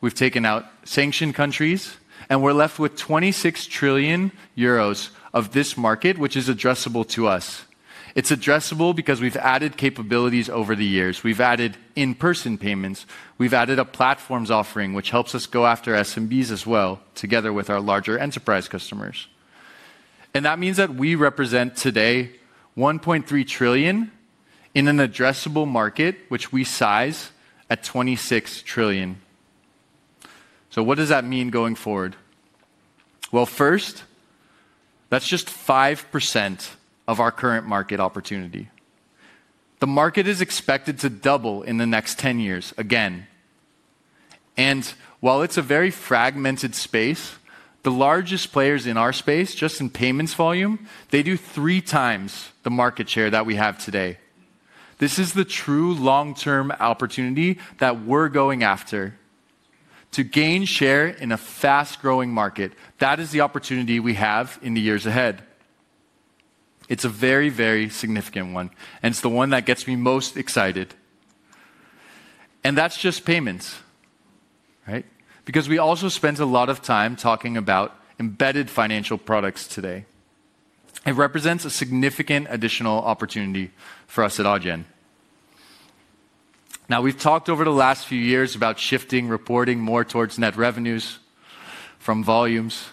We have taken out sanctioned countries. We are left with 26 trillion euros of this market, which is addressable to us. It is addressable because we have added capabilities over the years. We have added in-person payments. We've added a platforms offering, which helps us go after SMBs as well, together with our larger enterprise customers. That means that we represent today $1.3 trillion in an addressable market, which we size at $26 trillion. What does that mean going forward? First, that's just 5% of our current market opportunity. The market is expected to double in the next 10 years, again. While it's a very fragmented space, the largest players in our space, just in payments volume, do 3x the market share that we have today. This is the true long-term opportunity that we're going after to gain share in a fast-growing market. That is the opportunity we have in the years ahead. It's a very, very significant one. It's the one that gets me most excited. That's just payments, right? Because we also spend a lot of time talking about embedded financial products today. It represents a significant additional opportunity for us at Adyen. Now, we've talked over the last few years about shifting reporting more towards net revenues from volumes.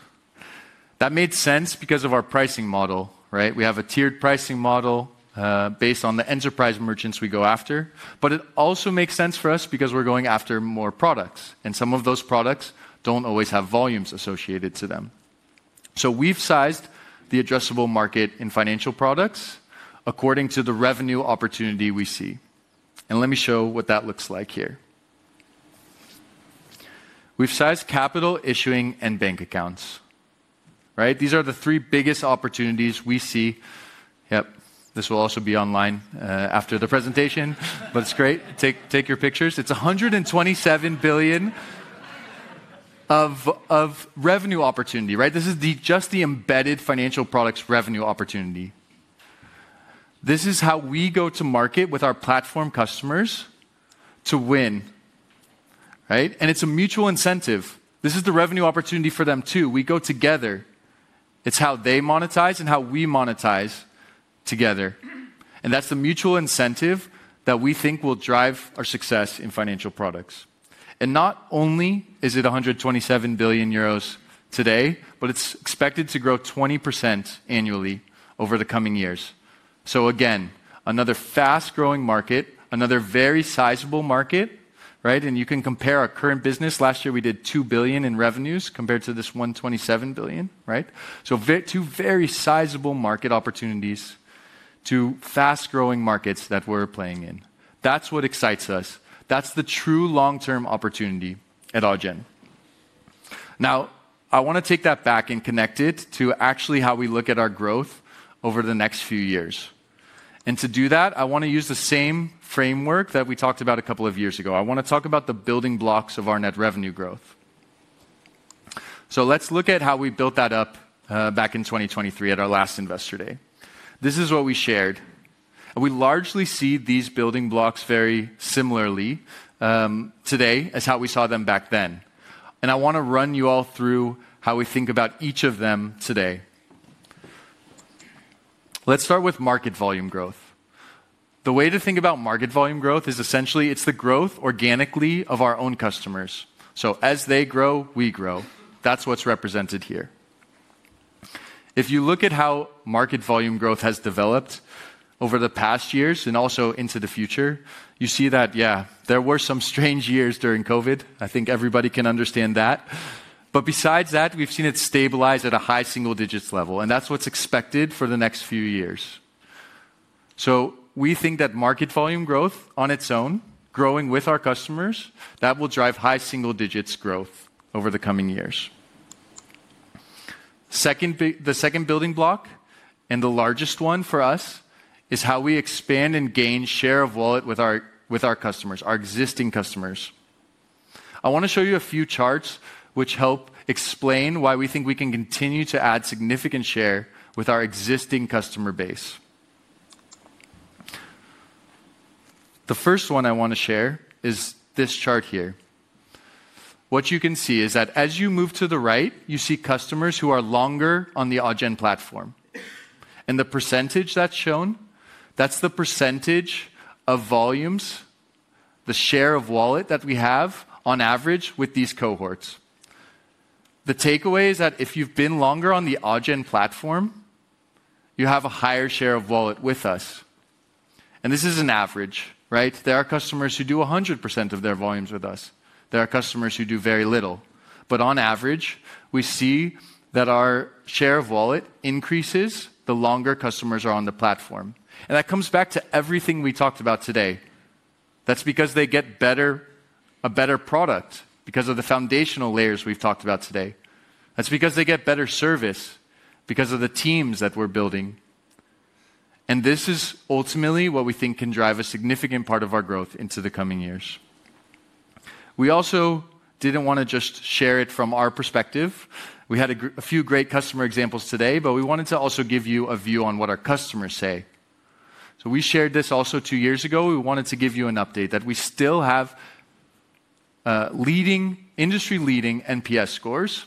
That made sense because of our pricing model, right? We have a tiered pricing model based on the enterprise merchants we go after. It also makes sense for us because we're going after more products. Some of those products don't always have volumes associated to them. We've sized the addressable market in financial products according to the revenue opportunity we see. Let me show what that looks like here. We've sized capital, issuing, and bank accounts, right? These are the three biggest opportunities we see. Yep. This will also be online after the presentation. It's great. Take your pictures. It's 127 billion of revenue opportunity, right? This is just the embedded financial products revenue opportunity. This is how we go to market with our platform customers to win, right? And it's a mutual incentive. This is the revenue opportunity for them too. We go together. It's how they monetize and how we monetize together. That's the mutual incentive that we think will drive our success in financial products. Not only is it 127 billion euros today, but it's expected to grow 20% annually over the coming years. Again, another fast-growing market, another very sizable market, right? You can compare our current business. Last year, we did $2 billion in revenues compared to this 127 billion, right? Two very sizable market opportunities, two fast-growing markets that we're playing in. That's what excites us. That's the true long-term opportunity at Adyen. Now, I want to take that back and connect it to actually how we look at our growth over the next few years. To do that, I want to use the same framework that we talked about a couple of years ago. I want to talk about the building blocks of our net revenue growth. Let's look at how we built that up back in 2023 at our Investor Day. this is what we shared. We largely see these building blocks very similarly today as how we saw them back then. I want to run you all through how we think about each of them today. Let's start with market volume growth. The way to think about market volume growth is essentially it's the growth organically of our own customers. As they grow, we grow. That's what's represented here. If you look at how market volume growth has developed over the past years and also into the future, you see that, yeah, there were some strange years during COVID. I think everybody can understand that. Besides that, we've seen it stabilize at a high single digits level. That's what's expected for the next few years. We think that market volume growth on its own, growing with our customers, will drive high single digits growth over the coming years. The second building block, and the largest one for us, is how we expand and gain share of wallet with our customers, our existing customers. I want to show you a few charts which help explain why we think we can continue to add significant share with our existing customer base. The first one I want to share is this chart here. What you can see is that as you move to the right, you see customers who are longer on the Adyen platform. And the percentage that's shown, that's the percentage of volumes, the share of wallet that we have on average with these cohorts. The takeaway is that if you've been longer on the Adyen platform, you have a higher share of wallet with us. This is an average, right? There are customers who do 100% of their volumes with us. There are customers who do very little. On average, we see that our share of wallet increases the longer customers are on the platform. That comes back to everything we talked about today. That's because they get a better product because of the foundational layers we've talked about today. That's because they get better service because of the teams that we're building. This is ultimately what we think can drive a significant part of our growth into the coming years. We also did not want to just share it from our perspective. We had a few great customer examples today, but we wanted to also give you a view on what our customers say. We shared this also two years ago. We wanted to give you an update that we still have industry-leading NPS scores,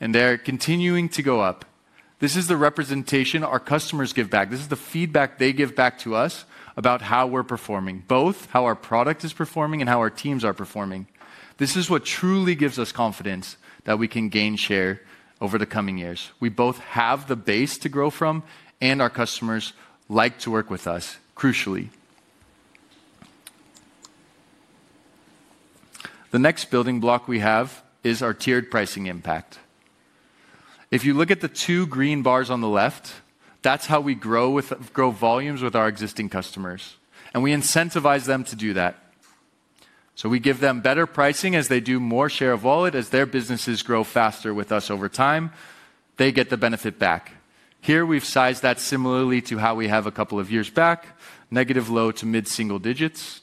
and they are continuing to go up. This is the representation our customers give back. This is the feedback they give back to us about how we are performing, both how our product is performing and how our teams are performing. This is what truly gives us confidence that we can gain share over the coming years. We both have the base to grow from, and our customers like to work with us, crucially. The next building block we have is our tiered pricing impact. If you look at the two green bars on the left, that's how we grow volumes with our existing customers. We incentivize them to do that. We give them better pricing as they do more share of wallet. As their businesses grow faster with us over time, they get the benefit back. Here, we've sized that similarly to how we have a couple of years back, negative low to mid-single digits.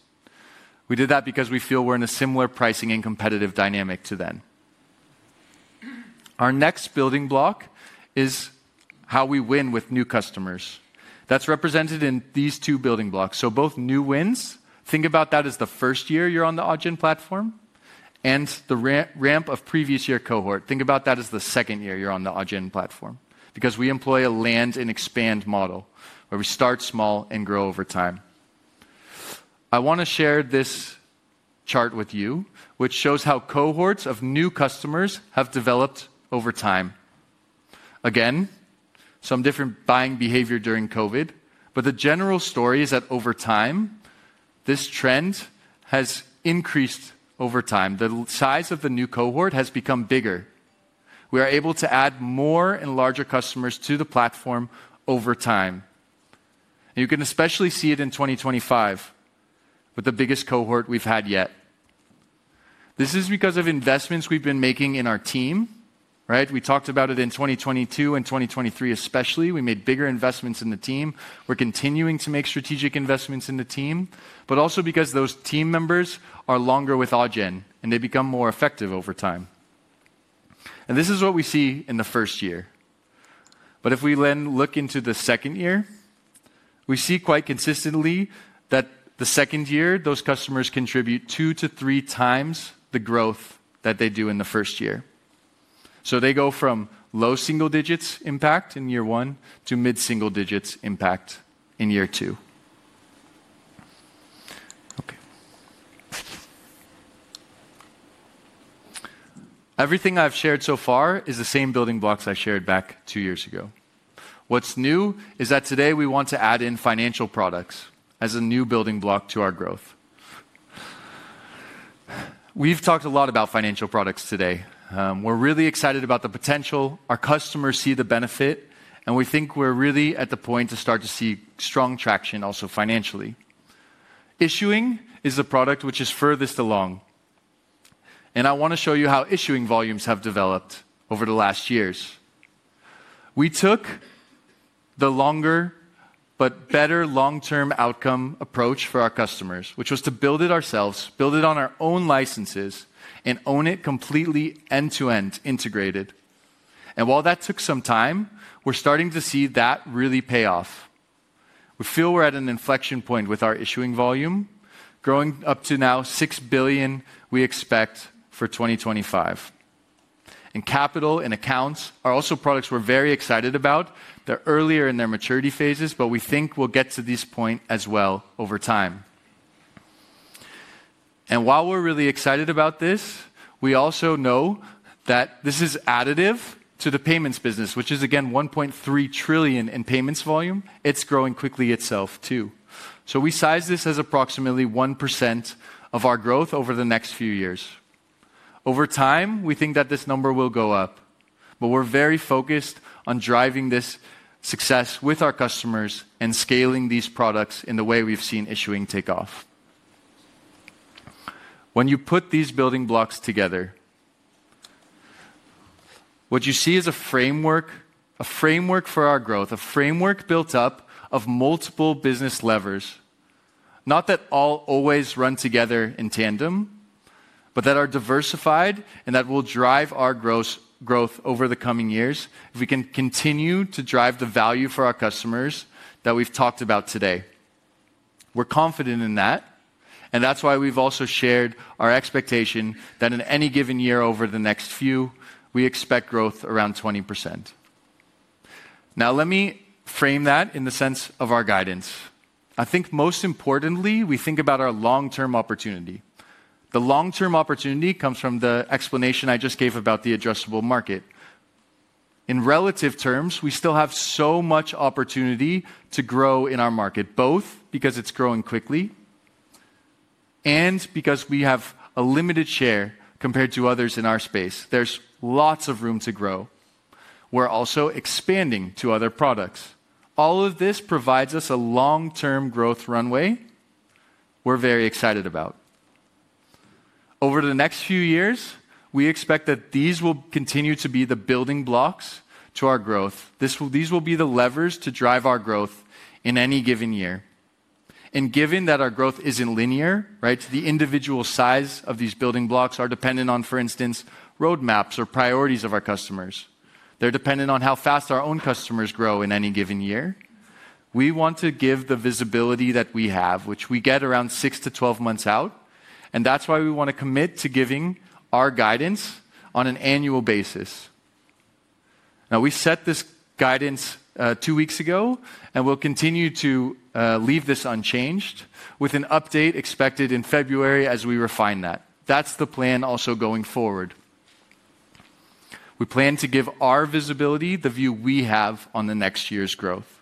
We did that because we feel we're in a similar pricing and competitive dynamic to then. Our next building block is how we win with new customers. That's represented in these two building blocks. Both new wins, think about that as the first year you're on the Adyen platform, and the ramp of previous year cohort, think about that as the second year you're on the Adyen platform, because we employ a land and expand model where we start small and grow over time. I want to share this chart with you, which shows how cohorts of new customers have developed over time. Again, some different buying behavior during COVID, but the general story is that over time, this trend has increased over time. The size of the new cohort has become bigger. We are able to add more and larger customers to the platform over time. You can especially see it in 2025 with the biggest cohort we've had yet. This is because of investments we've been making in our team, right? We talked about it in 2022 and 2023, especially. We made bigger investments in the team. We're continuing to make strategic investments in the team, but also because those team members are longer with Adyen and they become more effective over time. This is what we see in the first year. If we then look into the second year, we see quite consistently that the second year, those customers contribute 2x-3x the growth that they do in the first year. They go from low single digits impact in year one to mid-single digits impact in year two. Everything I've shared so far is the same building blocks I shared back two years ago. What's new is that today we want to add in financial products as a new building block to our growth. We've talked a lot about financial products today. We're really excited about the potential our customers see the benefit, and we think we're really at the point to start to see strong traction also financially. Issuing is the product which is furthest along. I want to show you how issuing volumes have developed over the last years. We took the longer but better long-term outcome approach for our customers, which was to build it ourselves, build it on our own licenses, and own it completely end-to-end integrated. While that took some time, we're starting to see that really pay off. We feel we're at an inflection point with our issuing volume, growing up to now $6 billion we expect for 2025. Capital and accounts are also products we're very excited about. They're earlier in their maturity phases, but we think we'll get to this point as well over time. While we're really excited about this, we also know that this is additive to the payments business, which is again $1.3 trillion in payments volume. It's growing quickly itself too. We size this as approximately 1% of our growth over the next few years. Over time, we think that this number will go up, but we're very focused on driving this success with our customers and scaling these products in the way we've seen issuing take off. When you put these building blocks together, what you see is a framework, a framework for our growth, a framework built up of multiple business levers. Not that all always run together in tandem, but that are diversified and that will drive our growth over the coming years if we can continue to drive the value for our customers that we've talked about today. We're confident in that, and that's why we've also shared our expectation that in any given year over the next few, we expect growth around 20%. Now, let me frame that in the sense of our guidance. I think most importantly, we think about our long-term opportunity. The long-term opportunity comes from the explanation I just gave about the addressable market. In relative terms, we still have so much opportunity to grow in our market, both because it's growing quickly and because we have a limited share compared to others in our space. There's lots of room to grow. We're also expanding to other products. All of this provides us a long-term growth runway we're very excited about. Over the next few years, we expect that these will continue to be the building blocks to our growth. These will be the levers to drive our growth in any given year. Given that our growth is not linear, right? The individual size of these building blocks are dependent on, for instance, roadmaps or priorities of our customers. They are dependent on how fast our own customers grow in any given year. We want to give the visibility that we have, which we get around six to 12 months out. That is why we want to commit to giving our guidance on an annual basis. We set this guidance two weeks ago, and we will continue to leave this unchanged with an update expected in February as we refine that. That is the plan also going forward. We plan to give our visibility, the view we have on the next year's growth.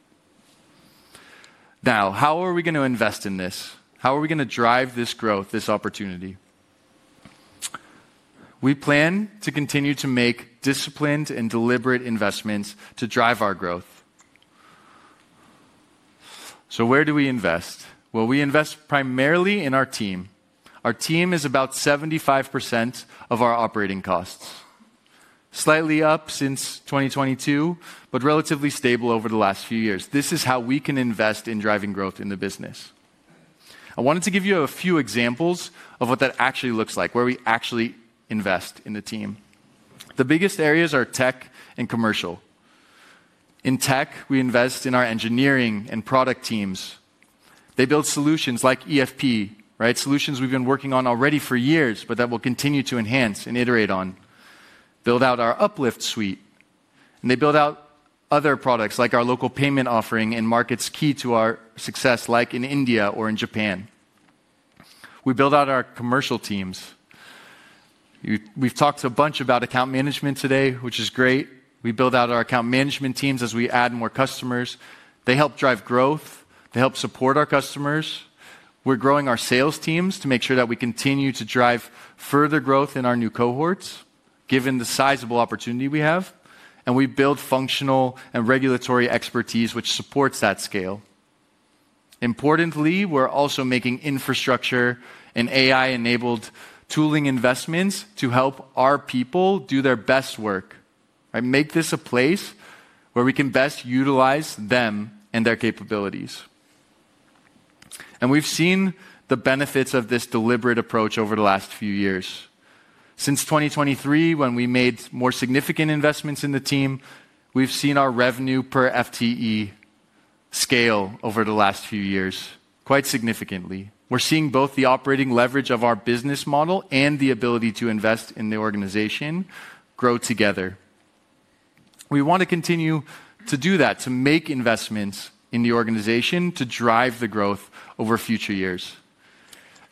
Now, how are we going to invest in this? How are we going to drive this growth, this opportunity? We plan to continue to make disciplined and deliberate investments to drive our growth. Where do we invest? We invest primarily in our team. Our team is about 75% of our operating costs, slightly up since 2022, but relatively stable over the last few years. This is how we can invest in driving growth in the business. I wanted to give you a few examples of what that actually looks like, where we actually invest in the team. The biggest areas are Tech and Commercial. In Tech, we invest in our engineering and product teams. They build solutions like EFP, right? Solutions we have been working on already for years, but that will continue to enhance and iterate on. Build out our Uplift suite, and they build out other products like our local payment offering in markets key to our success, like in India or in Japan. We build out our Commercial teams. We've talked a bunch about account management today, which is great. We build out our Account Management teams as we add more customers. They help drive growth. They help support our customers. We're growing our sales teams to make sure that we continue to drive further growth in our new cohorts, given the sizable opportunity we have. We build functional and regulatory expertise, which supports that scale. Importantly, we're also making infrastructure and AI-enabled tooling investments to help our people do their best work, right? Make this a place where we can best utilize them and their capabilities. We've seen the benefits of this deliberate approach over the last few years. Since 2023, when we made more significant investments in the team, we've seen our vrevenue per FTE scale over the last few years quite significantly. We're seeing both the operating leverage of our business model and the ability to invest in the organization grow together. We want to continue to do that, to make investments in the organization to drive the growth over future years.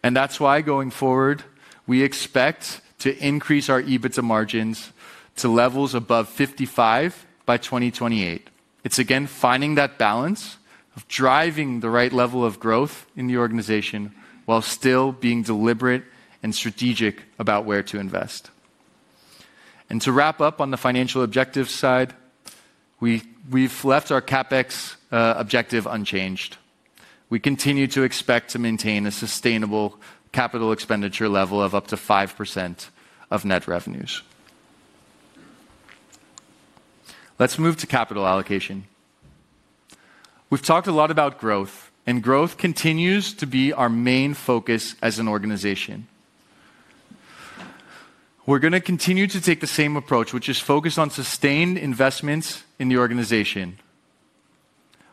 That is why going forward, we expect to increase our EBITDA margins to levels above 55% by 2028. It is again finding that balance of driving the right level of growth in the organization while still being deliberate and strategic about where to invest. To wrap up on the financial objective side, we've left our CapEx objective unchanged. We continue to expect to maintain a sustainable capital expenditure level of up to 5% of net revenues. Let's move to capital allocation. We've talked a lot about growth, and growth continues to be our main focus as an organization. We're going to continue to take the same approach, which is focused on sustained investments in the organization.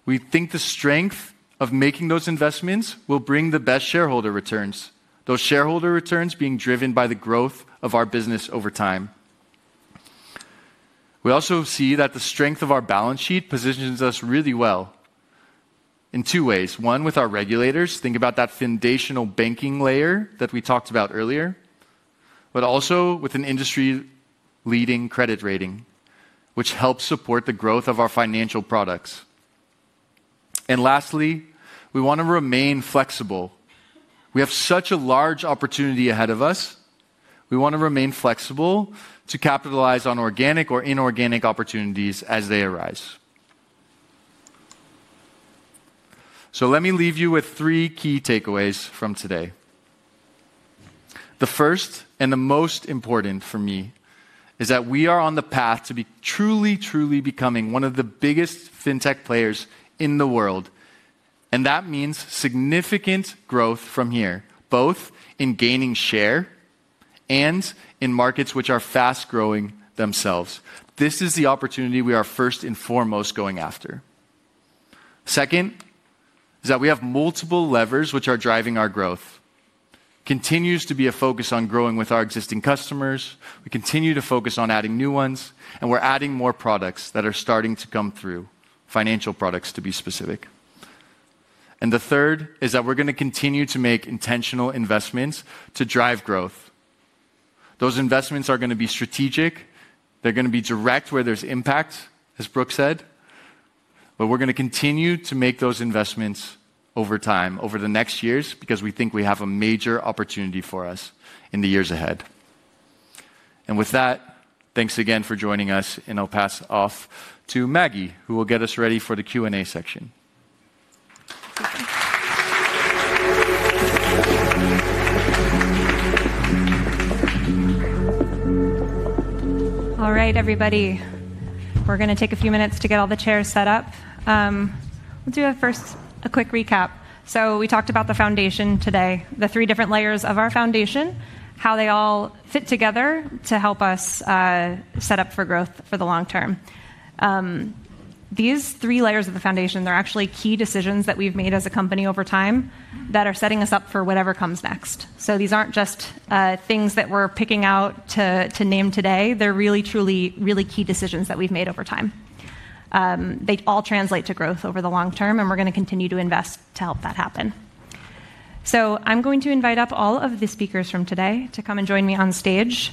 We think the strength of making those investments will bring the best shareholder returns, those shareholder returns being driven by the growth of our business over time. We also see that the strength of our balance sheet positions us really well in two ways. One, with our regulators. Think about that foundational banking layer that we talked about earlier, but also with an industry-leading credit rating, which helps support the growth of our financial products. Lastly, we want to remain flexible. We have such a large opportunity ahead of us. We want to remain flexible to capitalize on organic or inorganic opportunities as they arise. Let me leave you with three key takeaways from today. The first and the most important for me is that we are on the path to be truly, truly becoming one of the biggest FinTech players in the world. That means significant growth from here, both in gaining share and in markets which are fast-growing themselves. This is the opportunity we are first and foremost going after. Second is that we have multiple levers which are driving our growth. Continues to be a focus on growing with our existing customers. We continue to focus on adding new ones, and we're adding more products that are starting to come through, financial products to be specific. The third is that we're going to continue to make intentional investments to drive growth. Those investments are going to be strategic. They're going to be direct where there's impact, as Brooke said. We're going to continue to make those investments over time, over the next years, because we think we have a major opportunity for us in the years ahead. With that, thanks again for joining us, and I'll pass off to Maggie, who will get us ready for the Q&A section. All right, everybody. We're going to take a few minutes to get all the chairs set up. We'll do first, a quick recap. We talked about the foundation today, the three different layers of our foundation, how they all fit together to help us set up for growth for the lon-term. These three layers of the foundation, they're actually key decisions that we've made as a company over time that are setting us up for whatever comes next. These aren't just things that we're picking out to name today. They're really, truly, really key decisions that we've made over time. They all translate to growth over the long term, and we're going to continue to invest to help that happen. I am going to invite up all of the speakers from today to come and join me on stage.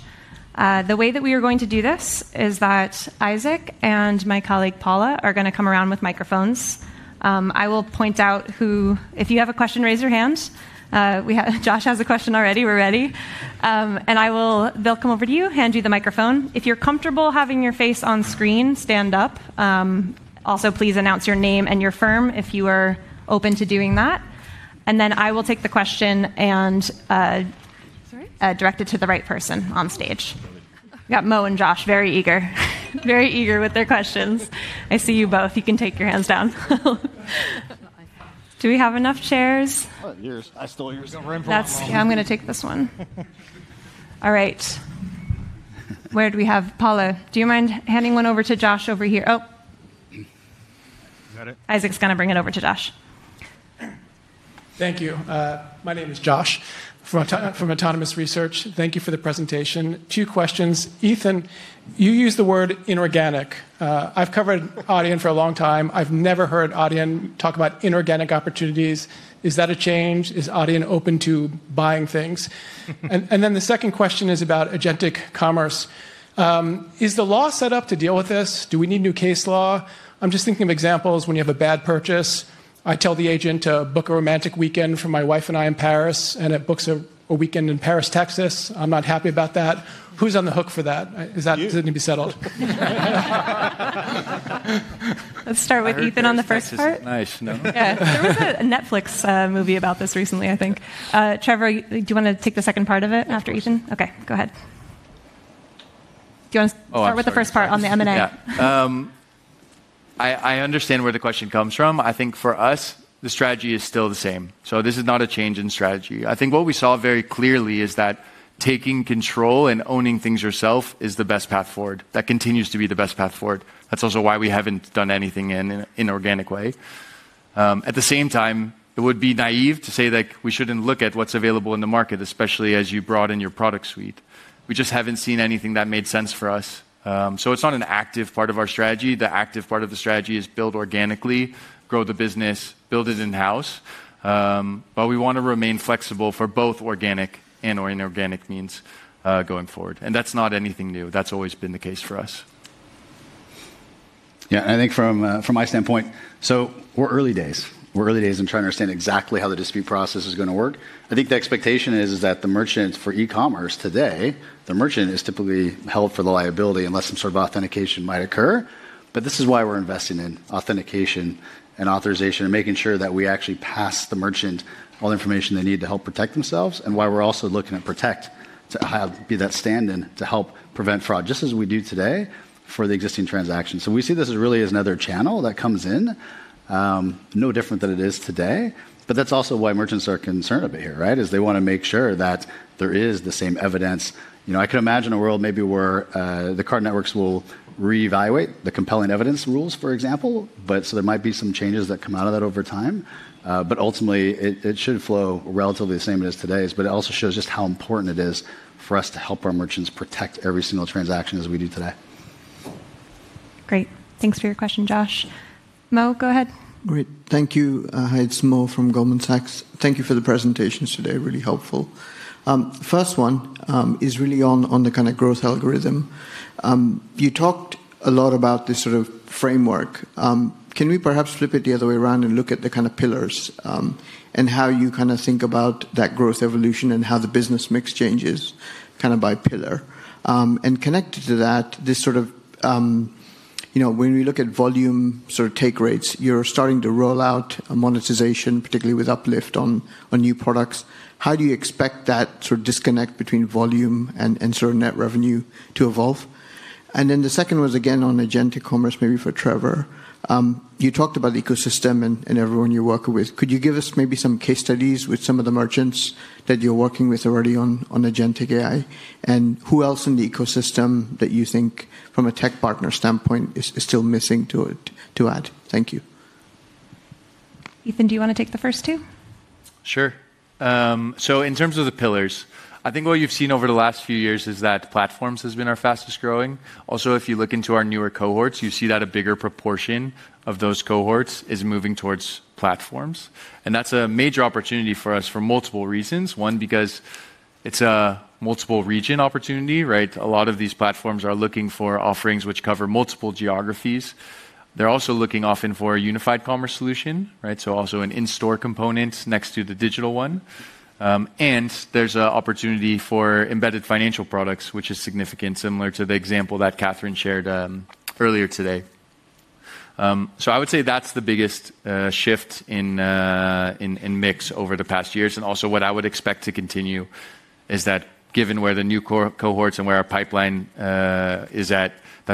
The way that we are going to do this is that Isaac and my colleague Paula are going to come around with microphones. I will point out who, if you have a question, raise your hand. Josh has a question already. We're ready. They will come over to you, hand you the microphone. If you're comfortable having your face on screen, stand up. Also, please announce your name and your firm if you are open to doing that. I will take the question and direct it to the right person on stage. Got Mo and Josh, very eager, very eager with their questions. I see you both. You can take your hands down. Do we have enough chairs? I'm going to take this one. All right. Where do we have Paula? Do you mind handing one over to Josh over here? Oh. Isaac's going to bring it over to Josh. Thank you. My name is Josh from Autonomous Research. Thank you for the presentation. Two questions. Ethan, you use the word inorganic. I've covered Adyen for a long time. I've never heard Adyen talk about inorganic opportunities. Is that a change? Is Adyen open to buying things? The second question is about Agentic Commerce. Is the law set up to deal with this? Do we need new case law? I'm just thinking of examples when you have a bad purchase. I tell the agent to book a romantic weekend for my wife and I in Paris, and it books a weekend in Paris, Texas. I'm not happy about that. Who's on the hook for that? Is that going to be settled? Let's start with Ethan on the first part. There was a Netflix movie about this recently, I think. Trevor, do you want to take the second part of it after Ethan? Okay, go ahead. Do you want to start with the first part on the M&A? I understand where the question comes from. I think for us, the strategy is still the same. This is not a change in strategy. I think what we saw very clearly is that taking control and owning things yourself is the best path forward. That continues to be the best path forward. That's also why we haven't done anything in an inorganic way. At the same time, it would be naive to say that we shouldn't look at what's available in the market, especially as you broaden your product suite. We just haven't seen anything that made sense for us. It is not an active part of our strategy. The active part of the strategy is build organically, grow the business, build it in-house. We want to remain flexible for both organic and inorganic means going forward. That is not anything new. That has always been the case for us. Yeah, I think from my standpoint, we're early days. We're early days in trying to understand exactly how the dispute process is going to work. I think the expectation is that the merchant for e-commerce today, the merchant is typically held for the liability unless some sort of authentication might occur. This is why we're investing in authentication and authorization and making sure that we actually pass the merchant all the information they need to help protect themselves, and why we're also looking to protect, to be that stand-in to help prevent fraud, just as we do today for the existing transaction. We see this really as another channel that comes in, no different than it is today. That's also why merchants are concerned about here, right? They want to make sure that there is the same evidence. I could imagine a world maybe where the card networks will reevaluate the compelling evidence rules, for example. There might be some changes that come out of that over time. Ultimately, it should flow relatively the same as today's. It also shows just how important it is for us to help our merchants protect every single transaction as we do today. Great. Thanks for your question, Josh. Mo, go ahead. Great. Thank you. It's Mo from Goldman Sachs. Thank you for the presentations today. Really helpful. First one is really on the kind of growth algorithm. You talked a lot about this sort of framework. Can we perhaps flip it the other way around and look at the kind of pillars and how you kind of think about that growth evolution and how the business mix changes kind of by pillar? Connected to that, this sort of when we look at volume sort of take rates, you're starting to roll out a monetization, particularly with Uplift on new products. How do you expect that sort of disconnect between volume and sort of net revenue to evolve? Then the second was again on Agentic Commerce, maybe for Trevor. You talked about the ecosystem and everyone you work with. Could you give us maybe some case studies with some of the merchants that you're working with already on Agentic AI? And who else in the ecosystem that you think from a tech partner standpoint is still missing to add? Thank you. Ethan, do you want to take the first two? Sure. In terms of the pillars, I think what you've seen over the last few years is that platforms has been our fastest growing. Also, if you look into our newer cohorts, you see that a bigger proportion of those cohorts is moving towards platforms. That's a major opportunity for us for multiple reasons. One, because it's a multiple region opportunity, right? A lot of these platforms are looking for offerings which cover multiple geographies. They're also looking often for a unified commerce solution, right? Also an in-store component next to the digital one. There's an opportunity for embedded financial products, which is significant, similar to the example that Catherine shared earlier today. I would say that's the biggest shift in mix over the past years. What I would expect to continue is that given where the new cohorts and where our pipeline is at,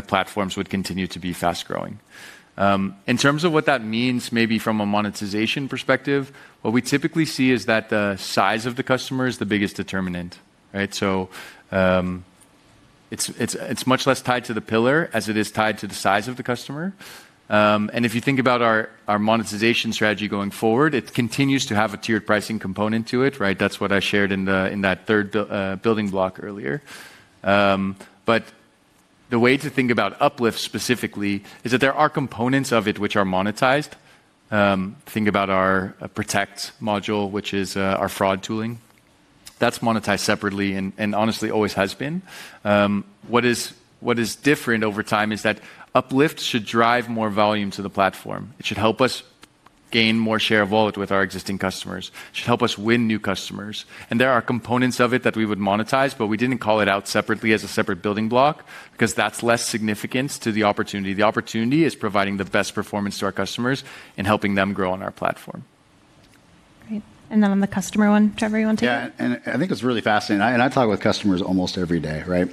platforms would continue to be fast growing. In terms of what that means, maybe from a monetization perspective, what we typically see is that the size of the customer is the biggest determinant, right? It's much less tied to the pillar as it is tied to the size of the customer. If you think about our monetization strategy going forward, it continues to have a tiered pricing component to it, right? That's what I shared in that third building block earlier. The way to think about Uplift specifically is that there are components of it which are monetized. Think about our Protect module, which is our fraud tooling. That's monetized separately and honestly always has been. What is different over time is that Uplift should drive more volume to the platform. It should help us gain more share of wallet with our existing customers. It should help us win new customers. There are components of it that we would monetize, but we didn't call it out separately as a separate building block because that's less significant to the opportunity. The opportunity is providing the best performance to our customers and helping them grow on our platform. Great. On the customer one, Trevor, you want to? Yeah. I think it's really fascinating. I talk with customers almost every day, right?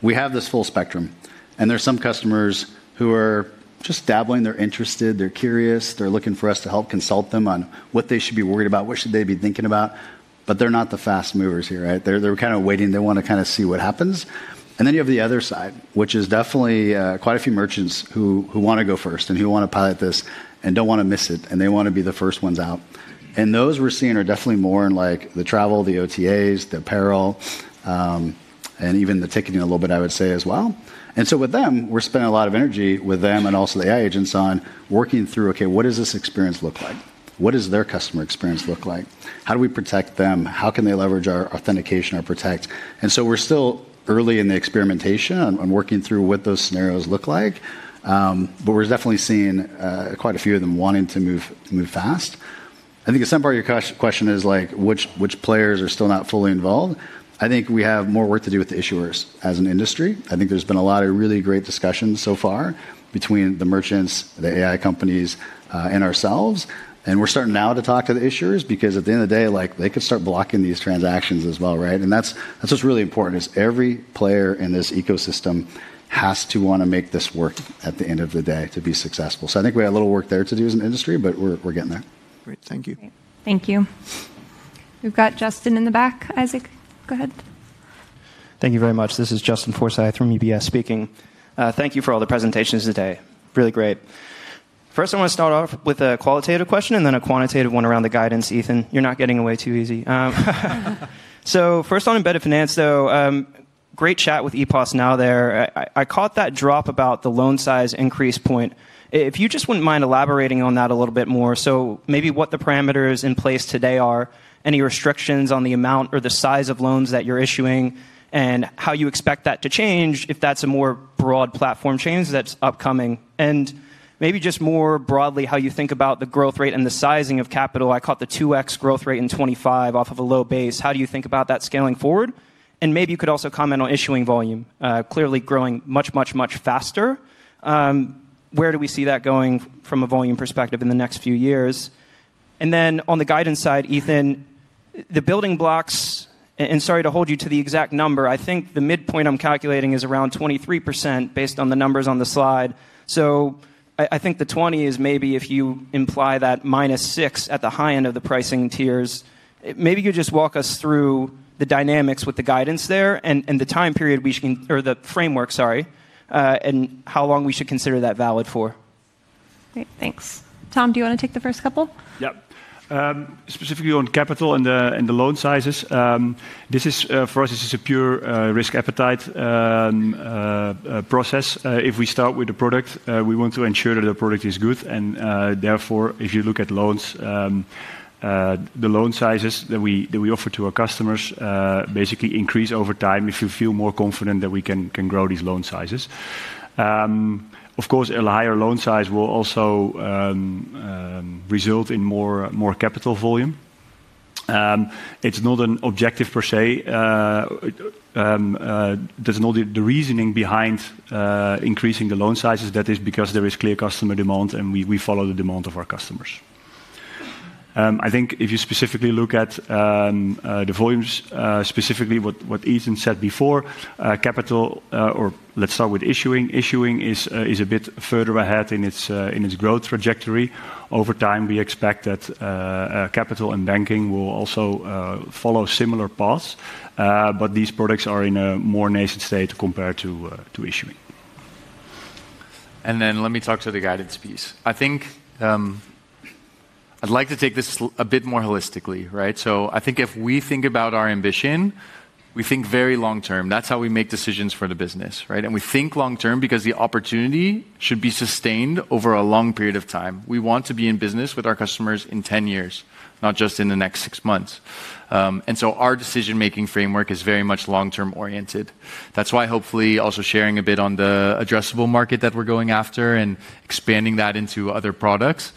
We have this full spectrum. There are some customers who are just dabbling. They're interested. They're curious. They're looking for us to help consult them on what they should be worried about, what should they be thinking about. They're not the fast movers here, right? They're kind of waiting. They want to kind of see what happens. You have the other side, which is definitely quite a few merchants who want to go first and who want to pilot this and don't want to miss it, and they want to be the first ones out. Those we're seeing are definitely more in like the travel, the OTAs, the apparel, and even the ticketing a little bit, I would say, as well. With them, we're spending a lot of energy with them and also the AI agents on working through, okay, what does this experience look like? What does their customer experience look like? How do we protect them? How can they leverage our Authentication or Protect? We're still early in the experimentation and working through what those scenarios look like. We're definitely seeing quite a few of them wanting to move fast. I think a simple question is, which players are still not fully involved? I think we have more work to do with the issuers as an industry. There's been a lot of really great discussions so far between the merchants, the AI companies, and ourselves. We're starting now to talk to the issuers because at the end of the day, they could start blocking these transactions as well, right? That's what's really important is every player in this ecosystem has to want to make this work at the end of the day to be successful. I think we have a little work there to do as an industry, but we're getting there. Great. Thank you. Thank you. We've got Justin in the back. Isaac, go ahead. Thank you very much. This is Justin Forsythe from UBS speaking. Thank you for all the presentations today. Really great. First, I want to start off with a qualitative question and then a quantitative one around the guidance, Ethan. You're not getting away too easy. First on embedded finance, though, great chat with Epos Now there. I caught that drop about the loan size increase point. If you just wouldn't mind elaborating on that a little bit more. Maybe what the parameters in place today are, any restrictions on the amount or the size of loans that you're issuing, and how you expect that to change if that's a more broad platform change that's upcoming. Maybe just more broadly, how you think about the growth rate and the sizing of capital. I caught the 2x growth rate in 2025 off of a low base. How do you think about that scaling forward? Maybe you could also comment on issuing volume, clearly growing much, much, much faster. Where do we see that going from a volume perspective in the next few years? On the guidance side, Ethan, the building blocks, and sorry to hold you to the exact number, I think the midpoint I'm calculating is around 23% based on the numbers on the slide. I think the 20% is maybe if you imply that -6%at the high end of the pricing tiers, maybe you just walk us through the dynamics with the guidance there and the time period we can, or the framework, sorry, and how long we should consider that valid for. Great. Thanks. Thom, do you want to take the first couple? Yeah. Specifically on capital and the loan sizes, this is for us, this is a pure risk appetite process. If we start with the product, we want to ensure that the product is good. And therefore, if you look at loans, the loan sizes that we offer to our customers basically increase over time if you feel more confident that we can grow these loan sizes. Of course, a higher loan size will also result in more capital volume. It's not an objective per se. The reasoning behind increasing the loan sizes, that is because there is clear customer demand and we follow the demand of our customers. I think if you specifically look at the volumes, specifically what Ethan said before, capital, or let's start with issuing, issuing is a bit further ahead in its growth trajectory. Over time, we expect that capital and banking will also follow similar paths. These products are in a more nascent state compared to issuing. Let me talk to the guidance piece. I think I'd like to take this a bit more holistically, right? I think if we think about our ambition, we think very long term. That's how we make decisions for the business, right? We think long term because the opportunity should be sustained over a long period of time. We want to be in business with our customers in 10 years, not just in the next six months. Our decision-making framework is very much long-term oriented. That is why hopefully also sharing a bit on the addressable market that we are going after and expanding that into other products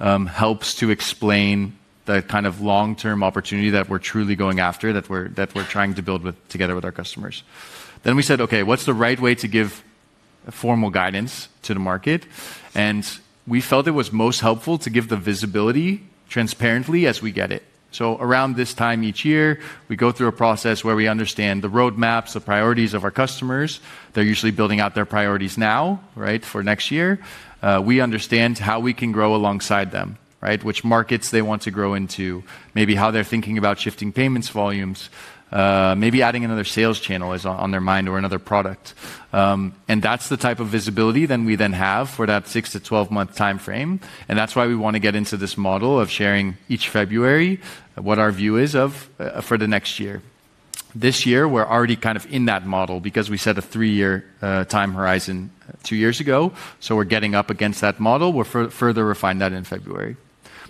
helps to explain the kind of long-term opportunity that we are truly going after, that we are trying to build together with our customers. We said, okay, what is the right way to give formal guidance to the market? We felt it was most helpful to give the visibility transparently as we get it. Around this time each year, we go through a process where we understand the roadmaps, the priorities of our customers. They are usually building out their priorities now, right, for next year. We understand how we can grow alongside them, right? Which markets they want to grow into, maybe how they're thinking about shifting payments volumes, maybe adding another sales channel on their mind or another product. That's the type of visibility we then have for that six to 12 month time frame. That's why we want to get into this model of sharing each February what our view is for the next year. This year, we're already kind of in that model because we set a three-year time horizon two years ago. We're getting up against that model. We'll further refine that in February.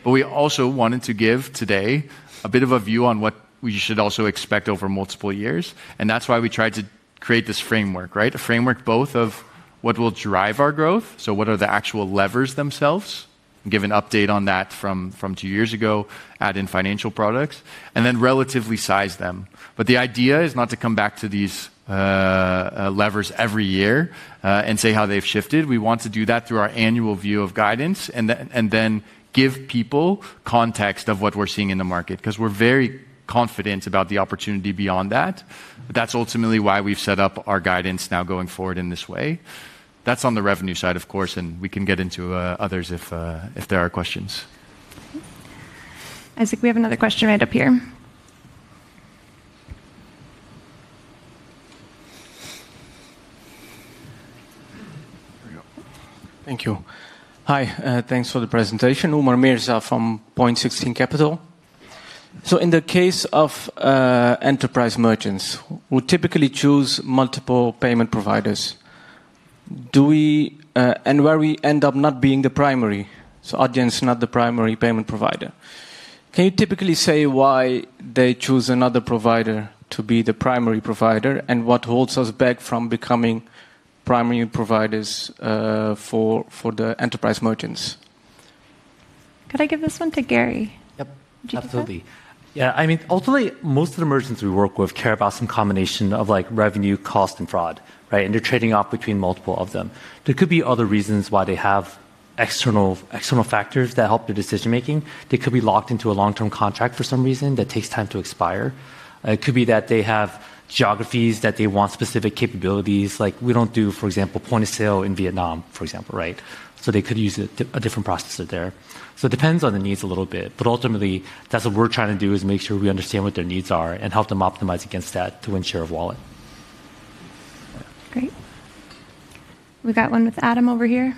We also wanted to give today a bit of a view on what we should also expect over multiple years. That's why we tried to create this framework, right? A framework both of what will drive our growth, so what are the actual levers themselves, give an update on that from two years ago, add in financial products, and then relatively size them. The idea is not to come back to these levers every year and say how they've shifted. We want to do that through our annual view of guidance and then give people context of what we're seeing in the market because we're very confident about the opportunity beyond that. That's ultimately why we've set up our guidance now going forward in this way. That's on the revenue side, of course, and we can get into others if there are questions. Isaac, we have another question right up here. Thank you. Hi. Thanks for the presentation. Umar Mirza from Point Sixteen Capital. In the case of enterprise merchants, we typically choose multiple payment providers. Where we end up not being the primary, so Adyen not the primary payment provider. Can you typically say why they choose another provider to be the primary provider and what holds us back from becoming primary providers for the enterprise merchants? Could I give this one to Gary? Yep. Absolutely. Yeah. I mean, ultimately, most of the merchants we work with care about some combination of revenue, cost, and fraud, right? And they're trading off between multiple of them. There could be other reasons why they have external factors that help the decision-making. They could be locked into a long-term contract for some reason that takes time to expire. It could be that they have geographies that they want specific capabilities. Like we don't do, for example, point of sale in Vietnam, for example, right? So they could use a different processor there. It depends on the needs a little bit. Ultimately, that's what we're trying to do, make sure we understand what their needs are and help them optimize against that to win share of wallet. Great. We got one with Adam over here.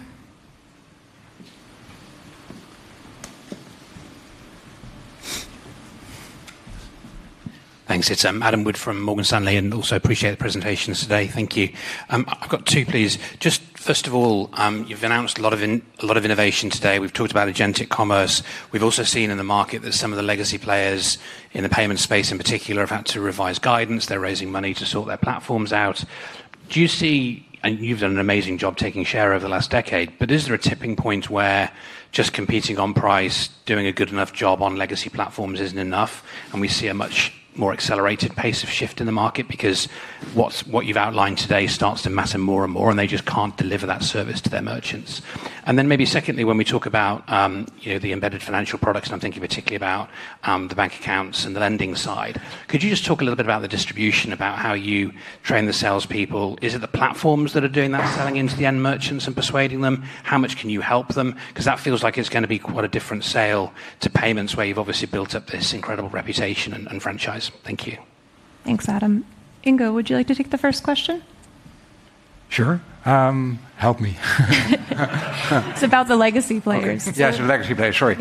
Thanks. It's Adam Wood from Morgan Stanley. Also appreciate the presentations today. Thank you. I've got two, please. First of all, you've announced a lot of innovation today. We've talked about Agentic Commerce. We've also seen in the market that some of the legacy players in the payment space in particular have had to revise guidance. They're raising money to sort their platforms out. Do you see, and you've done an amazing job taking share over the last decade, is there a tipping point where just competing on price, doing a good enough job on legacy platforms isn't enough? We see a much more accelerated pace of shift in the market because what you have outlined today starts to matter more and more and they just cannot deliver that service to their merchants. Maybe secondly, when we talk about the embedded financial products, I am thinking particularly about the bank accounts and the lending side. Could you just talk a little bit about the distribution, about how you train the salespeople? Is it the platforms that are doing that selling into the end merchants and persuading them? How much can you help them? Because that feels like it is going to be quite a different sale to payments where you have obviously built up this incredible reputation and franchise. Thank you. Thanks, Adam. Ingo, would you like to take the first question? Sure. Help me. It is about the legacy players. Yeah, so legacy players, sorry.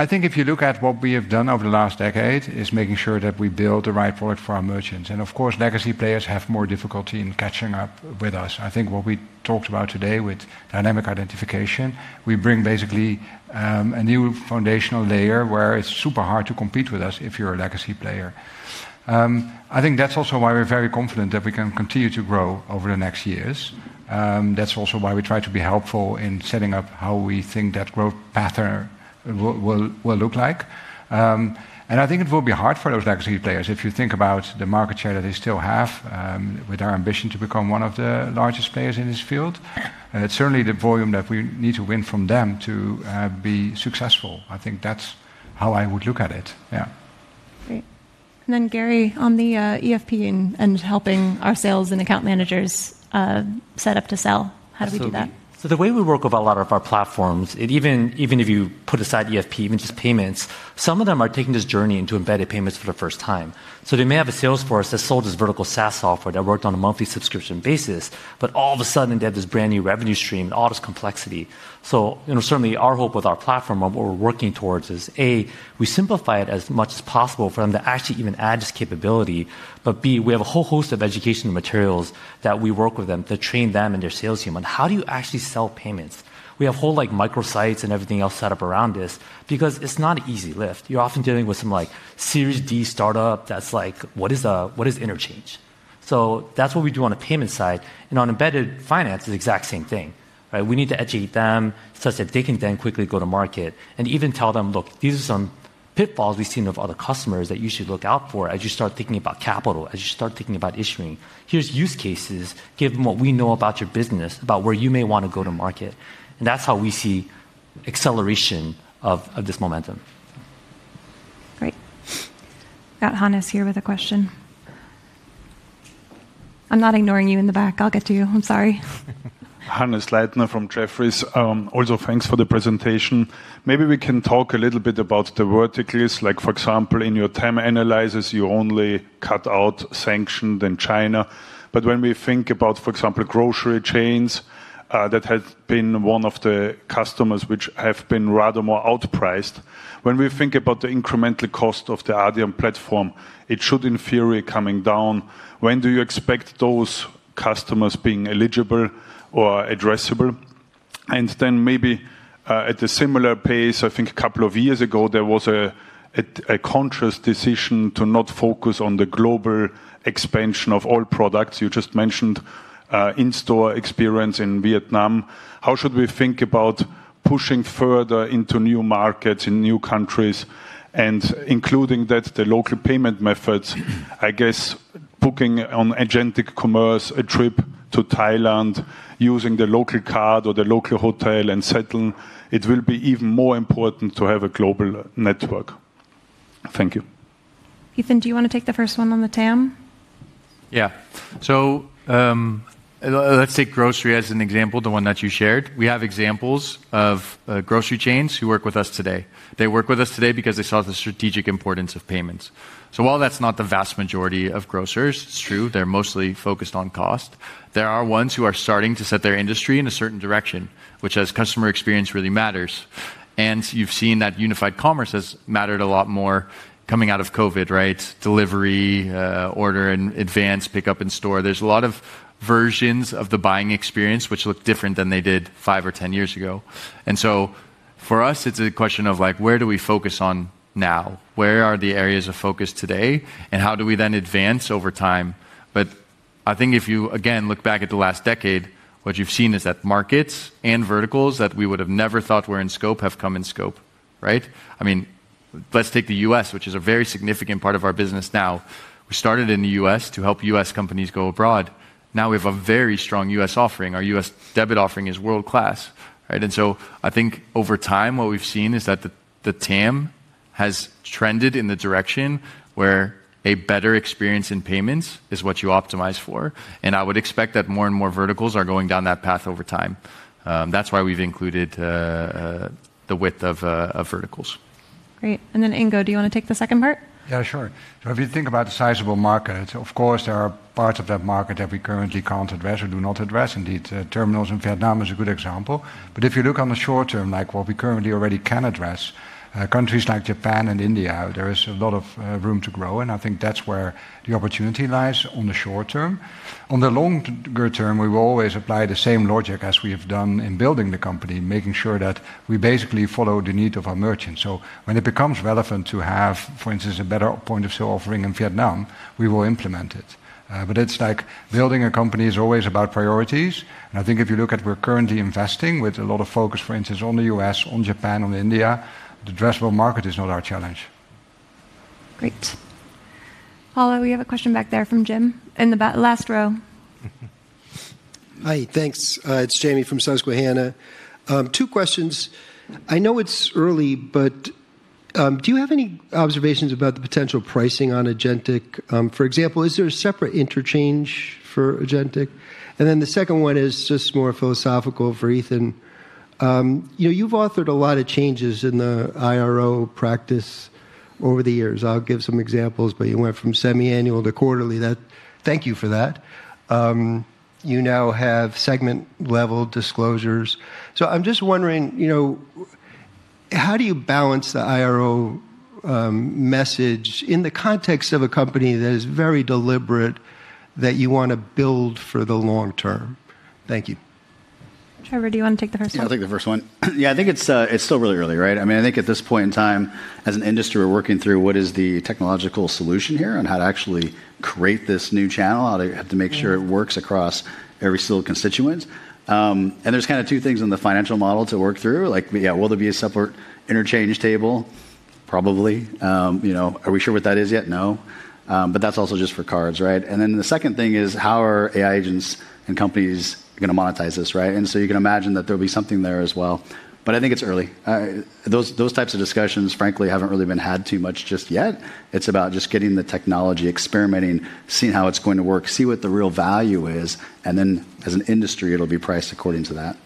I think if you look at what we have done over the last decade, it is making sure that we build the right product for our merchants. Of course, legacy players have more difficulty in catching up with us. I think what we talked about today with Dynamic Identification, we bring basically a new foundational layer where it is super hard to compete with us if you are a legacy player. I think that is also why we are very confident that we can continue to grow over the next years. That is also why we try to be helpful in setting up how we think that growth pattern will look like. I think it will be hard for those legacy players if you think about the market share that they still have with our ambition to become one of the largest players in this field. It's certainly the volume that we need to win from them to be successful. I think that's how I would look at it. Yeah. Great. Then Gary, on the EFP and helping our sales and account managers set up to sell, how do we do that? The way we work with a lot of our platforms, even if you put aside EFP, even just payments, some of them are taking this journey into embedded payments for the first time. They may have a sales force that sold as vertical SaaS software that worked on a monthly subscription basis, but all of a sudden they have this brand new revenue stream and all this complexity. Certainly our hope with our platform, what we're working towards is, A, we simplify it as much as possible for them to actually even add this capability, but B, we have a whole host of educational materials that we work with them to train them and their sales team on how do you actually sell payments. We have whole microsites and everything else set up around this because it's not an easy lift. You're often dealing with some series D startup that's like, what is interchange? That's what we do on a payment side. On embedded finance, it's the exact same thing. We need to educate them such that they can then quickly go to market and even tell them, look, these are some pitfalls we've seen of other customers that you should look out for as you start thinking about capital, as you start thinking about issuing. Here's use cases. Give them what we know about your business, about where you may want to go to market. And that's how we see acceleration of this momentum. Great. We've got Hannes here with a question. I'm not ignoring you in the back. I'll get to you. I'm sorry. Hannes Leitner from Jefferies. Also, thanks for the presentation. Maybe we can talk a little bit about the verticals. Like for example, in your TEM analysis, you only cut out sanctioned in China. When we think about, for example, grocery chains, that has been one of the customers which have been rather more outpriced. When we think about the incremental cost of the Adyen platform, it should in theory be coming down. When do you expect those customers being eligible or addressable? Maybe at a similar pace, I think a couple of years ago, there was a conscious decision to not focus on the global expansion of all products. You just mentioned in-store experience in Vietnam. How should we think about pushing further into new markets in new countries and including that, the local payment methods? I guess booking on Agentic Commerce, a trip to Thailand, using the local card or the local hotel and settle, it will be even more important to have a global network. Thank you. Ethan, do you want to take the first one on the TAM? Yeah. Let's take grocery as an example, the one that you shared. We have examples of grocery chains who work with us today. They work with us today because they saw the strategic importance of payments. While that's not the vast majority of grocers, it's true, they're mostly focused on cost. There are ones who are starting to set their industry in a certain direction, which has customer experience really matters. You have seen that unified commerce has mattered a lot more coming out of COVID, right? Delivery, order in advance, pick up in-store. There are a lot of versions of the buying experience which look different than they did five or 10 years ago. For us, it's a question of where do we focus on now? Where are the areas of focus today and how do we then advance over time? If you again look back at the last decade, what you've seen is that markets and verticals that we would have never thought were in scope have come in scope, right? I mean, let's take the U.S., which is a very significant part of our business now. We started in the U.S. to help U.S. companies go abroad. Now we have a very strong U.S. offering. Our U.S. debit offering is world class, right? I think over time, what we've seen is that the TAM has trended in the direction where a better experience in payments is what you optimize for. I would expect that more and more verticals are going down that path over time. That's why we've included the width of verticals. Great. Then Ingo, do you want to take the second part? Yeah, sure. If you think about the sizable market, of course, there are parts of that market that we currently cannot address or do not address. Terminals in Vietnam is a good example. If you look on the short term, like what we currently already can address, countries like Japan and India, there is a lot of room to grow. I think that is where the opportunity lies on the short-term. On the longer-term, we will always apply the same logic as we have done in building the company, making sure that we basically follow the need of our merchants. When it becomes relevant to have, for instance, a better point of sale offering in Vietnam, we will implement it. Building a company is always about priorities. I think if you look at where we're currently investing with a lot of focus, for instance, on the U.S., on Japan, on India, the addressable market is not our challenge. Great. Paula, we have a question back there from Jamie in the last row. Hi, thanks. It's Jamie from Susquehanna. Two questions. I know it's early, but do you have any observations about the potential pricing on agentic? For example, is there a separate interchange for agentic? And then the second one is just more philosophical for Ethan. You've authored a lot of changes in the IRO practice over the years. I'll give some examples, but you went from semi-annual to quarterly. Thank you for that. You now have segment-level disclosures. I'm just wondering, how do you balance the IRO message in the context of a company that is very deliberate that you want to build for the long-term? Thank you. Trevor, do you want to take the first one? Yeah, I'll take the first one. Yeah, I think it's still really early, right? I mean, I think at this point in time, as an industry, we're working through what is the technological solution here and how to actually create this new channel, how to make sure it works across every single constituent. There's kind of two things in the financial model to work through. Like, yeah, will there be a separate interchange table? Probably. Are we sure what that is yet? No. That's also just for cards, right? The second thing is how are AI agents and companies going to monetize this, right? You can imagine that there'll be something there as well. I think it's early. Those types of discussions, frankly, haven't really been had too much just yet. It's about just getting the technology, experimenting, seeing how it's going to work, see what the real value is. As an industry, it'll be priced according to that.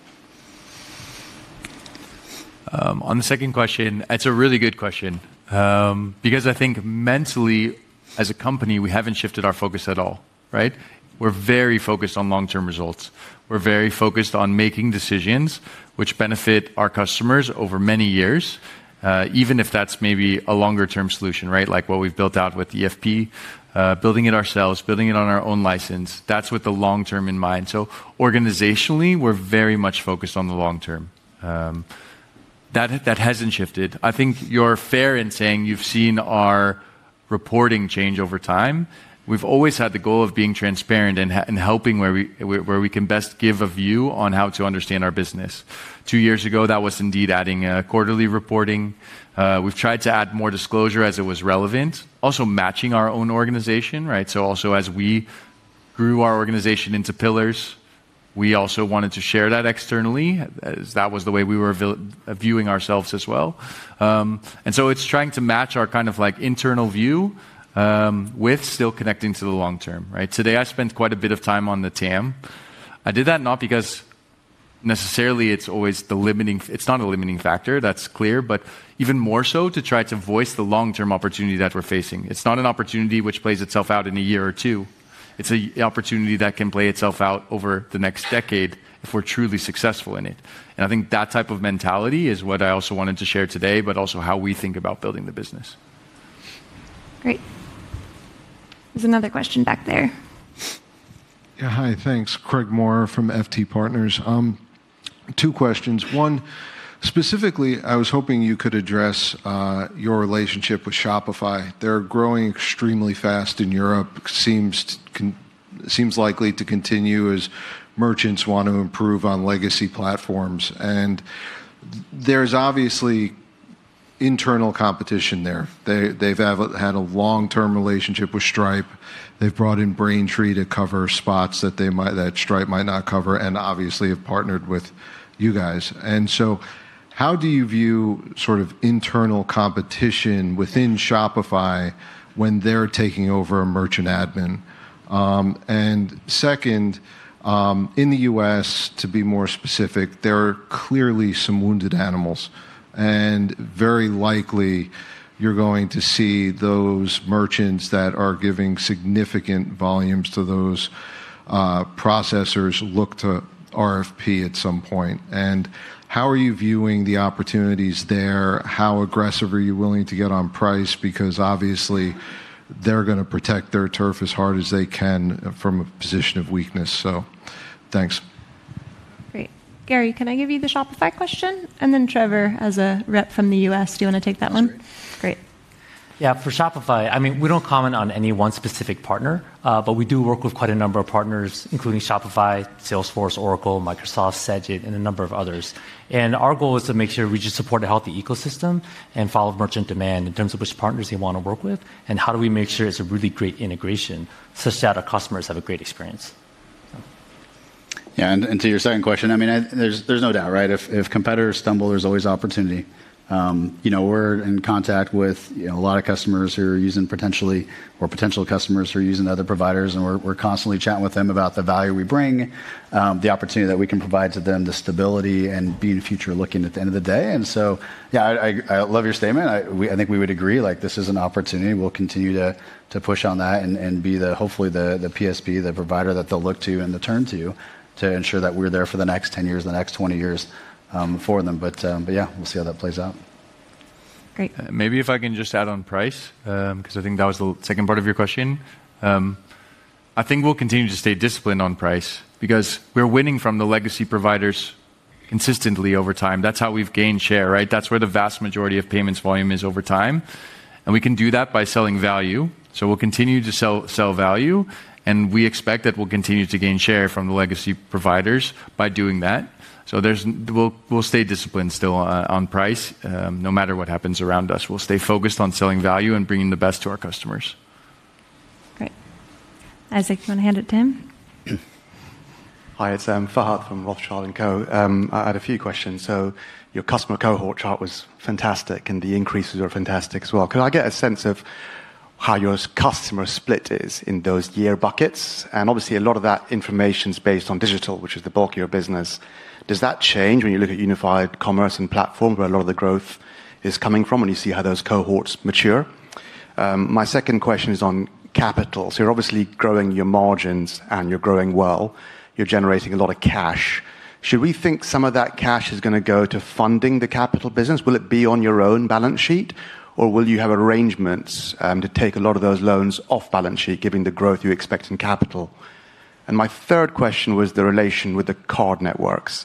On the second question, it's a really good question. I think mentally, as a company, we haven't shifted our focus at all, right? We're very focused on long-term results. We're very focused on making decisions which benefit our customers over many years, even if that's maybe a longer-term solution, right? Like what we've built out with EFP, building it ourselves, building it on our own license. That's with the long-term in mind. Organizationally, we're very much focused on the long-term. That hasn't shifted. I think you're fair in saying you've seen our reporting change over time. We've always had the goal of being transparent and helping where we can best give a view on how to understand our business. Two years ago, that was indeed adding a quarterly reporting. We've tried to add more disclosure as it was relevant, also matching our own organization, right? As we grew our organization into pillars, we also wanted to share that externally. That was the way we were viewing ourselves as well. It's trying to match our kind of internal view with still connecting to the long-term, right? Today, I spent quite a bit of time on the TAM. I did that not because necessarily it's always the limiting—it is not a limiting factor, that's clear—but even more so to try to voice the long-term opportunity that we're facing. It's not an opportunity which plays itself out in a year or two. It's an opportunity that can play itself out over the next decade if we're truly successful in it. I think that type of mentality is what I also wanted to share today, but also how we think about building the business. Great. There's another question back there. Yeah, hi, thanks. Craig Moore from FT Partners. Two questions. One, specifically, I was hoping you could address your relationship with Shopify. They're growing extremely fast in Europe. It seems likely to continue as merchants want to improve on legacy platforms. There's obviously internal competition there. They've had a long-term relationship with Stripe. They've brought in Braintree to cover spots that Stripe might not cover and obviously have partnered with you guys. How do you view sort of internal competition within Shopify when they're taking over merchant admin? In the U.S., to be more specific, there are clearly some wounded animals. Very likely you're going to see those merchants that are giving significant volumes to those processors look to RFP at some point. How are you viewing the opportunities there? How aggressive are you willing to get on price? Obviously they're going to protect their turf as hard as they can from a position of weakness. Thanks. Great. Gary, can I give you the Shopify question? Trevor, as a rep from the U.S., do you want to take that one? Yes, sure. Great. Yeah, for Shopify, I mean, we do not comment on any one specific partner, but we do work with quite a number of partners, including Shopify, Salesforce, Oracle, Microsoft, Sedgwick, and a number of others. Our goal is to make sure we just support a healthy ecosystem and follow merchant demand in terms of which partners they want to work with and how do we make sure it is a really great integration such that our customers have a great experience. Yeah, and to your second question, I mean, there is no doubt, right? If competitors stumble, there is always opportunity. We are in contact with a lot of customers who are using potentially or potential customers who are using other providers, and we are constantly chatting with them about the value we bring, the opportunity that we can provide to them, the stability and being future-looking at the end of the day. Yeah, I love your statement. I think we would agree. This is an opportunity. We'll continue to push on that and be hopefully the PSP, the provider that they'll look to and turn to to ensure that we're there for the next 10 years, the next 20 years for them. We'll see how that plays out. Great. Maybe if I can just add on price, because I think that was the second part of your question. I think we'll continue to stay disciplined on price because we're winning from the legacy providers consistently over time. That's how we've gained share, right? That's where the vast majority of payments volume is over time. We can do that by selling value. We'll continue to sell value, and we expect that we'll continue to gain share from the legacy providers by doing that. We'll stay disciplined still on price no matter what happens around us. We'll stay focused on selling value and bringing the best to our customers. Great. Isaac, do you want to hand it to him? Hi, it's Fahed from Rothschild & Co. I had a few questions. Your customer cohort chart was fantastic, and the increases are fantastic as well. Can I get a sense of how your customer split is in those year buckets? Obviously, a lot of that information is based on digital, which is the bulk of your business. Does that change when you look at unified commerce and platform where a lot of the growth is coming from when you see how those cohorts mature? My second question is on capital. You're obviously growing your margins and you're growing well. You're generating a lot of cash. Should we think some of that cash is going to go to funding the capital business? Will it be on your own balance sheet, or will you have arrangements to take a lot of those loans off balance sheet given the growth you expect in capital? My third question was the relation with the card networks.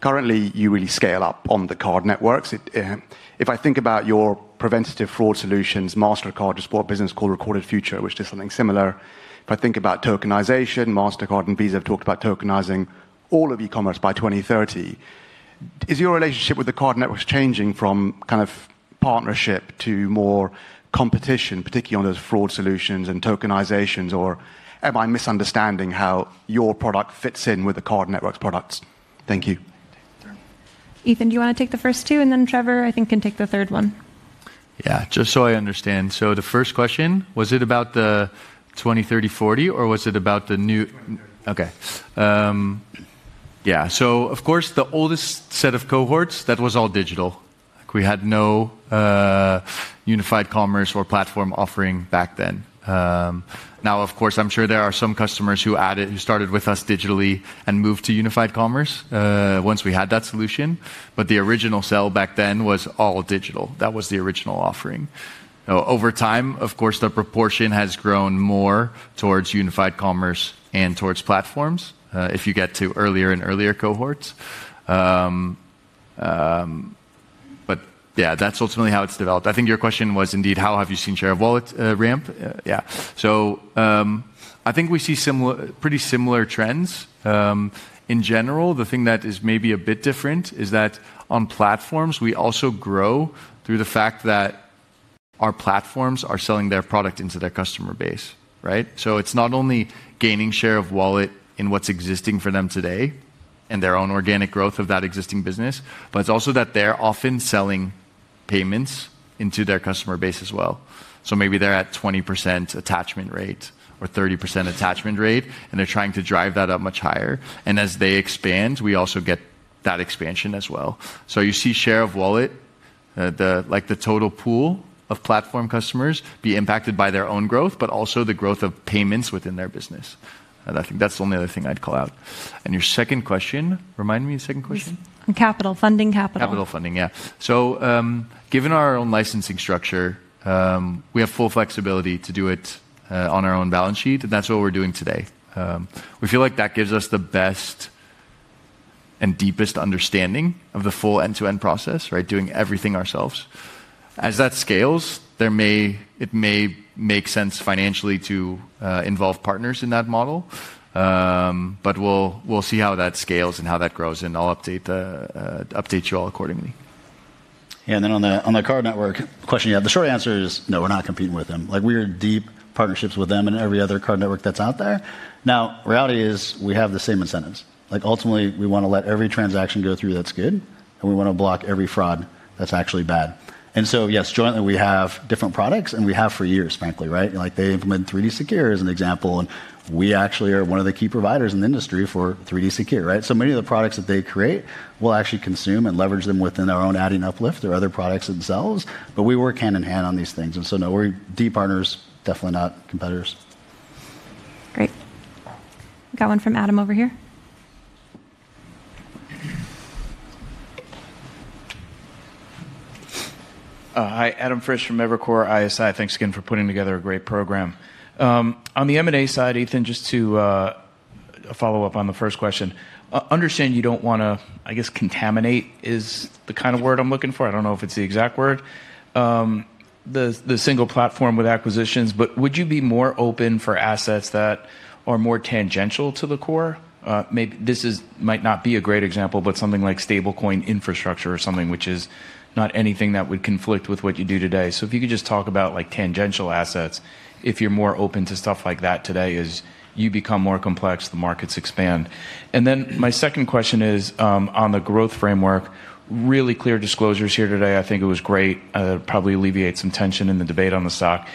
Currently, you really scale up on the card networks. If I think about your preventative fraud solutions, Mastercard, your sport business called Recorded Future, which does something similar. If I think about tokenization, Mastercard and Visa have talked about tokenizing all of e-commerce by 2030. Is your relationship with the card networks changing from kind of partnership to more competition, particularly on those fraud solutions and tokenizations, or am I misunderstanding how your product fits in with the card networks' products? Thank you. Ethan, do you want to take the first two? And then Trevor, I think, can take the third one. Yeah, just so I understand. The first question, was it about the 2030, 2040, or was it about the new? Okay. Of course, the oldest set of cohorts, that was all digital. We had no unified commerce or platform offering back then. Now, of course, I'm sure there are some customers who started with us digitally and moved to unified commerce once we had that solution. The original sale back then was all digital. That was the original offering. Over time, of course, the proportion has grown more towards unified commerce and towards platforms if you get to earlier and earlier cohorts. Yeah, that's ultimately how it's developed. I think your question was indeed, how have you seen share of wallet ramp? Yeah. I think we see pretty similar trends. In general, the thing that is maybe a bit different is that on platforms, we also grow through the fact that our platforms are selling their product into their customer base, right? It is not only gaining share of wallet in what is existing for them today and their own organic growth of that existing business, but it is also that they are often selling payments into their customer base as well. Maybe they are at 20% attachment rate or 30% attachment rate, and they are trying to drive that up much higher. As they expand, we also get that expansion as well. You see share of wallet, like the total pool of platform customers, be impacted by their own growth, but also the growth of payments within their business. I think that is the only other thing I would call out. Your second question, remind me of the second question? Capital funding, capital. Capital funding, yeah. Given our own licensing structure, we have full flexibility to do it on our own balance sheet, and that's what we're doing today. We feel like that gives us the best and deepest understanding of the full end-to-end process, right? Doing everything ourselves. As that scales, it may make sense financially to involve partners in that model. We will see how that scales and how that grows, and I'll update you all accordingly. Yeah, on the card network question, the short answer is no, we're not competing with them. We're in deep partnerships with them and every other card network that's out there. The reality is we have the same incentives. Ultimately, we want to let every transaction go through that's good, and we want to block every fraud that's actually bad. Yes, jointly, we have different products, and we have for years, frankly, right? They implemented 3Ds as an example, and we actually are one of the key providers in the industry for 3Ds, right? Many of the products that they create, we will actually consume and leverage them within our own Adyen Uplift or other products themselves. We work hand-in-hand on these things. No, we are deep partners, definitely not competitors. Great. We got one from Adam over here. Hi, Adam Frisch from Evercore ISI. Thanks again for putting together a great program. On the M&A side, Ethan, just to follow up on the first question, understand you do not want to, I guess, contaminate is the kind of word I am looking for. I do not know if it is the exact word, the Single Platform with acquisitions. Would you be more open for assets that are more tangential to the core? This might not be a great example, but something like stablecoin infrastructure or something which is not anything that would conflict with what you do today. If you could just talk about tangential assets, if you're more open to stuff like that today, as you become more complex, the markets expand. My second question is on the growth framework, really clear disclosures here today. I think it was great. It'll probably alleviate some tension in the debate on the stock.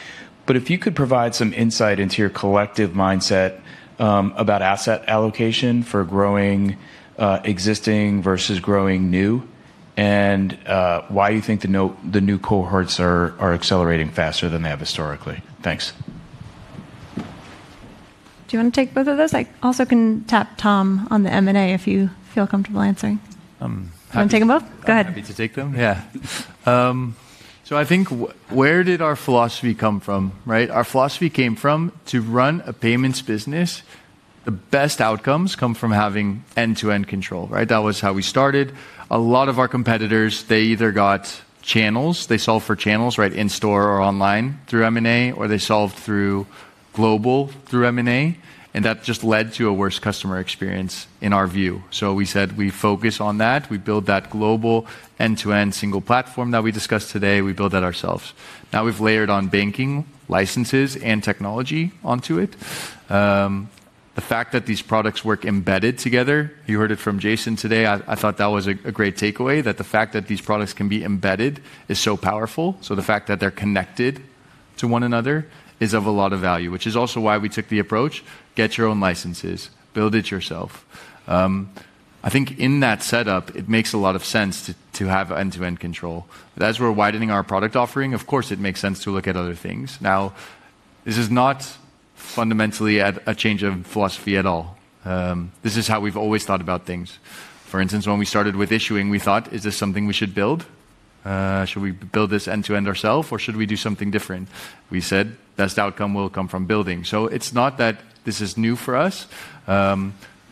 If you could provide some insight into your collective mindset about asset allocation for growing existing versus growing new and why you think the new cohorts are accelerating faster than they have historically. Thanks. Do you want to take both of those? I also can tap Thom on the M&A if you feel comfortable answering. You want to take them both? Go ahead. Happy to take them. Yeah. I think where did our philosophy come from, right? Our philosophy came from to run a payments business. The best outcomes come from having end-to-end control, right? That was how we started. A lot of our competitors, they either got channels, they solved for channels, right, in store or online through M&A, or they solved through global through M&A. That just led to a worse customer experience in our view. We said we focus on that. We build that global end-to-end single platform that we discussed today. We build that ourselves. Now we've layered on banking licenses and technology onto it. The fact that these products work embedded together, you heard it from Jason today. I thought that was a great takeaway that the fact that these products can be embedded is so powerful. The fact that they're connected to one another is of a lot of value, which is also why we took the approach, get your own licenses, build it yourself. I think in that setup, it makes a lot of sense to have end-to-end control. As we're widening our product offering, of course, it makes sense to look at other things. This is not fundamentally a change of philosophy at all. This is how we've always thought about things. For instance, when we started with issuing, we thought, is this something we should build? Should we build this end-to-end ourself, or should we do something different? We said best outcome will come from building. It's not that this is new for us.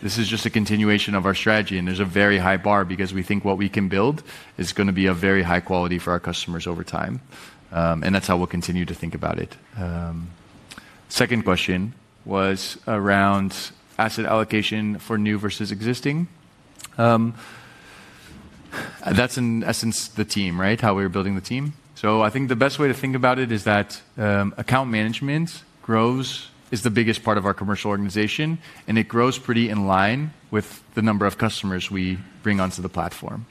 This is just a continuation of our strategy. There is a very high bar because we think what we can build is going to be of very high quality for our customers over time. That is how we will continue to think about it. The second question was around asset allocation for new versus existing. That is in essence the team, right? How we are building the team. I think the best way to think about it is that account management grows as the biggest part of our commercial organization, and it grows pretty in line with the number of customers we bring onto the platform.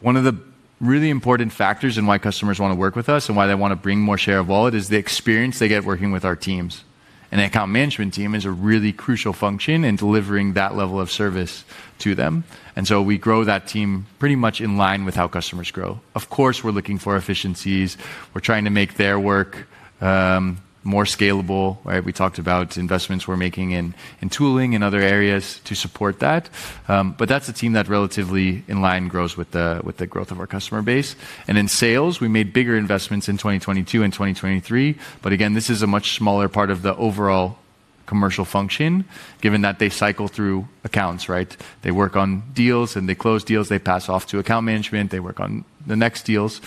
One of the really important factors in why customers want to work with us and why they want to bring more share of wallet is the experience they get working with our teams. The account management team is a really crucial function in delivering that level of service to them. We grow that team pretty much in line with how customers grow. Of course, we're looking for efficiencies. We're trying to make their work more scalable, right? We talked about investments we're making in tooling and other areas to support that. That is a team that relatively in line grows with the growth of our customer base. In sales, we made bigger investments in 2022 and 2023. This is a much smaller part of the overall commercial function, given that they cycle through accounts, right? They work on deals, and they close deals, they pass off to account management, they work on the next deals.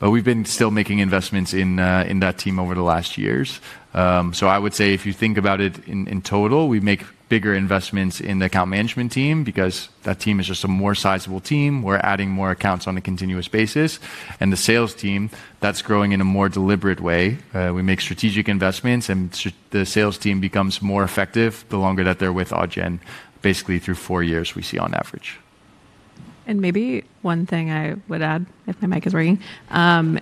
We've been still making investments in that team over the last years. I would say if you think about it in total, we make bigger investments in the account management team because that team is just a more sizable team. We are adding more accounts on a continuous basis. The sales team, that is growing in a more deliberate way. We make strategic investments, and the sales team becomes more effective the longer that they are with Adyen, basically through four years, we see on average. Maybe one thing I would add, if my mic is ringing, and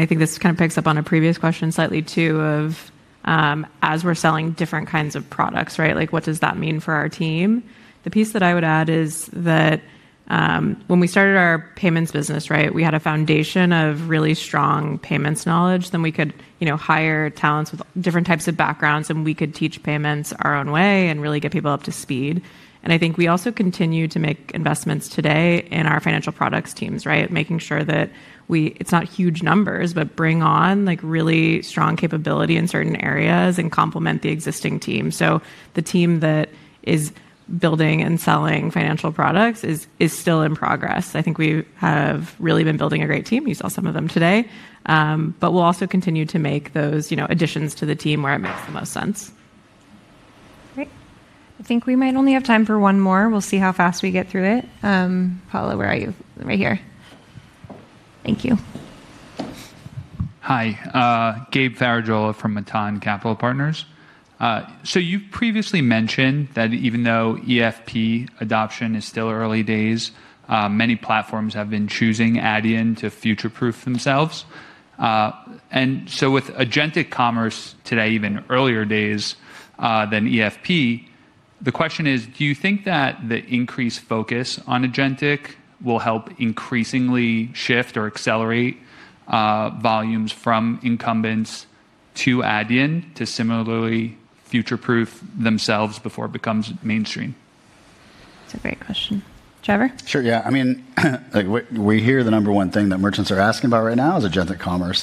I think this kind of picks up on a previous question slightly too, of as we are selling different kinds of products, right? What does that mean for our team? The piece that I would add is that when we started our payments business, right, we had a foundation of really strong payments knowledge. We could hire talents with different types of backgrounds, and we could teach payments our own way and really get people up to speed. I think we also continue to make investments today in our financial products teams, right? Making sure that it is not huge numbers, but bring on really strong capability in certain areas and complement the existing team. The team that is building and selling financial products is still in progress. I think we have really been building a great team. You saw some of them today. We will also continue to make those additions to the team where it makes the most sense. Great. I think we might only have time for one more. We will see how fast we get through it. Paula, where are you? Right here. Thank you. Hi. Gabe Farajollah from Mattan Capital Partners. You have previously mentioned that even though EFP adoption is still early days, many platforms have been choosing Adyen to future-proof themselves. With Agentic Commerce today, even earlier days than EFP, the question is, do you think that the increased focus on Agentic will help increasingly shift or accelerate volumes from incumbents to Adyen to similarly future-proof themselves before it becomes mainstream? That is a great question. Trevor? Sure, yeah. I mean, we hear the number one thing that merchants are asking about right now is Agentic Commerce.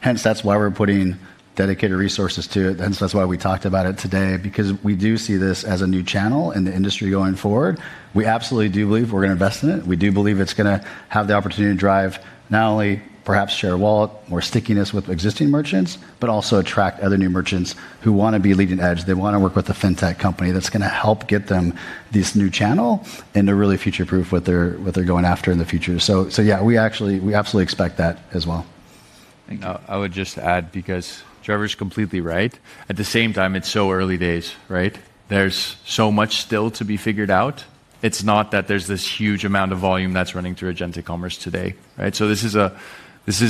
Hence, that is why we are putting dedicated resources to it. Hence, that is why we talked about it today, because we do see this as a new channel in the industry going forward. We absolutely do believe we are going to invest in it. We do believe it's going to have the opportunity to drive not only perhaps share wallet or stickiness with existing merchants, but also attract other new merchants who want to be leading edge. They want to work with a FinTech company that's going to help get them this new channel and to really future-proof what they're going after in the future. Yeah, we absolutely expect that as well. I would just add, because Trevor's completely right, at the same time, it's so early days, right? There's so much still to be figured out. It's not that there's this huge amount of volume that's running through Agentic Commerce today, right? This is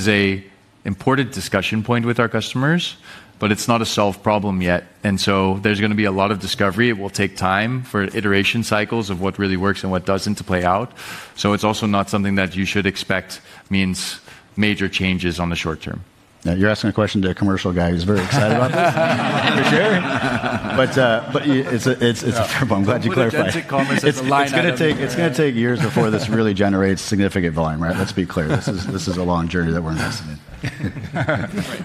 an important discussion point with our customers, but it's not a solved problem yet. There is going to be a lot of discovery. It will take time for iteration cycles of what really works and what does not to play out. It is also not something that you should expect means major changes on the short-term. Now, you are asking a question to a commercial guy who is very excited about this, for sure. It is a fair point. I am glad you clarified. It is a line of business. It is going to take years before this really generates significant volume, right? Let us be clear. This is a long journey that we are investing in.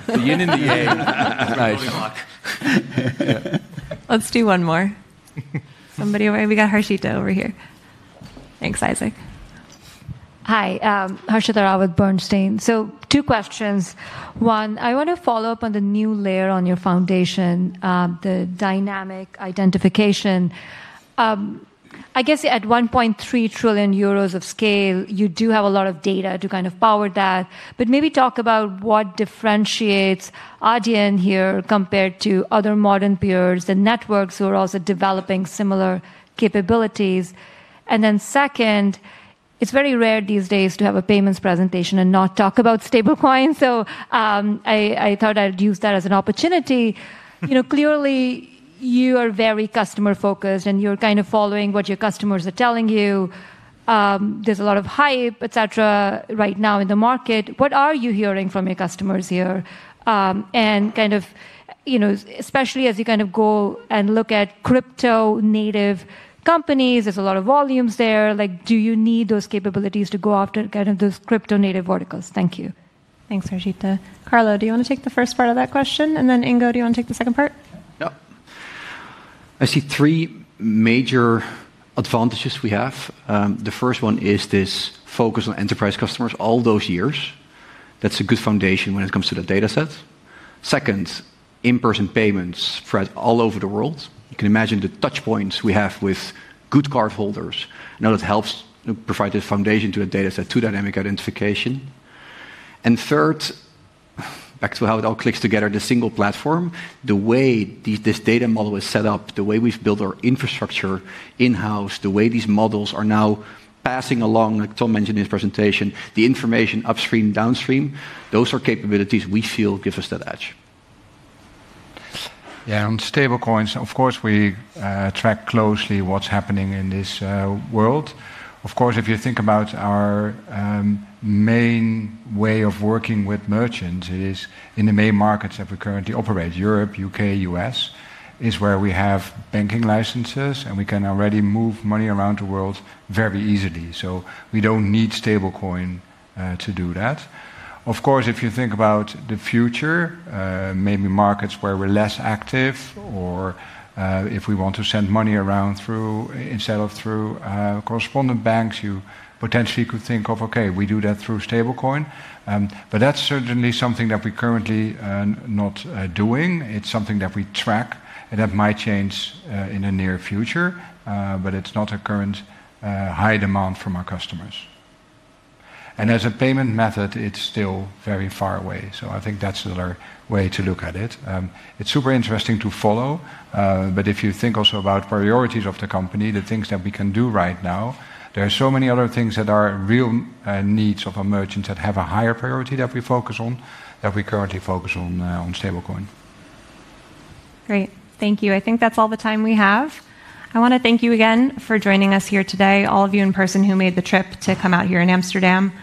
The yin and the yang. Let us do one more. Somebody over here, we got Harshita over here. Thanks, Isaac. Hi, Harshita with Bernstein. Two questions. One, I want to follow up on the new layer on your foundation, the Dynamic Identification. I guess at 1.3 trillion euros of scale, you do have a lot of data to kind of power that. Maybe talk about what differentiates Adyen here compared to other modern peers, the networks who are also developing similar capabilities. Then, it is very rare these days to have a payments presentation and not talk about stablecoins. I thought I would use that as an opportunity. Clearly, you are very customer-focused, and you are kind of following what your customers are telling you. There is a lot of hype, et cetera, right now in the market. What are you hearing from your customers here? Especially as you go and look at crypto-native companies, there is a lot of volumes there. Do you need those capabilities to go after those crypto-native verticals? Thank you. Thanks, Harshita. Carlo, do you want to take the first part of that question? Ingo, do you want to take the second part? Yep. I see three major advantages we have. The first one is this focus on enterprise customers all those years. That's a good foundation when it comes to the data sets. Second, in-person payments spread all over the world. You can imagine the touchpoints we have with good cardholders. I know that helps provide the foundation to the data set to Dynamic Identification. Third, back to how it all clicks together, the Single Platform, the way this data model is set up, the way we've built our infrastructure in-house, the way these models are now passing along, like Tom mentioned in his presentation, the information upstream, downstream, those are capabilities we feel give us that edge. Yeah, on stablecoins, of course, we track closely what's happening in this world. Of course, if you think about our main way of working with merchants, it is in the main markets that we currently operate, Europe, U.K., U.S., is where we have banking licenses, and we can already move money around the world very easily. We do not need stablecoin to do that. Of course, if you think about the future, maybe markets where we are less active, or if we want to send money around instead of through correspondent banks, you potentially could think of, okay, we do that through stablecoin. That is certainly something that we are currently not doing. It is something that we track, and that might change in the near future, but it is not a current high demand from our customers. As a payment method, it is still very far away. I think that is another way to look at it. It is super interesting to follow. If you think also about priorities of the company, the things that we can do right now, there are so many other things that are real needs of a merchant that have a higher priority that we focus on, that we currently focus on stablecoin. Great. Thank you. I think that's all the time we have. I want to thank you again for joining us here today, all of you in person who made the trip to come out here in Amsterdam.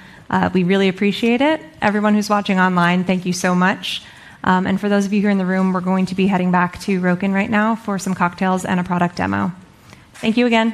We really appreciate it. Everyone who's watching online, thank you so much. For those of you here in the room, we're going to be heading back to Rokin right now for some cocktails and a product demo. Thank you again.